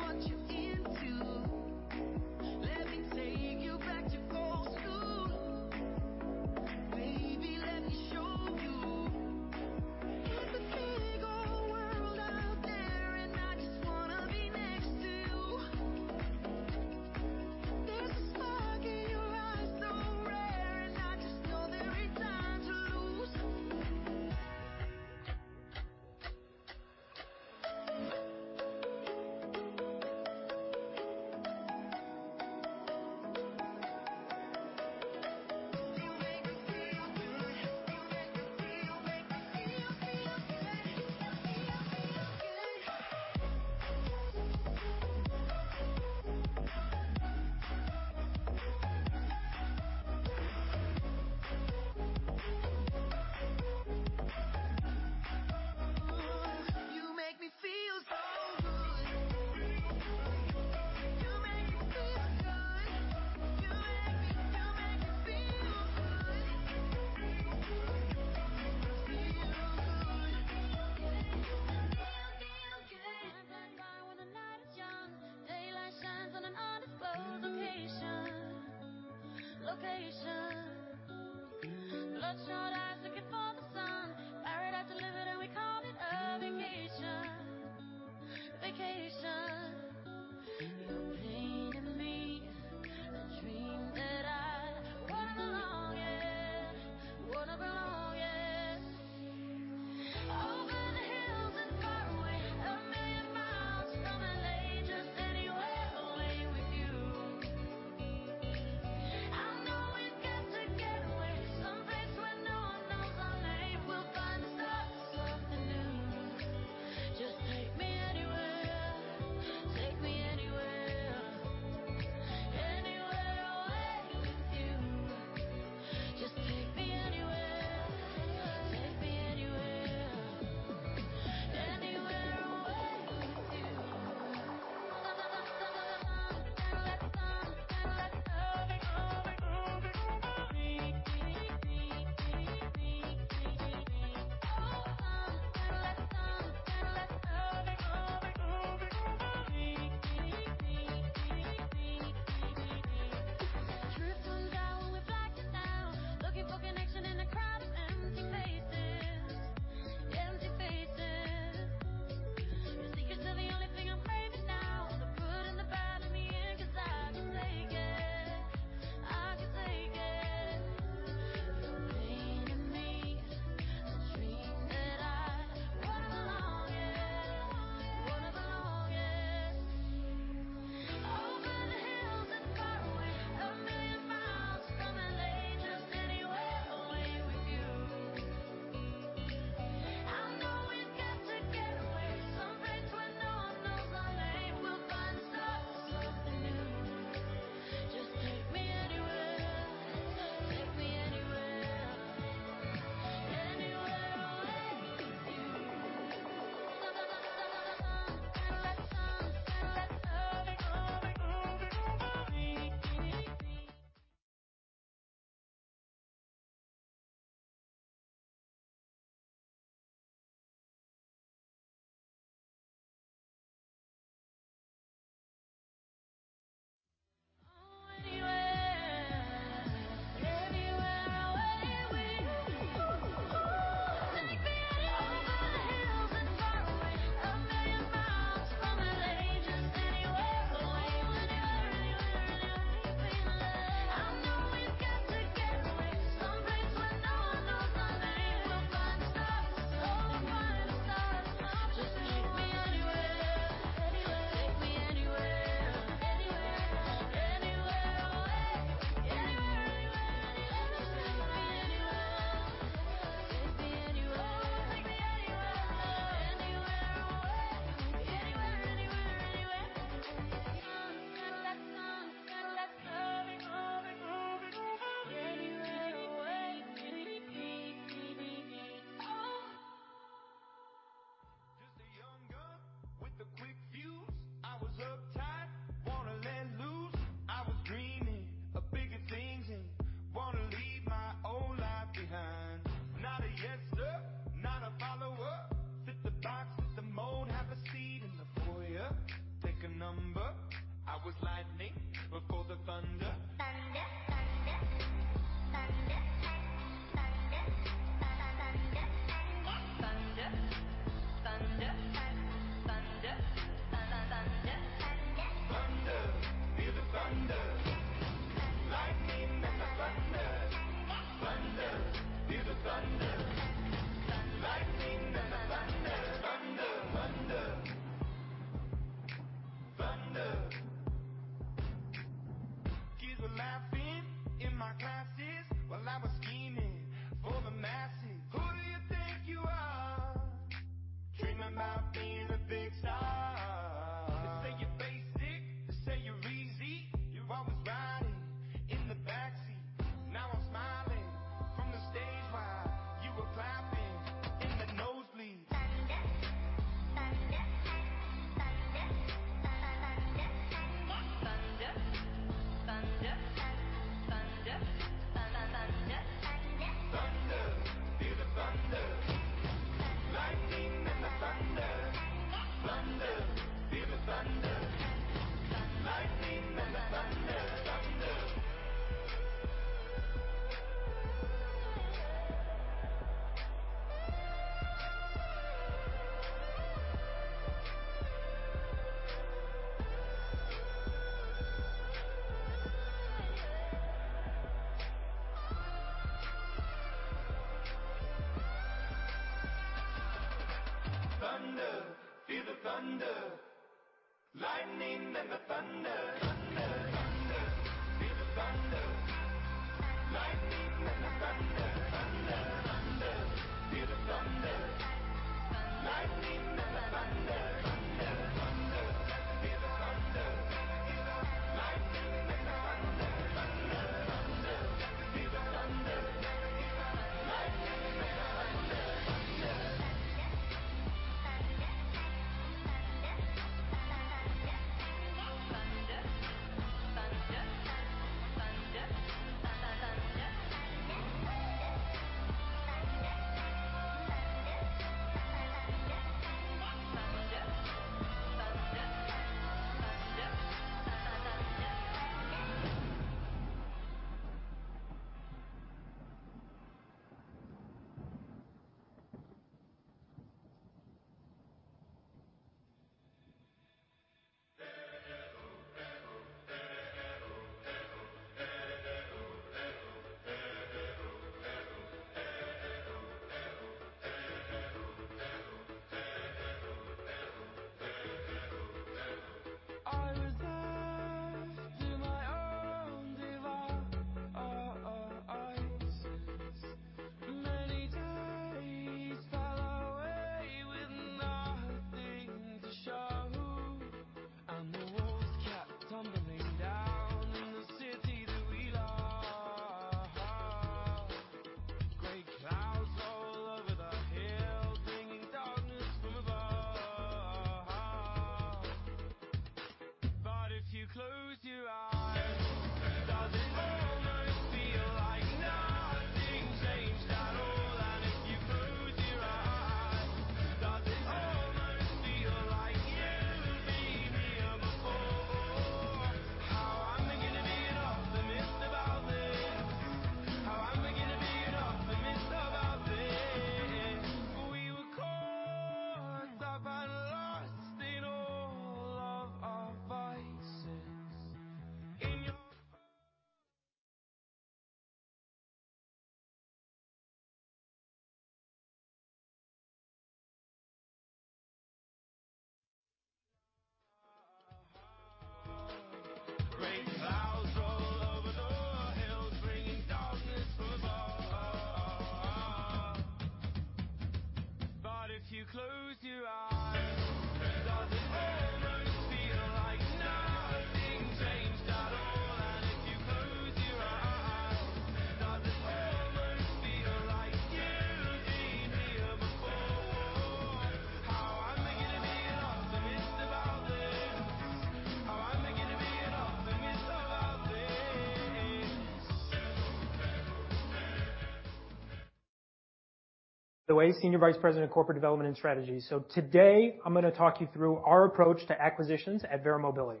Senior Vice President of Corporate Development and Strategy. Today, I'm gonna walk you through our approach to acquisitions at Verra Mobility.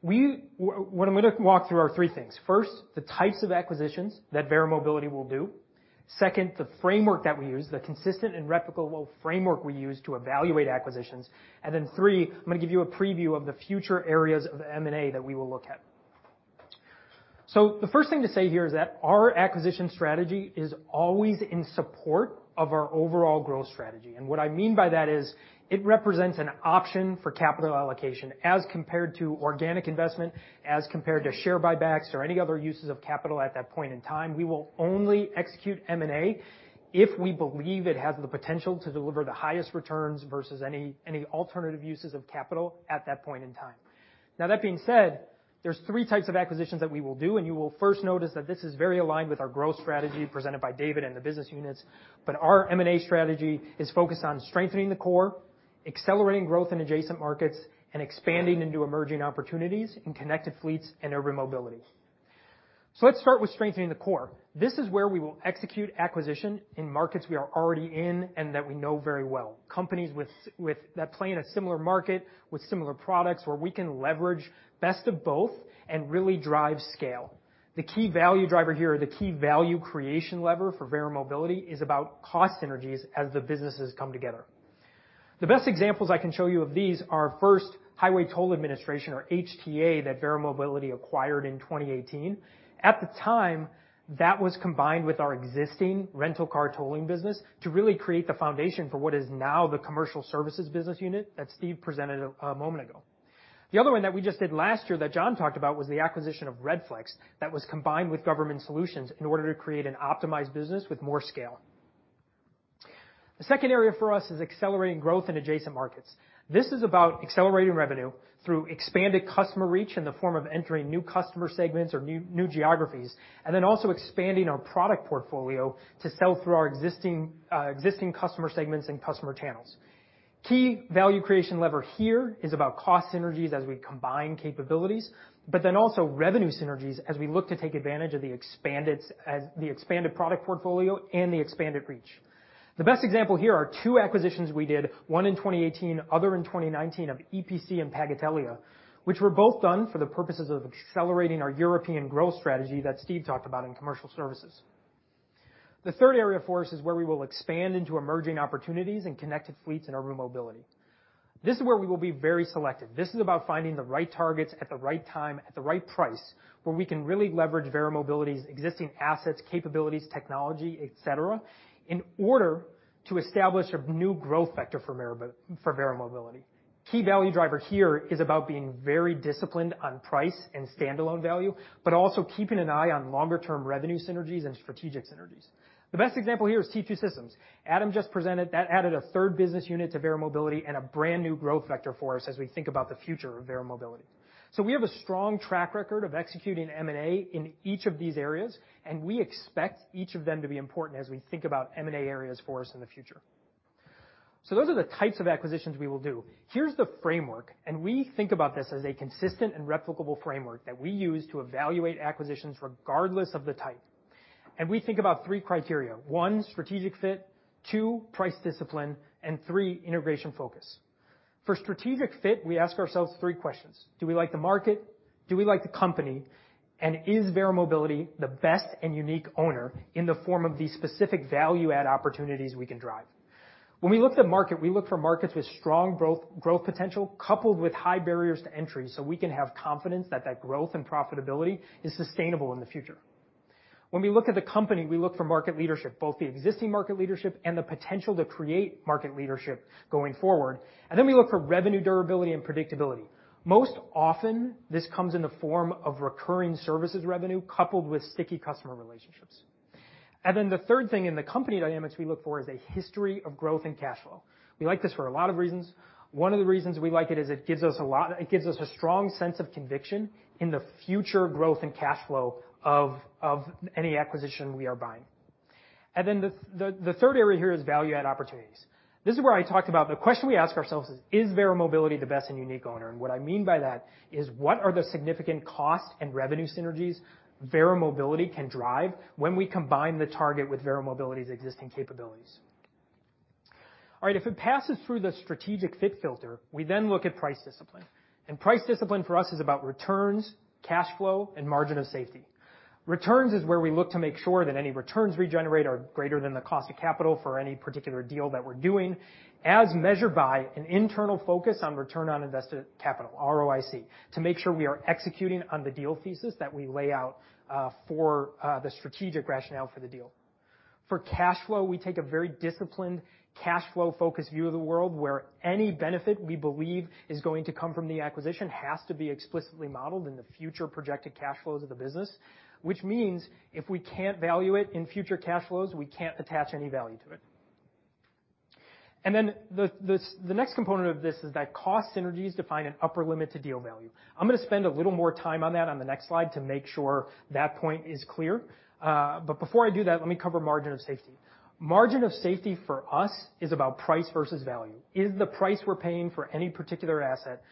What I'm got to walk through are three things. First, the types of acquisitions that Verra Mobility will do. Second, the framework that we use, the consistent and replicable framework we use to evaluate acquisitions. Then three, I'm gonna give you a preview of the future areas of M&A that we will look at. The first thing to say here is that our acquisition strategy is always in support of our overall growth strategy. What I mean by that is it represents an option for capital allocation as compared to organic investment, as compared to share buybacks or any other uses of capital at that point in time. We will only execute M&A if we believe it has the potential to deliver the highest returns versus any alternative uses of capital at that point in time. Now, that being said, there's three types of acquisitions that we will do, and you will first notice that this is very aligned with our growth strategy presented by David and the business units. Our M&A strategy is focused on strengthening the core, accelerating growth in adjacent markets, and expanding into emerging opportunities in connected fleets and urban mobility. Let's start with strengthening the core. This is where we will execute acquisition in markets we are already in and that we know very well. Companies with that play in a similar market with similar products where we can leverage best of both and really drive scale. The key value driver here, the key value creation lever for Verra Mobility is about cost synergies as the businesses come together. The best examples I can show you of these are first Highway Toll Administration or HTA that Verra Mobility acquired in 2018. At the time, that was combined with our existing rental car tolling business to really create the foundation for what is now the commercial services business unit that Steve presented a moment ago. The other one that we just did last year that Jon talked about was the acquisition of Redflex that was combined with Government Solutions in order to create an optimized business with more scale. The second area for us is accelerating growth in adjacent markets. This is about accelerating revenue through expanded customer reach in the form of entering new customer segments or new geographies, and then also expanding our product portfolio to sell through our existing customer segments and customer channels. Key value creation lever here is about cost synergies as we combine capabilities, but then also revenue synergies as we look to take advantage of the expanded product portfolio and the expanded reach. The best example here are two acquisitions we did, one in 2018, other in 2019 of EPC and Pagatelia, which were both done for the purposes of accelerating our European growth strategy that Steve Lalla talked about in Commercial Services. The third area for us is where we will expand into emerging opportunities in connected fleets and urban mobility. This is where we will be very selective. This is about finding the right targets at the right time, at the right price, where we can really leverage Verra Mobility's existing assets, capabilities, technology, etc., in order to establish a new growth vector for Verra Mobility. Key value driver here is about being very disciplined on price and standalone value, but also keeping an eye on longer-term revenue synergies and strategic synergies. The best example here is T2 Systems. Adam just presented that added a third business unit to Verra Mobility and a brand new growth vector for us as we think about the future of Verra Mobility. We have a strong track record of executing M&A in each of these areas, and we expect each of them to be important as we think about M&A areas for us in the future. Those are the types of acquisitions we will do. Here's the framework, and we think about this as a consistent and replicable framework that we use to evaluate acquisitions regardless of the type. We think about three criteria. One, strategic fit, two, price discipline, and three, integration focus. For strategic fit, we ask ourselves three questions. Do we like the market? Do we like the company? Is Verra Mobility the best and unique owner in the form of the specific value add opportunities we can drive? When we look to market, we look for markets with strong growth potential, coupled with high barriers to entry, so we can have confidence that that growth and profitability is sustainable in the future. When we look at the company, we look for market leadership, both the existing market leadership and the potential to create market leadership going forward. We look for revenue durability and predictability. Most often, this comes in the form of recurring services revenue coupled with sticky customer relationships. Then the third thing in the company dynamics we look for is a history of growth and cash flow. We like this for a lot of reasons. One of the reasons we like it is it gives us a strong sense of conviction in the future growth and cash flow of any acquisition we are buying. Then the third area here is value add opportunities. This is where I talked about the question we ask ourselves is Verra Mobility the best and unique owner? What I mean by that is what are the significant costs and revenue synergies Verra Mobility can drive when we combine the target with Verra Mobility's existing capabilities. All right, if it passes through the strategic fit filter, we then look at price discipline. Price discipline for us is about returns, cash flow, and margin of safety. Returns is where we look to make sure that any returns we generate are greater than the cost of capital for any particular deal that we're doing, as measured by an internal focus on return on invested capital, ROIC, to make sure we are executing on the deal thesis that we lay out for the strategic rationale for the deal. For cash flow, we take a very disciplined cash flow-focused view of the world, where any benefit we believe is going to come from the acquisition has to be explicitly modeled in the future projected cash flows of the business, which means if we can't value it in future cash flows, we can't attach any value to it. The next component of this is that cost synergies define an upper limit to deal value. I'm gonna spend a little more time on that on the next slide to make sure that point is clear. Before I do that, let me cover margin of safety. Margin of safety for us is about price versus value. Is the price we're paying for any particular asset,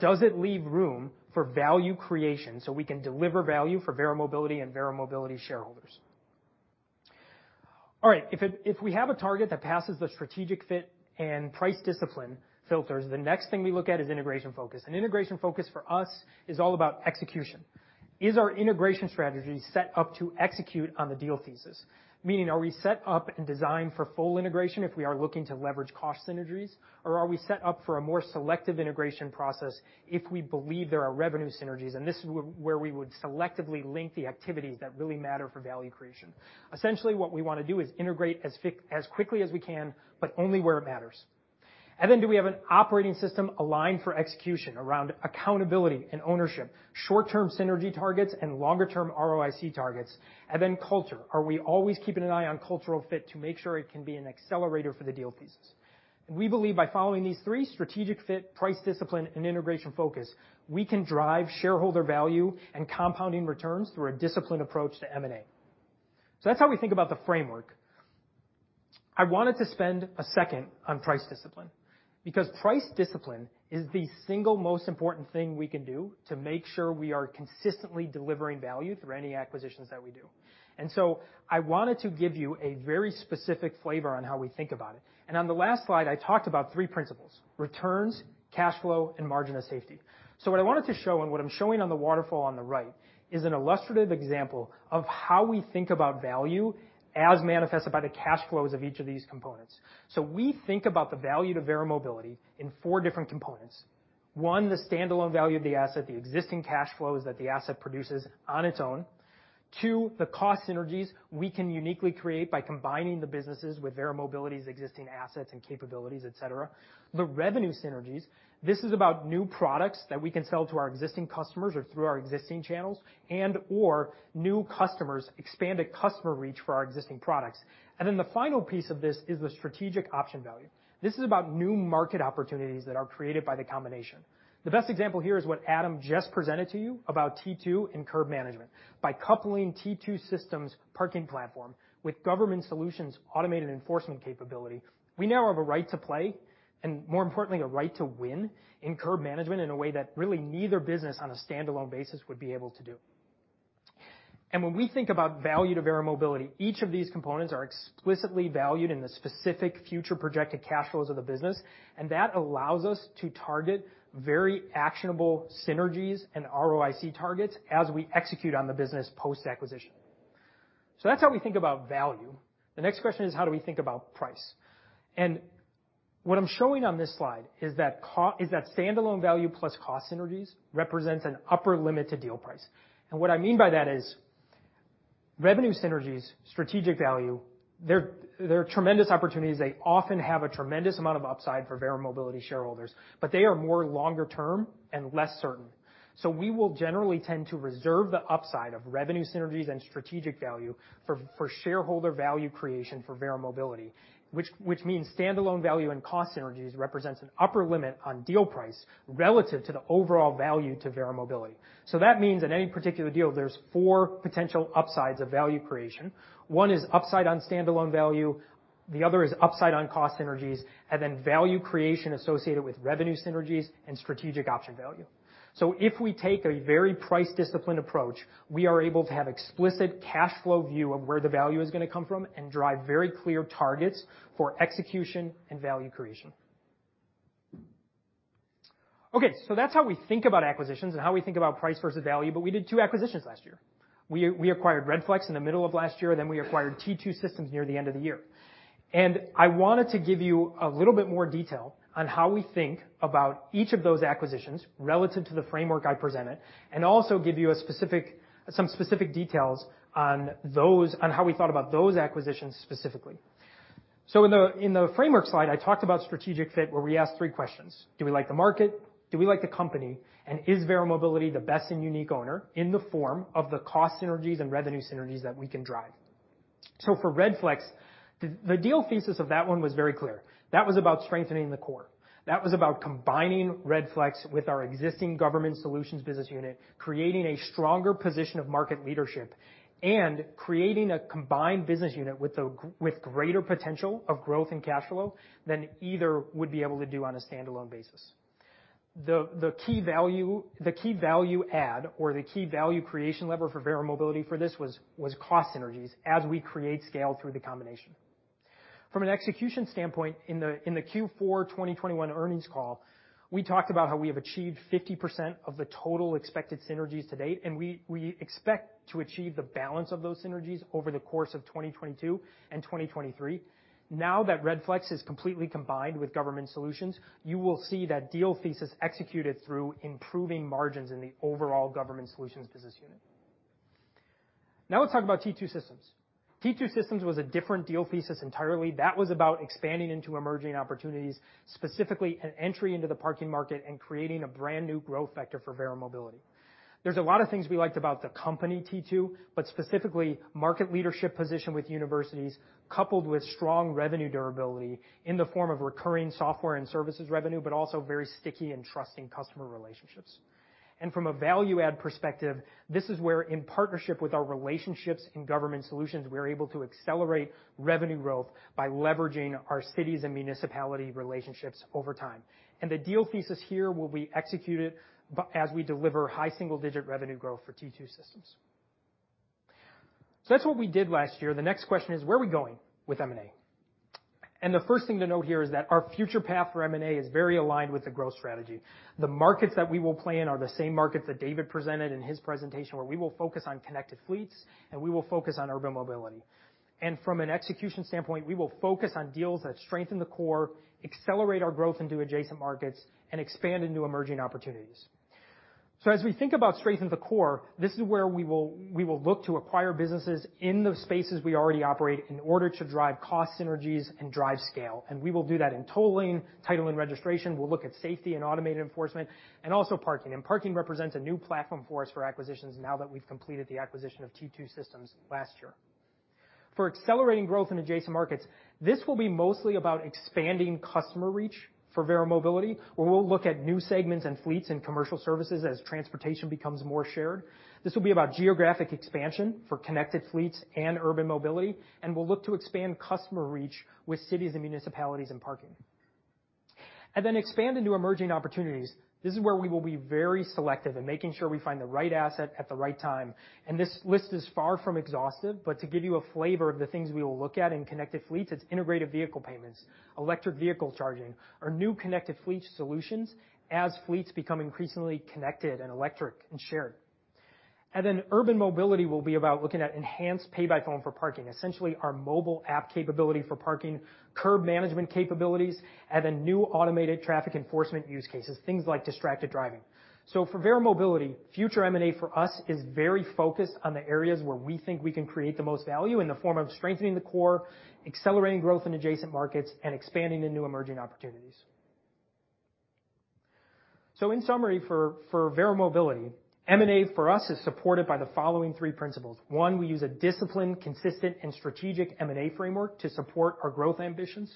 does it leave room for value creation, so we can deliver value for Verra Mobility and Verra Mobility shareholders? All right. If we have a target that passes the strategic fit and price discipline filters, the next thing we look at is integration focus. Integration focus for us is all about execution. Is our integration strategy set up to execute on the deal thesis? Meaning, are we set up and designed for full integration if we are looking to leverage cost synergies? Or are we set up for a more selective integration process if we believe there are revenue synergies, and this is where we would selectively link the activities that really matter for value creation. Essentially, what we wanna do is integrate as quickly as we can, but only where it matters. Then do we have an operating system aligned for execution around accountability and ownership, short-term synergy targets and longer-term ROIC targets? Then culture. Are we always keeping an eye on cultural fit to make sure it can be an accelerator for the deal thesis? We believe by following these three, strategic fit, price discipline, and integration focus, we can drive shareholder value and compounding returns through a disciplined approach to M&A. That's how we think about the framework. I wanted to spend a second on price discipline because price discipline is the single most important thing we can do to make sure we are consistently delivering value through any acquisitions that we do. I wanted to give you a very specific flavor on how we think about it. On the last slide, I talked about three principles, returns, cash flow, and margin of safety. What I wanted to show and what I'm showing on the waterfall on the right is an illustrative example of how we think about value as manifested by the cash flows of each of these components. We think about the value to Verra Mobility in four different components. One, the standalone value of the asset, the existing cash flows that the asset produces on its own. Two, the cost synergies we can uniquely create by combining the businesses with Verra Mobility's existing assets and capabilities, etc. The revenue synergies, this is about new products that we can sell to our existing customers or through our existing channels and/or new customers, expanded customer reach for our existing products. The final piece of this is the strategic option value. This is about new market opportunities that are created by the combination. The best example here is what Adam just presented to you about T2 and curb management. By coupling T2 Systems' parking platform with Government Solutions' automated enforcement capability, we now have a right to play, and more importantly, a right to win in curb management in a way that really neither business on a standalone basis would be able to do. When we think about value to Verra Mobility, each of these components are explicitly valued in the specific future projected cash flows of the business, and that allows us to target very actionable synergies and ROIC targets as we execute on the business post-acquisition. That's how we think about value. The next question is, how do we think about price? What I'm showing on this slide is that standalone value plus cost synergies represents an upper limit to deal price. What I mean by that is revenue synergies, strategic value, they're tremendous opportunities. They often have a tremendous amount of upside for Verra Mobility shareholders, but they are more longer-term and less certain. We will generally tend to reserve the upside of revenue synergies and strategic value for shareholder value creation for Verra Mobility, which means standalone value and cost synergies represents an upper limit on deal price relative to the overall value to Verra Mobility. That means in any particular deal, there's four potential upsides of value creation. One is upside on standalone value, the other is upside on cost synergies, and then value creation associated with revenue synergies and strategic option value. If we take a very price-disciplined approach, we are able to have explicit cash flow view of where the value is gonna come from and drive very clear targets for execution and value creation. Okay, so that's how we think about acquisitions and how we think about price versus value, but we did two acquisitions last year. We acquired Redflex in the middle of last year, then we acquired T2 Systems near the end of the year. I wanted to give you a little bit more detail on how we think about each of those acquisitions relative to the framework I presented, and also give you some specific details on how we thought about those acquisitions specifically. In the framework slide, I talked about strategic fit, where we asked three questions: Do we like the market? Do we like the company? Is Verra Mobility the best and unique owner in the form of the cost synergies and revenue synergies that we can drive? For Redflex, the deal thesis of that one was very clear. That was about strengthening the core. That was about combining Redflex with our existing Government Solutions business unit, creating a stronger position of market leadership, and creating a combined business unit with greater potential of growth and cash flow than either would be able to do on a standalone basis. The key value add or the key value creation lever for Verra Mobility for this was cost synergies as we create scale through the combination. From an execution standpoint, in the Q4 2021 earnings call, we talked about how we have achieved 50% of the total expected synergies to date, and we expect to achieve the balance of those synergies over the course of 2022 and 2023. Now that Redflex is completely combined with Government Solutions, you will see that deal thesis executed through improving margins in the overall Government Solutions business unit. Now let's talk about T2 Systems. T2 Systems was a different deal thesis entirely. That was about expanding into emerging opportunities, specifically an entry into the parking market and creating a brand-new growth vector for Verra Mobility. There's a lot of things we liked about the company T2, but specifically market leadership position with universities, coupled with strong revenue durability in the form of recurring software and services revenue, but also very sticky and trusting customer relationships. From a value add perspective, this is where, in partnership with our relationships in Government Solutions, we're able to accelerate revenue growth by leveraging our cities and municipality relationships over time. The deal thesis here will be executed as we deliver high single-digit revenue growth for T2 Systems. That's what we did last year. The next question is, where are we going with M&A? The first thing to note here is that our future path for M&A is very aligned with the growth strategy. The markets that we will play in are the same markets that David presented in his presentation, where we will focus on connected fleets, and we will focus on urban mobility. From an execution standpoint, we will focus on deals that strengthen the core, accelerate our growth into adjacent markets, and expand into emerging opportunities. As we think about strengthen the core, this is where we will look to acquire businesses in those spaces we already operate in order to drive cost synergies and drive scale. We will do that in tolling, title and registration. We'll look at safety and automated enforcement, and also parking. Parking represents a new platform for us for acquisitions now that we've completed the acquisition of T2 Systems last year. For accelerating growth in adjacent markets, this will be mostly about expanding customer reach for Verra Mobility, where we'll look at new segments and fleets and commercial services as transportation becomes more shared. This will be about geographic expansion for connected fleets and urban mobility, and we'll look to expand customer reach with cities and municipalities and parking. Expand into emerging opportunities. This is where we will be very selective in making sure we find the right asset at the right time. This list is far from exhaustive, but to give you a flavor of the things we will look at in connected fleets, it's integrated vehicle payments, electric vehicle charging, or new connected fleet solutions as fleets become increasingly connected and electric and shared. Urban mobility will be about looking at enhanced pay by phone for parking, essentially our mobile app capability for parking, curb management capabilities, and then new automated traffic enforcement use cases, things like distracted driving. For Verra Mobility, future M&A for us is very focused on the areas where we think we can create the most value in the form of strengthening the core, accelerating growth in adjacent markets, and expanding into emerging opportunities. In summary, for Verra Mobility, M&A for us is supported by the following three principles. One, we use a disciplined, consistent, and strategic M&A framework to support our growth ambitions.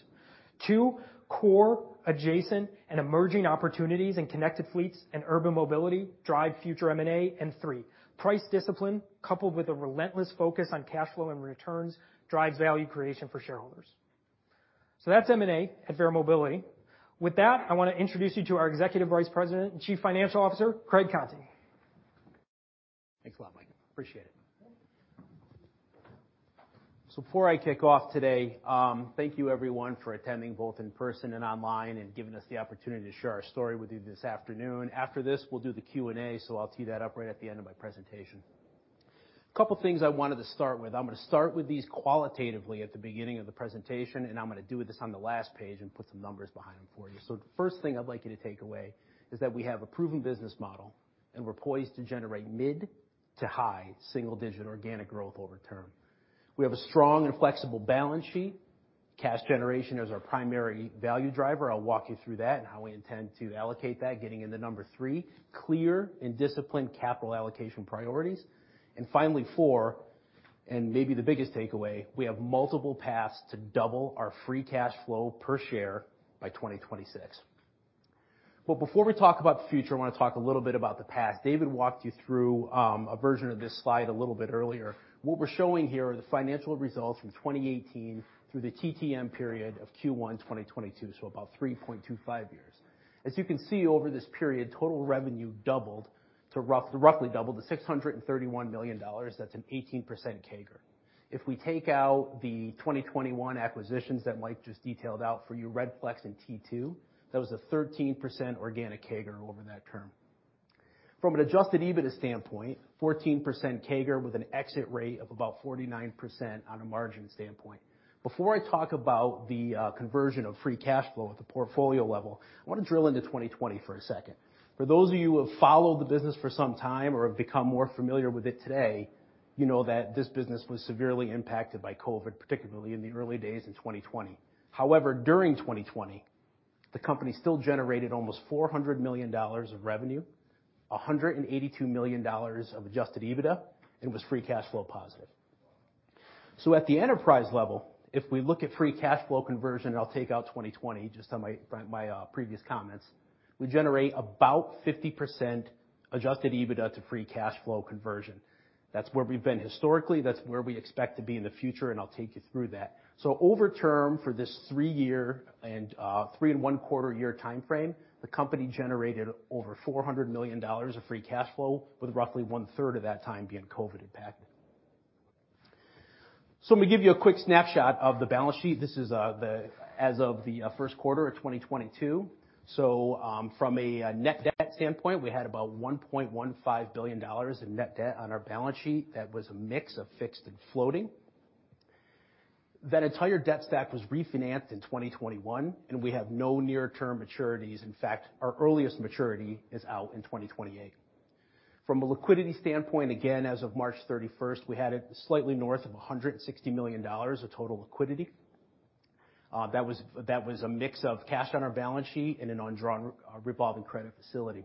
Two, core, adjacent, and emerging opportunities in connected fleets and urban mobility drive future M&A. Three, price discipline, coupled with a relentless focus on cash flow and returns, drives value creation for shareholders. That's M&A at Verra Mobility. With that, I wanna introduce you to our Executive Vice President and Chief Financial Officer, Craig Conti. Thanks a lot, Mike. Appreciate it. Before I kick off today, thank you everyone for attending both in person and online and giving us the opportunity to share our story with you this afternoon. After this, we'll do the Q&A, so I'll tee that up right at the end of my presentation. Couple things I wanted to start with. I'm gonna start with these qualitatively at the beginning of the presentation, and I'm gonna do this on the last page and put some numbers behind them for you. The first thing I'd like you to take away is that we have a proven business model, and we're poised to generate mid- to high-single-digit organic growth over time. We have a strong and flexible balance sheet. Cash generation is our primary value driver. I'll walk you through that and how we intend to allocate that, getting into three, clear and disciplined capital allocation priorities. Finally, four, and maybe the biggest takeaway, we have multiple paths to double our free cash flow per share by 2026. Before we talk about the future, I wanna talk a little bit about the past. David walked you through a version of this slide a little bit earlier. What we're showing here are the financial results from 2018 through the TTM period of Q1 2022, so about 3.25 years. As you can see over this period, total revenue roughly doubled to $631 million. That's an 18% CAGR. If we take out the 2021 acquisitions that Mike just detailed out for you, Redflex and T2, that was a 13% organic CAGR over that term. From an adjusted EBITDA standpoint, 14% CAGR with an exit rate of about 49% on a margin standpoint. Before I talk about the conversion of free cash flow at the portfolio level, I wanna drill into 2020 for a second. For those of you who have followed the business for some time or have become more familiar with it today, you know that this business was severely impacted by COVID, particularly in the early days in 2020. However, during 2020, the company still generated almost $400 million of revenue, $182 million of adjusted EBITDA, and was free cash flow positive. At the enterprise level, if we look at free cash flow conversion, I'll take out 2020 just on my previous comments, we generate about 50% adjusted EBITDA to free cash flow conversion. That's where we've been historically. That's where we expect to be in the future, and I'll take you through that. Over the term of this three-year and three-and-one-quarter-year timeframe, the company generated over $400 million of free cash flow with roughly one-third of that time being COVID impacted. I'm gonna give you a quick snapshot of the balance sheet. This is as of the first quarter of 2022. From a net debt standpoint, we had about $1.15 billion in net debt on our balance sheet. That was a mix of fixed and floating. That entire debt stack was refinanced in 2021, and we have no near term maturities. In fact, our earliest maturity is out in 2028. From a liquidity standpoint, again, as of March 31st, we had it slightly north of $160 million of total liquidity. That was a mix of cash on our balance sheet and an undrawn revolving credit facility.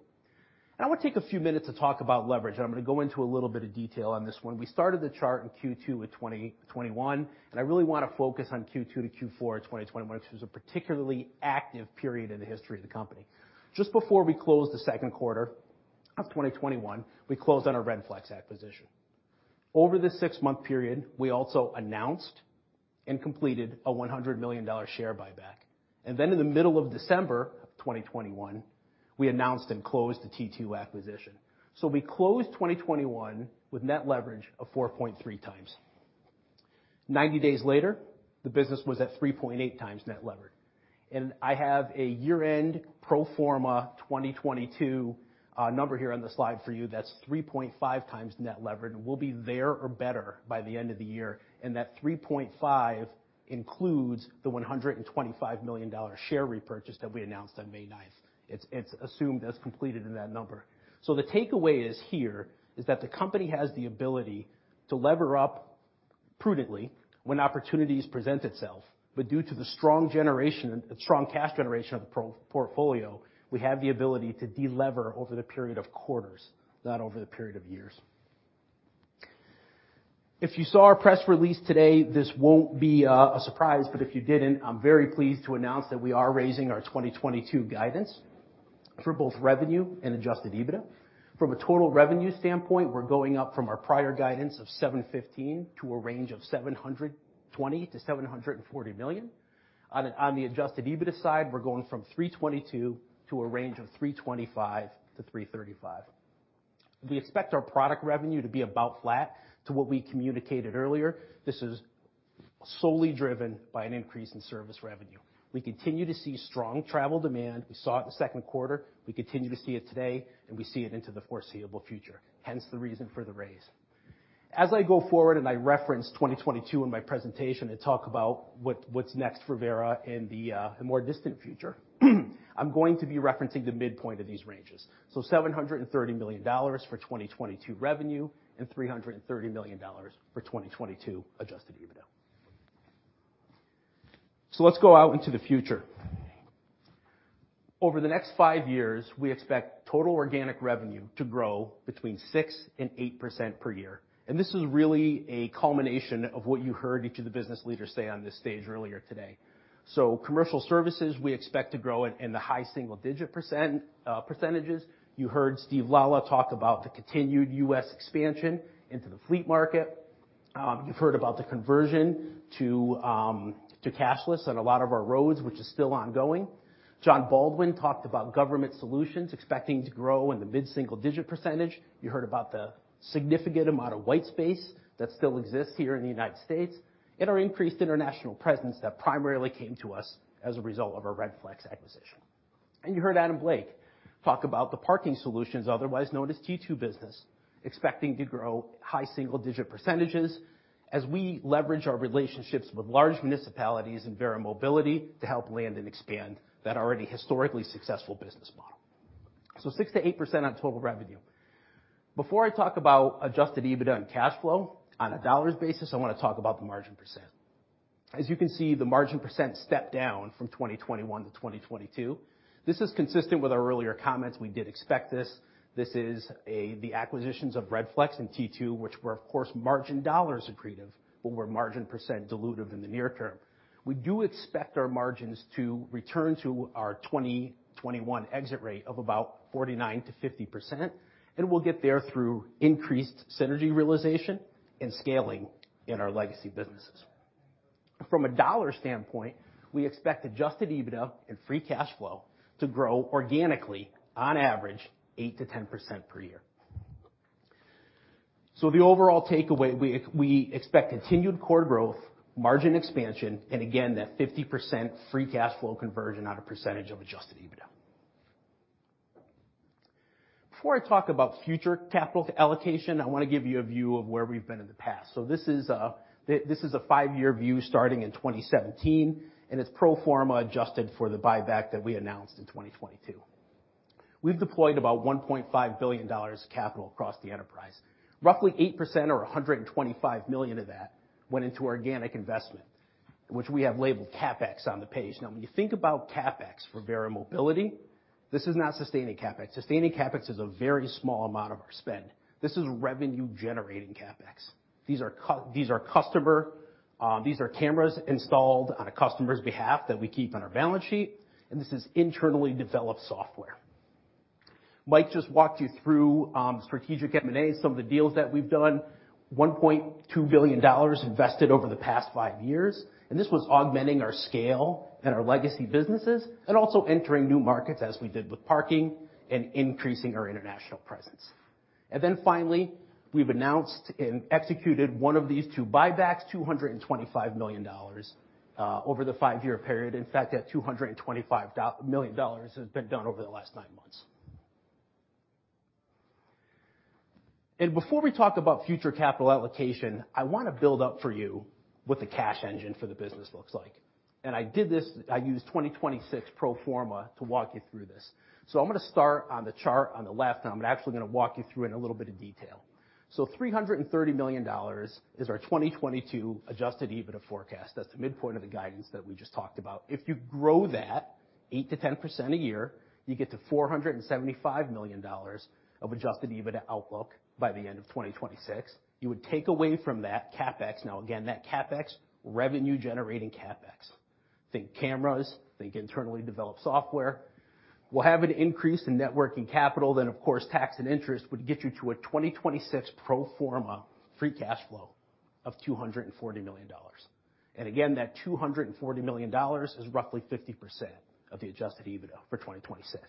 I wanna take a few minutes to talk about leverage, and I'm gonna go into a little bit of detail on this one. We started the chart in Q2 of 2021, and I really wanna focus on Q2-Q4 of 2021, which was a particularly active period in the history of the company. Just before we closed the second quarter of 2021, we closed on our Redflex acquisition. Over the six-month period, we also announced and completed a $100 million share buyback. In the middle of December of 2021, we announced and closed the T2 acquisition. We closed 2021 with net leverage of 4.3 times. Ninety days later, the business was at 3.8 times net levered. I have a year-end pro forma 2022 number here on the slide for you. That's 3.5 times net levered, and we'll be there or better by the end of the year. That 3.5 includes the $125 million share repurchase that we announced on May ninth. It's assumed as completed in that number. The takeaway here is that the company has the ability to lever up prudently when opportunities present itself. Due to the strong cash generation of the portfolio, we have the ability to delever over the period of quarters, not over the period of years. If you saw our press release today, this won't be a surprise, but if you didn't, I'm very pleased to announce that we are raising our 2022 guidance for both revenue and adjusted EBITDA. From a total revenue standpoint, we're going up from our prior guidance of $715 million to a range of $720 million to $740 million. On the adjusted EBITDA side, we're going from $322 million to a range of $325 million to $335 million. We expect our product revenue to be about flat to what we communicated earlier. This is solely driven by an increase in service revenue. We continue to see strong travel demand. We saw it in the second quarter, we continue to see it today, and we see it into the foreseeable future, hence the reason for the raise. As I go forward and I reference 2022 in my presentation to talk about what's next for Verra in the more distant future, I'm going to be referencing the midpoint of these ranges. Seven hundred and thirty million dollars for 2022 revenue and three hundred and thirty million dollars for 2022 adjusted EBITDA. Let's go out into the future. Over the next five years, we expect total organic revenue to grow between 6% and 8% per year. This is really a culmination of what you heard each of the business leaders say on this stage earlier today. Commercial services, we expect to grow in the high single-digit percentages. You heard Steve Lalla talk about the continued U.S. expansion into the fleet market. You've heard about the conversion to cashless on a lot of our roads, which is still ongoing. Jon Baldwin talked about government solutions expecting to grow in the mid-single-digit percentage. You heard about the significant amount of white space that still exists here in the United States, and our increased international presence that primarily came to us as a result of our Redflex acquisition. You heard Adam Blake talk about the parking solutions, otherwise known as T2 business, expecting to grow high-single-digit percentages as we leverage our relationships with large municipalities in Verra Mobility to help land and expand that already historically successful business model. 6% to 8% on total revenue. Before I talk about adjusted EBITDA and cash flow on a dollars basis, I wanna talk about the margin percentage. As you can see, the margin percentage stepped down from 2021 to 2022. This is consistent with our earlier comments. We did expect this. This is the acquisitions of Redflex and T2, which were of course margin dollars accretive, but were margin percentage dilutive in the near term. We do expect our margins to return to our 2021 exit rate of about 49% to 50%, and we'll get there through increased synergy realization and scaling in our legacy businesses. From a dollar standpoint, we expect adjusted EBITDA and free cash flow to grow organically on average 8%to 10% per year. The overall takeaway, we expect continued core growth, margin expansion, and again, that 50% free cash flow conversion as a percentage of adjusted EBITDA. Before I talk about future capital allocation, I wanna give you a view of where we've been in the past. This is a five-year view starting in 2017, and it's pro forma adjusted for the buyback that we announced in 2022. We've deployed about $1.5 billion capital across the enterprise. Roughly 8% or $125 million of that went into organic investment, which we have labeled CapEx on the page. Now, when you think about CapEx for Verra Mobility, this is not sustaining CapEx. Sustaining CapEx is a very small amount of our spend. This is revenue generating CapEx. These are cameras installed on a customer's behalf that we keep on our balance sheet, and this is internally developed software. Mike just walked you through strategic M&A, some of the deals that we've done, $1.2 billion invested over the past five years, and this was augmenting our scale and our legacy businesses and also entering new markets, as we did with parking and increasing our international presence. Finally, we've announced and executed one of these two buybacks, $225 million over the five-year period. In fact, that $225 million has been done over the last nine months. Before we talk about future capital allocation, I wanna build up for you what the cash engine for the business looks like. I did this, I used 2026 pro forma to walk you through this. I'm gonna start on the chart on the left, and I'm actually gonna walk you through in a little bit of detail. Three hundred and thirty million dollars is our 2022 adjusted EBITDA forecast. That's the midpoint of the guidance that we just talked about. If you grow that 8% to 10% a year, you get to $475 million of adjusted EBITDA outlook by the end of 2026. You would take away from that CapEx. Now, again, that CapEx, revenue generating CapEx. Think cameras, think internally developed software. We'll have an increase in net working capital, then, of course, tax and interest would get you to a 2026 pro forma free cash flow of $240 million. Again, that $240 million is roughly 50% of the adjusted EBITDA for 2026.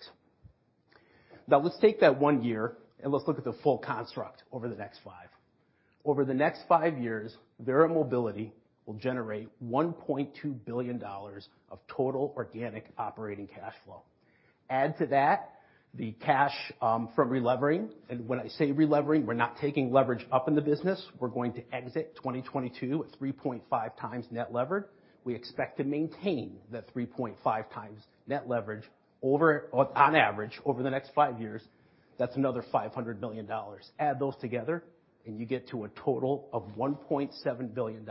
Now let's take that one year, and let's look at the full construct over the next five. Over the next five years, Verra Mobility will generate $1.2 billion of total organic operating cash flow. Add to that the cash from relevering, and when I say relevering, we're not taking leverage up in the business. We're going to exit 2022 at 3.5x net leverage. We expect to maintain the 3.5x net leverage over or on average over the next five years. That's another $500 million. Add those together, and you get to a total of $1.7 billion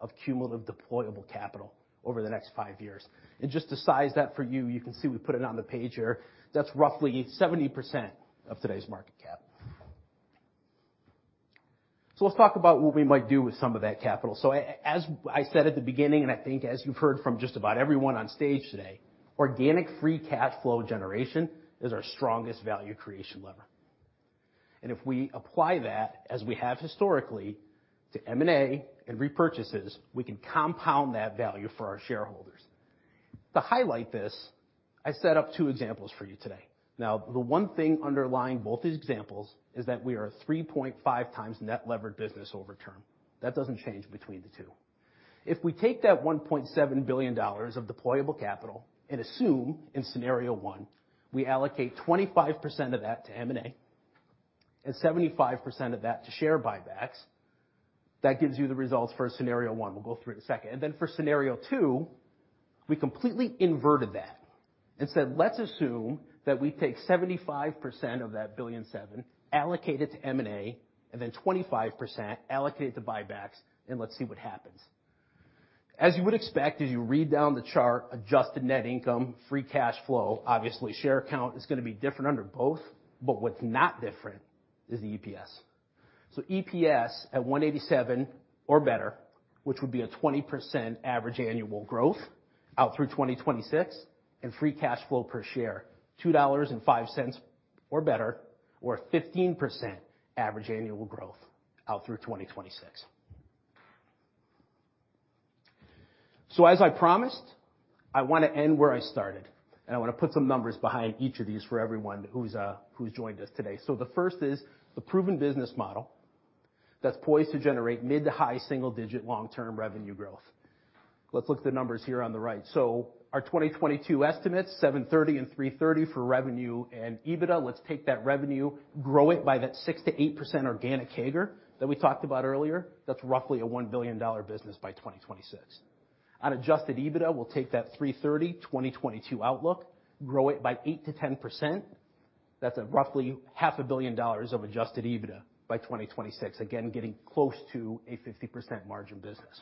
of cumulative deployable capital over the next five years. Just to size that for you can see we put it on the page here. That's roughly 70% of today's market cap. Let's talk about what we might do with some of that capital. As I said at the beginning, and I think as you've heard from just about everyone on stage today, organic free cash flow generation is our strongest value creation lever. If we apply that, as we have historically, to M&A and repurchases, we can compound that value for our shareholders. To highlight this, I set up two examples for you today. Now, the one thing underlying both these examples is that we are a 3.5 times net levered business over term. That doesn't change between the two. If we take that $1.7 billion of deployable capital and assume in scenario one we allocate 25% of that to M&A and 75% of that to share buybacks, that gives you the results for scenario one. We'll go through in a second. Then for scenario two, we completely inverted that and said, let's assume that we take 75% of that $1.7 billion, allocate it to M&A, and then 25% allocate it to buybacks, and let's see what happens. As you would expect, as you read down the chart, adjusted net income, free cash flow, obviously share count is gonna be different under both, but what's not different is the EPS. EPS at $1.87 or better, which would be a 20% average annual growth out through 2026 and free cash flow per share, $2.05 or better, or 15% average annual growth out through 2026. As I promised, I wanna end where I started, and I wanna put some numbers behind each of these for everyone who's joined us today. The first is the proven business model that's poised to generate mid- to high-single-digit long-term revenue growth. Let's look at the numbers here on the right. Our 2022 estimates $730 million and $330 million for revenue and EBITDA. Let's take that revenue, grow it by that 6% to 8% organic CAGR that we talked about earlier. That's roughly a $1 billion business by 2026. On adjusted EBITDA, we'll take that $330 million, 2022 outlook, grow it by 8% to 10%. That's a roughly half a billion dollars of adjusted EBITDA by 2026. Again, getting close to a 50% margin business.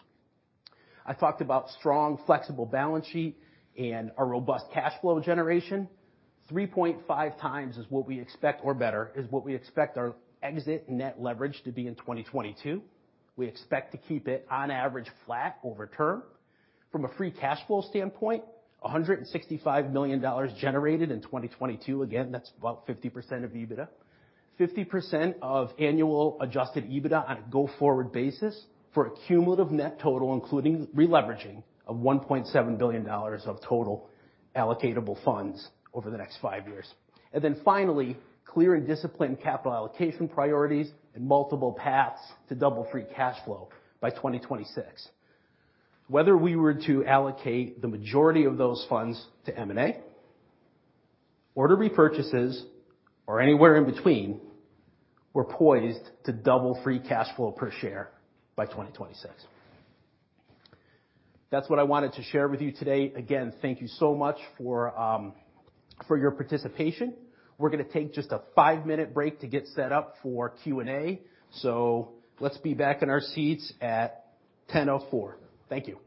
I talked about strong, flexible balance sheet and a robust cash flow generation. 3.5 times is what we expect or better is what we expect our exit net leverage to be in 2022. We expect to keep it on average flat over term. From a free cash flow standpoint, $165 million generated in 2022. Again, that's about 50% of EBITDA. 50% of annual adjusted EBITDA on a go-forward basis for a cumulative net total, including releveraging of $1.7 billion of total allocatable funds over the next five years. Finally, clear and disciplined capital allocation priorities and multiple paths to double free cash flow by 2026. Whether we were to allocate the majority of those funds to M&A or to repurchases or anywhere in between, we're poised to double free cash flow per share by 2026. That's what I wanted to share with you today. Again, thank you so much for your participation. We're gonna take just a five-minute break to get set up for Q&A. Let's be back in our seats at 10:04 A.M. Thank you.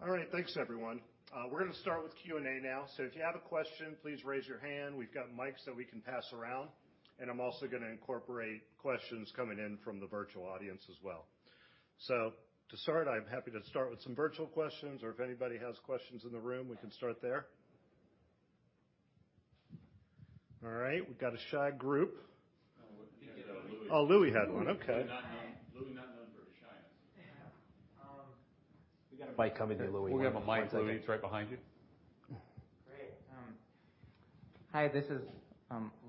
All right. Thanks, everyone. We're gonna start with Q&A now. So if you have a question, please raise your hand. We've got mics that we can pass around, and I'm also gonna incorporate questions coming in from the virtual audience as well. So to start, I'm happy to start with some virtual questions or if anybody has questions in the room, we can start there. All right. We've got a shy group. I think Louie had one. Louie had one. Louie, not known for his shyness. We got a mic coming to Louie. We have a mic, Louie. It's right behind you. Great. Hi, this is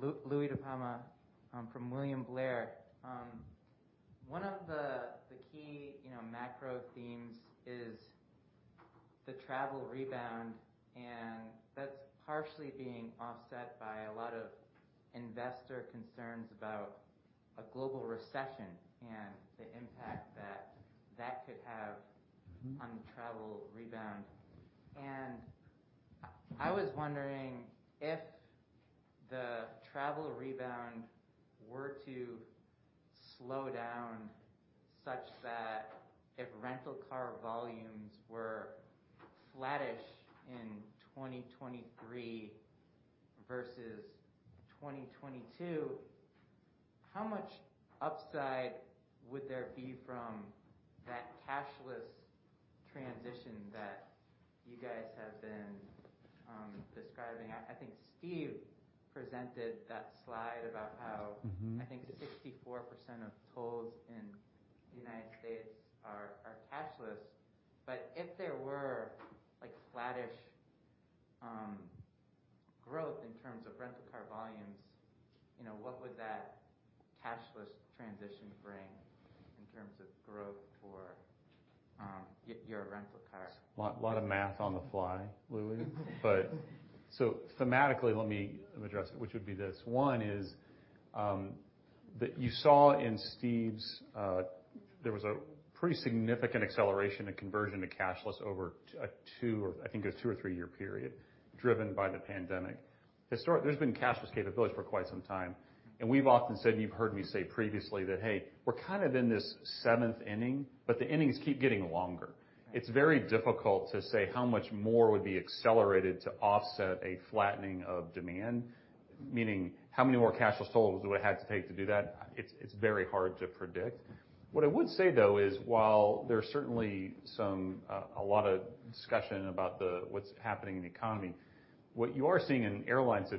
Louie DePalma from William Blair. One of the key, you know, macro themes is the travel rebound, and that's partially being offset by a lot of investor concerns about a global recession and the impact that could have on travel rebound. I was wondering if the travel rebound were to slow down such that if rental car volumes were flattish in 2023 versus 2022, how much upside would there be from that cashless transition that you guys have been describing? I think Steve presented that slide about how, I think 64% of tolls in the United States are cashless. But if there were like flattish growth in terms of rental car volumes, you know, what would that cashless transition bring in terms of growth for your rental cars? Lot of math on the fly, Louie. Thematically, let me address it, which would be this. One is that you saw in Steve's. There was a pretty significant acceleration in conversion to cashless over a two or three-year period driven by the pandemic. There's been cashless capabilities for quite some time, and we've often said, and you've heard me say previously that, "Hey, we're kind of in this seventh inning, but the innings keep getting longer." It's very difficult to say how much more would be accelerated to offset a flattening of demand, meaning how many more cashless tolls would it have to take to do that? It's very hard to predict. What I would say, though, is while there's certainly some a lot of discussion about what's happening in the economy, what you are seeing, and airlines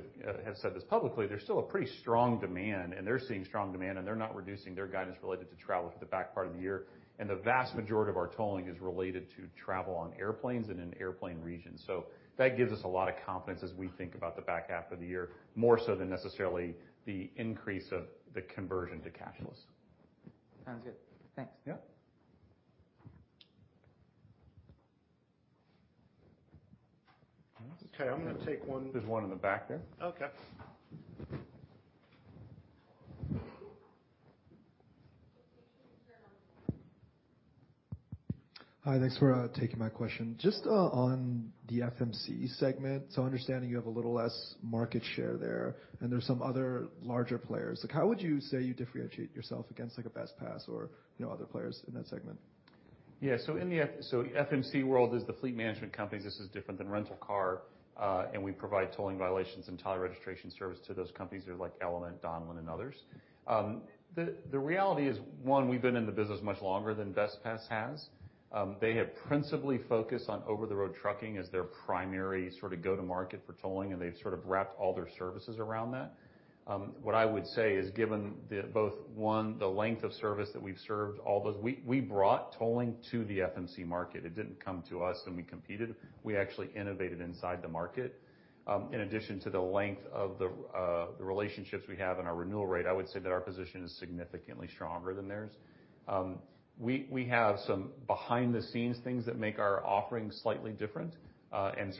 have said this publicly, there's still a pretty strong demand and they're seeing strong demand, and they're not reducing their guidance related to travel for the back part of the year. The vast majority of our tolling is related to travel on airplanes and in airplane regions. That gives us a lot of confidence as we think about the back half of the year, more so than necessarily the increase of the conversion to cashless. Sounds good. Thanks. Okay. I'm gonna take one. There's one in the back there. Okay. Hi, thanks for taking my question. Just on the FMC segment. Understanding you have a little less market share there, and there's some other larger players, like how would you say you differentiate yourself against like a Bestpass or, you know, other players in that segment? FMCs world is the fleet management companies. This is different than rental car, and we provide tolling violations and title registration service to those companies. They're like Element, Donlen, and others. The reality is, one, we've been in the business much longer than Bestpass has. They have principally focused on over-the-road trucking as their primary sort of go-to-market for tolling, and they've sort of wrapped all their services around that. What I would say is given the both, one, the length of service that we've served all those. We brought tolling to the FMCs market. It didn't come to us, and we competed. We actually innovated inside the market. In addition to the length of the relationships we have and our renewal rate, I would say that our position is significantly stronger than theirs. We have some behind-the-scenes things that make our offerings slightly different.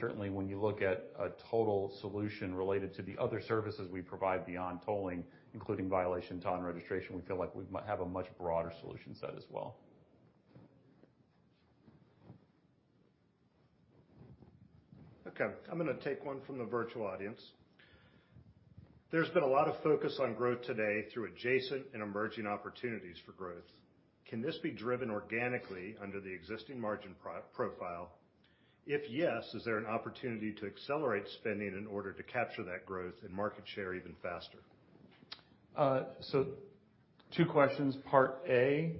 Certainly, when you look at a total solution related to the other services we provide beyond tolling, including violation toll and registration, we feel like we have a much broader solution set as well. Okay. I'm gonna take one from the virtual audience. There's been a lot of focus on growth today through adjacent and emerging opportunities for growth. Can this be driven organically under the existing margin profile? If yes, is there an opportunity to accelerate spending in order to capture that growth and market share even faster? Two questions. Part A.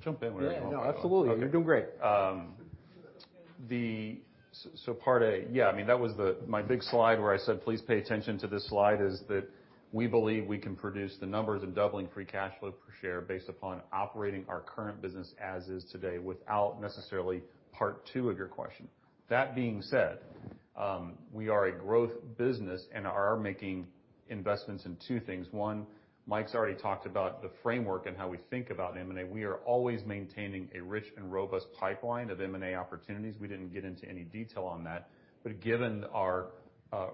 Jump in whenever you want. Absolutely. You're doing great. Part A, I mean, that was my big slide where I said, please pay attention to this slide, is that we believe we can produce the numbers and doubling free cash flow per share based upon operating our current business as is today, without necessarily part two of your question. That being said, we are a growth business and are making investments in two things. One, Mike's already talked about the framework and how we think about M&A. We are always maintaining a rich and robust pipeline of M&A opportunities. We didn't get into any detail on that. Given our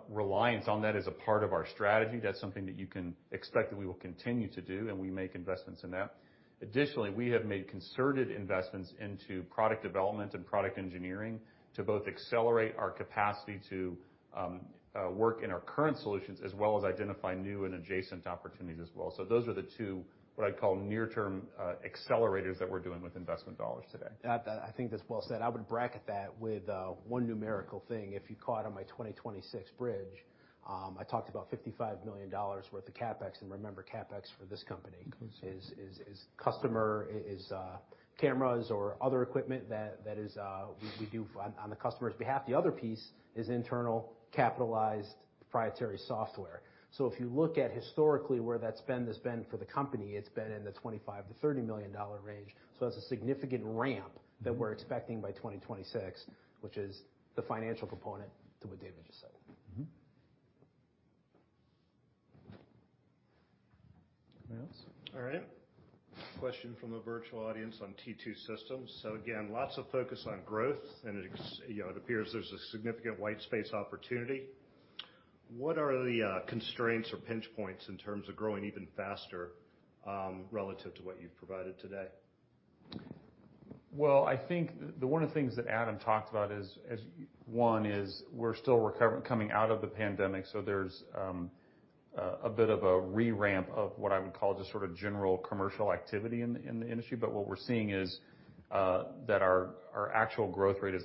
reliance on that as a part of our strategy, that's something that you can expect that we will continue to do, and we make investments in that. Additionally, we have made concerted investments into product development and product engineering to both accelerate our capacity to work in our current solutions, as well as identify new and adjacent opportunities as well. Those are the two, what I'd call near-term, accelerators that we're doing with investment dollars today. That I think that's well said. I would bracket that with one numerical thing. If you caught on my 2026 bridge, I talked about $55 million worth of CapEx. Remember, CapEx for this company is customer cameras or other equipment that we do on the customer's behalf. The other piece is internal capitalized proprietary software. If you look at historically where that spend has been for the company, it's been in the $25 million to $30 million range. That's a significant ramp that we're expecting by 2026, which is the financial component to what David just said. Anything else? All right. Question from the virtual audience on T2 Systems. Again, lots of focus on growth, and you know, it appears there's a significant white space opportunity. What are the constraints or pinch points in terms of growing even faster, relative to what you've provided today? Well, I think one of the things that Adam talked about is one, we're still coming out of the pandemic, so there's a bit of a re-ramp of what I would call just sort of general commercial activity in the industry. What we're seeing is that our actual growth rate is.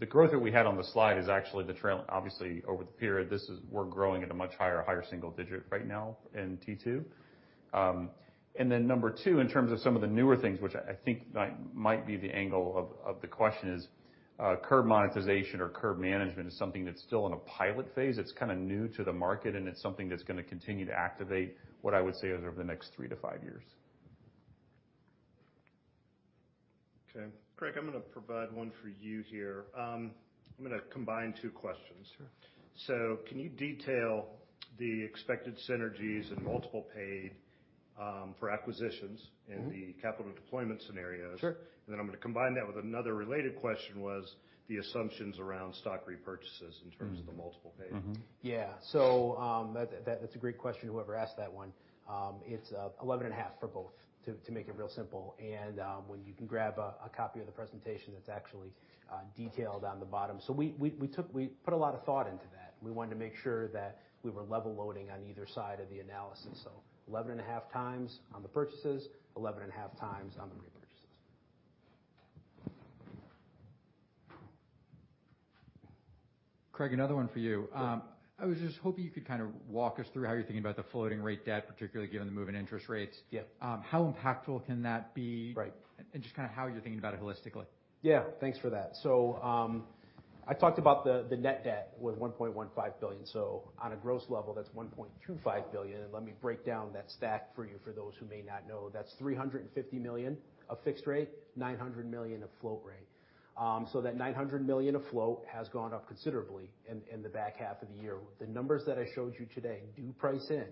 The growth that we had on the slide is actually the trailing. Obviously, over the period, this is we're growing at a much higher single digit right now in T2. Number two, in terms of some of the newer things, which I think might be the angle of the question is, curb monetization or curb management is something that's still in a pilot phase. It's kind pf new to the market, and it's something that's gonna continue to activate what I would say is over the next three to five years. Okay. Craig, I'm gonna provide one for you here. I'm gonna combine two questions. Sure. Can you detail the expected synergies and multiple paid for acquisitions in the capital deployment scenarios? I'm gonna combine that with another related question was the assumptions around stock repurchases in terms of the multiple paid. That's a great question, whoever asked that one. It's 11.5 for both, to make it real simple. When you can grab a copy of the presentation that's actually detailed on the bottom. We put a lot of thought into that. We wanted to make sure that we were level loading on either side of the analysis. 11.5x on the purchases, 11.5x on the repurchases. Craig, another one for you. I was just hoping you could kind of walk us through how you're thinking about the floating rate debt, particularly given the move in interest rates. How impactful can that be? Just kind of how you're thinking about it holistically. Thanks for that. I talked about the net debt was $1.15 billion. On a gross level, that's $1.25 billion. Let me break down that stack for you, for those who may not know. That's $350 million of fixed rate, $900 million of floating rate. That $900 million of floating rate has gone up considerably in the back half of the year. The numbers that I showed you today do price in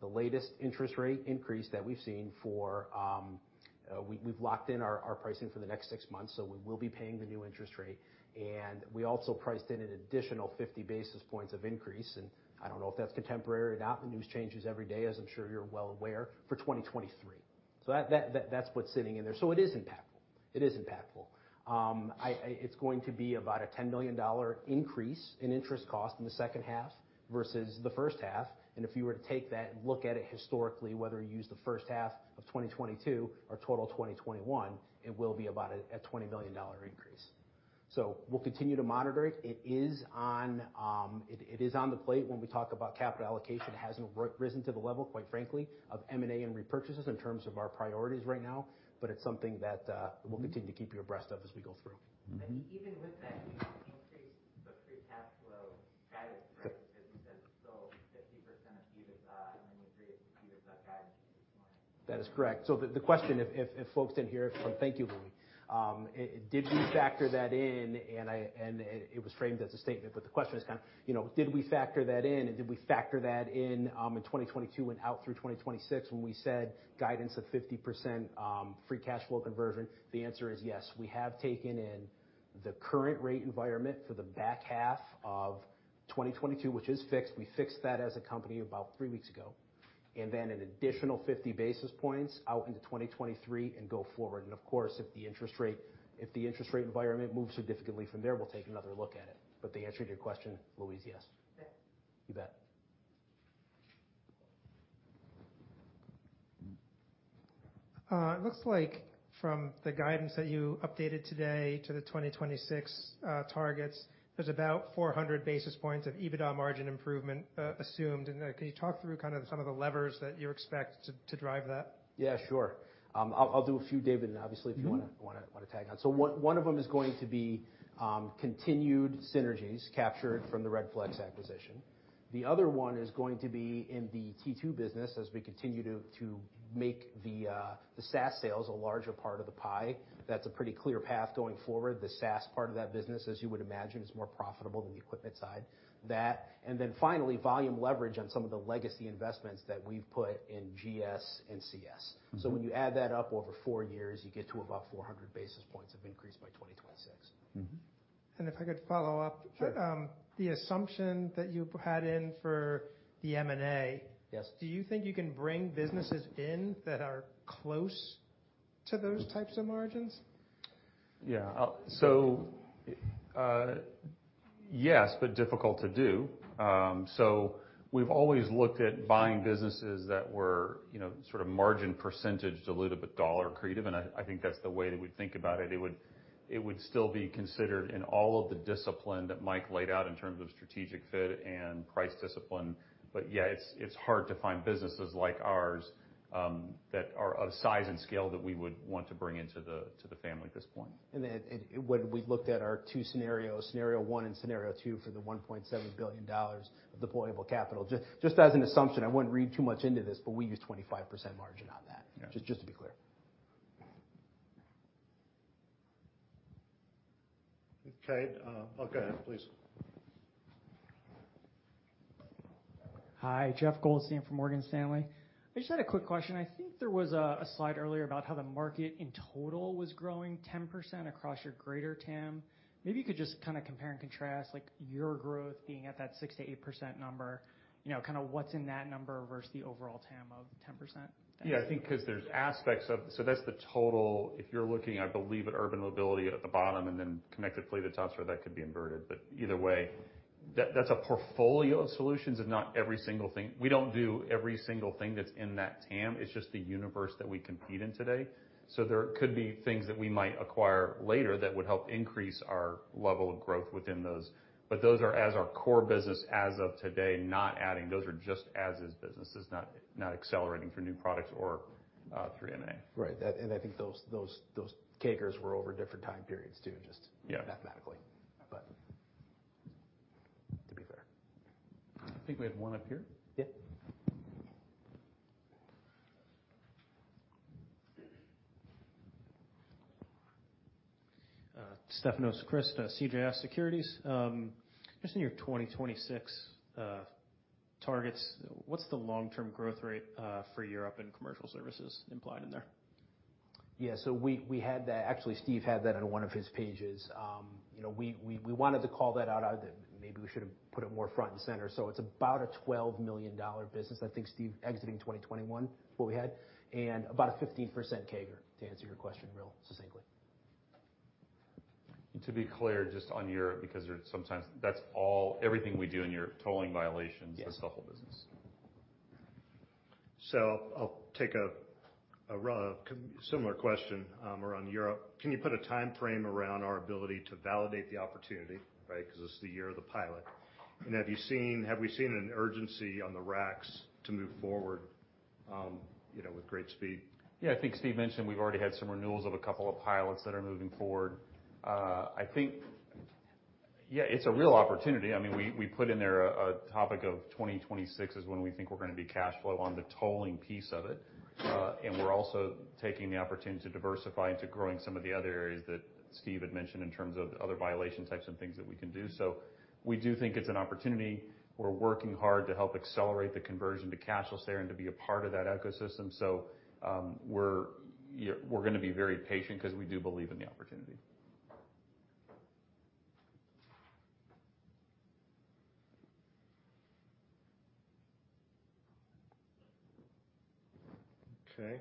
the latest interest rate increase that we've seen. We've locked in our pricing for the next six months, so we will be paying the new interest rate. We also priced in an additional 50 basis points of increase. I don't know if that's contemporary or not, the news changes every day, as I'm sure you're well aware, for 2023. That's what's sitting in there. It is impactful. It's going to be about a $10 million increase in interest cost in the second half versus the first half. If you were to take that and look at it historically, whether you use the first half of 2022 or total 2021, it will be about a $20 million increase. We'll continue to monitor it. It is on the plate when we talk about capital allocation. It hasn't risen to the level, quite frankly, of M&A and repurchases in terms of our priorities right now, but it's something that we'll continue to keep you abreast of as we go through. Even with that, you increased the free cash flow guidance, right? Because you said it's still 50% of EBITDA, and then you raised the EBITDA guidance this morning. That is correct. The question, if folks didn't hear it. Thank you, Louie. Did we factor that in? It was framed as a statement, but the question is kind of, you know, did we factor that in in 2022 and out through 2026 when we said guidance of 50% free cash flow conversion? The answer is yes. We have taken in the current rate environment for the back half of 2022, which is fixed. We fixed that as a company about three weeks ago. Then an additional 50 basis points out into 2023 and go forward. Of course, if the interest rate environment moves significantly from there, we'll take another look at it. The answer to your question, Louie, is yes. Thanks. You bet. It looks like from the guidance that you updated today to the 2026 targets, there's about 400 basis points of EBITDA margin improvement assumed. Can you talk through kind of some of the levers that you expect to drive that? I'll do a few, David, and obviously if you want to tag on. One of them is going to be continued synergies captured from the Redflex acquisition. The other one is going to be in the T2 business as we continue to make the SaaS sales a larger part of the pie. That's a pretty clear path going forward. The SaaS part of that business, as you would imagine, is more profitable than the equipment side. That, and then finally, volume leverage on some of the legacy investments that we've put in GS and CS. When you add that up over four years, you get to about 400 basis points of increase by 2026. If I could follow up, the assumption that you had in for the M&A. Do you think you can bring businesses in that are close to those types of margins? Yes, but difficult to do. We've always looked at buying businesses that were, you know, sort of margin-accretive a little bit dollar-accretive, and I think that's the way that we think about it. It would still be considered in all of the discipline that Mike laid out in terms of strategic fit and price discipline. Yeah, it's hard to find businesses like ours that are of size and scale that we would want to bring into the family at this point. When we looked at our two scenarios, scenario 1 and scenario 2 for the $1.7 billion of deployable capital, just as an assumption, I wouldn't read too much into this, but we use 25% margin on that, just to be clear. Okay, please. Hi, Jeffrey Goldstein from Morgan Stanley. I just had a quick question. I think there was a slide earlier about how the market in total was growing 10% across your greater TAM. Maybe you could just kind of compare and contrast, like, your growth being at that 6% to 8% number. You know, kind of what's in that number versus the overall TAM of 10%? Yeah, I think 'cause there's aspects of so that's the total. If you're looking, I believe, at urban mobility at the bottom and then connected fleet at the top, so that could be inverted. But either way, that's a portfolio of solutions and not every single thing. We don't do every single thing that's in that TAM. It's just the universe that we compete in today. There could be things that we might acquire later that would help increase our level of growth within those. Those are as is our core business as of today, not adding. Those are just as is businesses, not accelerating through new products or through M&A. Right. I think those CAGRs were over different time periods too, just mathematically, to be fair. I think we have one up here. Stefanos Crist, CJS Securities. Just in your 2026 targets, what's the long-term growth rate for Europe and commercial services implied in there? We had that. Actually, Steve had that on one of his pages. You know, we wanted to call that out. Maybe we should have put it more front and center. It's about a $12 million business. I think Steve, exiting 2021, what we had, and about a 15% CAGR, to answer your question real succinctly. To be clear, just on Europe, because there's sometimes, that's all, everything we do in your tolling violations, that's the whole business. I'll take a similar question around Europe. Can you put a timeframe around our ability to validate the opportunity, right? Because this is the year of the pilot. Have we seen an urgency on the ranks to move forward with great speed? I think Steve mentioned we've already had some renewals of a couple of pilots that are moving forward. Yeah, it's a real opportunity. I mean, we put in there a target of 2026 is when we think we're gonna be cash flow on the tolling piece of it. We're also taking the opportunity to diversify into growing some of the other areas that Steve had mentioned in terms of other violation types and things that we can do. We do think it's an opportunity. We're working hard to help accelerate the conversion to cashless there and to be a part of that ecosystem. We're gonna be very patient 'cause we do believe in the opportunity. Okay.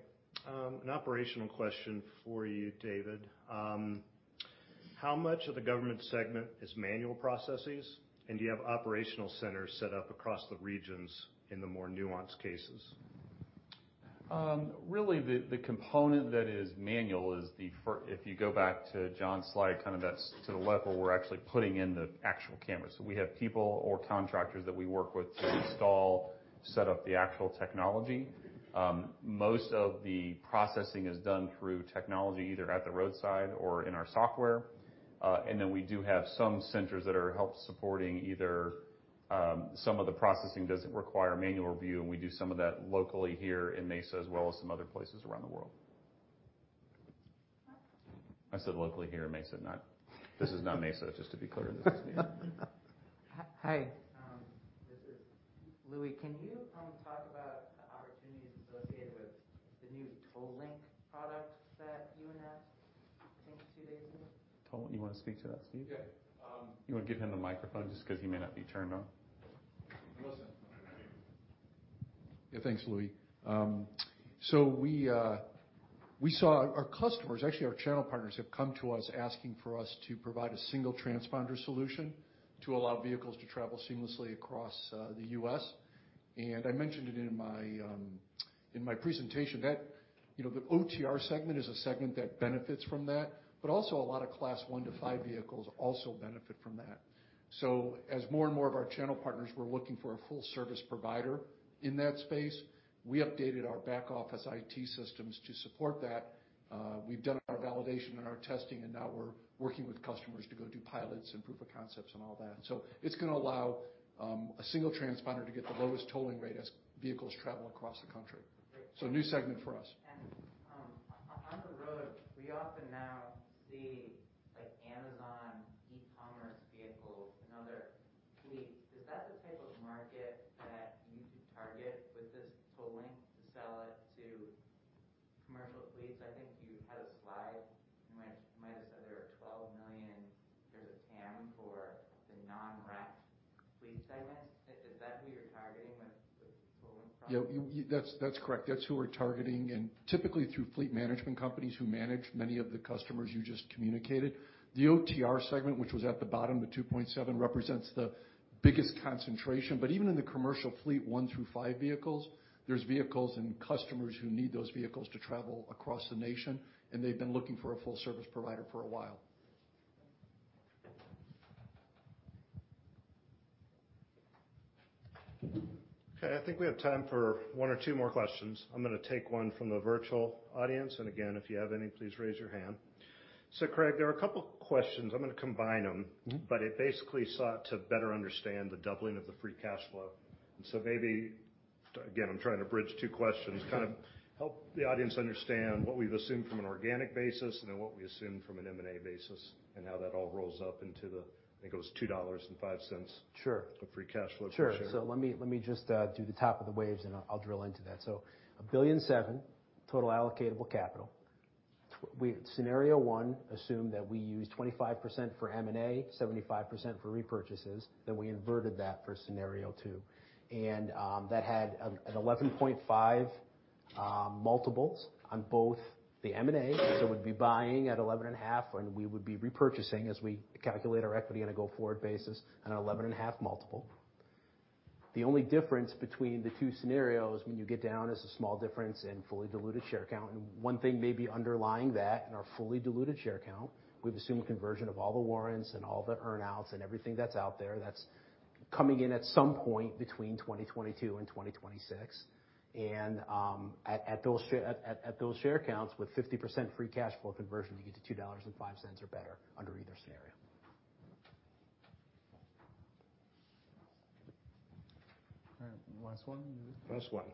An operational question for you, David. How much of the government segment is manual processes? Do you have operational centers set up across the regions in the more nuanced cases? Really the component that is manual is if you go back to Jon's slide, kind of that's to the left where we're actually putting in the actual cameras. We have people or contractors that we work with to install, set up the actual technology. Most of the processing is done through technology, either at the roadside or in our software. Then we do have some centers that are helping support either, some of the processing doesn't require manual review, and we do some of that locally here in Mesa as well as some other places around the world. I said locally here in Mesa. This is not Mesa, just to be clear. This is New York. Hi, this is Louie. Can you talk about the opportunities associated with the new TollLink product that you announced, I think two days ago? TollLink. You wanna speak to that, Steve? Yes. You wanna give him the microphone just 'cause he may not be turned on. Thanks, Louie. We saw our customers, actually, our channel partners have come to us asking for us to provide a single transponder solution to allow vehicles to travel seamlessly across the US. I mentioned it in my presentation that, you know, the OTR segment is a segment that benefits from that, but also a lot of Class 1 to 5 vehicles also benefit from that. As more and more of our channel partners were looking for a full service provider in that space, we updated our back office IT systems to support that. We've done our validation and our testing, and now we're working with customers to go do pilots and proof of concepts and all that. It's gonna allow a single transponder to get the lowest tolling rate as vehicles travel across the country. Great. New segment for us. On the road, we often now see, like, Amazon e-commerce vehicles and other fleets. Is that the type of market that you could target with this TollLink to sell it to commercial fleets? I think you had a slide, you might've said there are 12 million, there's a TAM for the non-RAC fleet segment. Is that who you're targeting with TollLink product? Yeah. That's correct. That's who we're targeting and typically through fleet management companies who manage many of the customers you just communicated. The OTR segment, which was at the bottom, the 2.7 represents the biggest concentration. Even in the commercial fleet one to five vehicles, there's vehicles and customers who need those vehicles to travel across the nation, and they've been looking for a full service provider for a while. Okay. I think we have time for one or two more questions. I'm gonna take one from the virtual audience, and again, if you have any, please raise your hand. Craig, there are a couple questions. I'm gonna combine them. It basically sought to better understand the doubling of the free cash flow. Maybe, again, I'm trying to bridge two questions. Kind of help the audience understand what we've assumed from an organic basis, and then what we assumed from an M&A basis, and how that all rolls up into the, I think it was $2.05.Sureof free cash flow per share. Sure. Let me just do the top of the waves and I'll drill into that. $1.7 billion total allocatable capital. Scenario one assumed that we used 25% for M&A, 75% for repurchases, then we inverted that for scenario two. That had an 11.5 multiples on both the M&A. We'd be buying at 11.5, and we would be repurchasing as we calculate our equity on a go-forward basis at 11.5 multiple. The only difference between the two scenarios when you get down is a small difference in fully diluted share count. One thing maybe underlying that in our fully diluted share count, we've assumed conversion of all the warrants and all the earn outs and everything that's out there that's coming in at some point between 2022 and 2026. At those share counts with 50% free cash flow conversion, you get to $2.05 or better under either scenario. All right. Last one, Louie. Last one.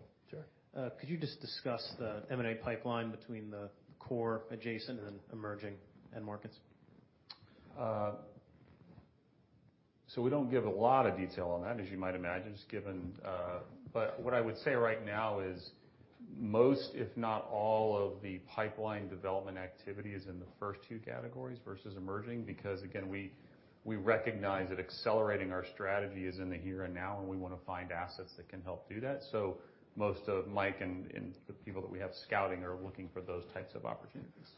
Could you just discuss the M&A pipeline between the core adjacent and emerging end markets? We don't give a lot of detail on that, as you might imagine, just given. What I would say right now is most, if not all of the pipeline development activity is in the first two categories versus emerging, because again, we recognize that accelerating our strategy is in the here and now, and we wanna find assets that can help do that. Most of Mike and the people that we have scouting are looking for those types of opportunities.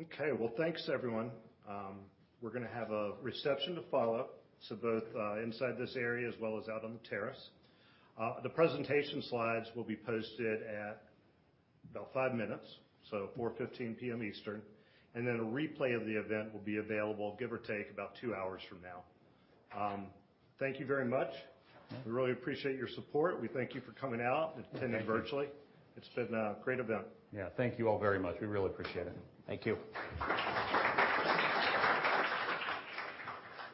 Okay. Well, thanks everyone. We're gonna have a reception to follow, so both inside this area as well as out on the terrace. The presentation slides will be posted at about five minutes, so 4:15 P.M. Eastern, and then a replay of the event will be available, give or take about two hours from now. Thank you very much. We really appreciate your support. We thank you for coming out and attending virtually. It's been a great event. Yeah. Thank you all very much. We really appreciate it. Thank you.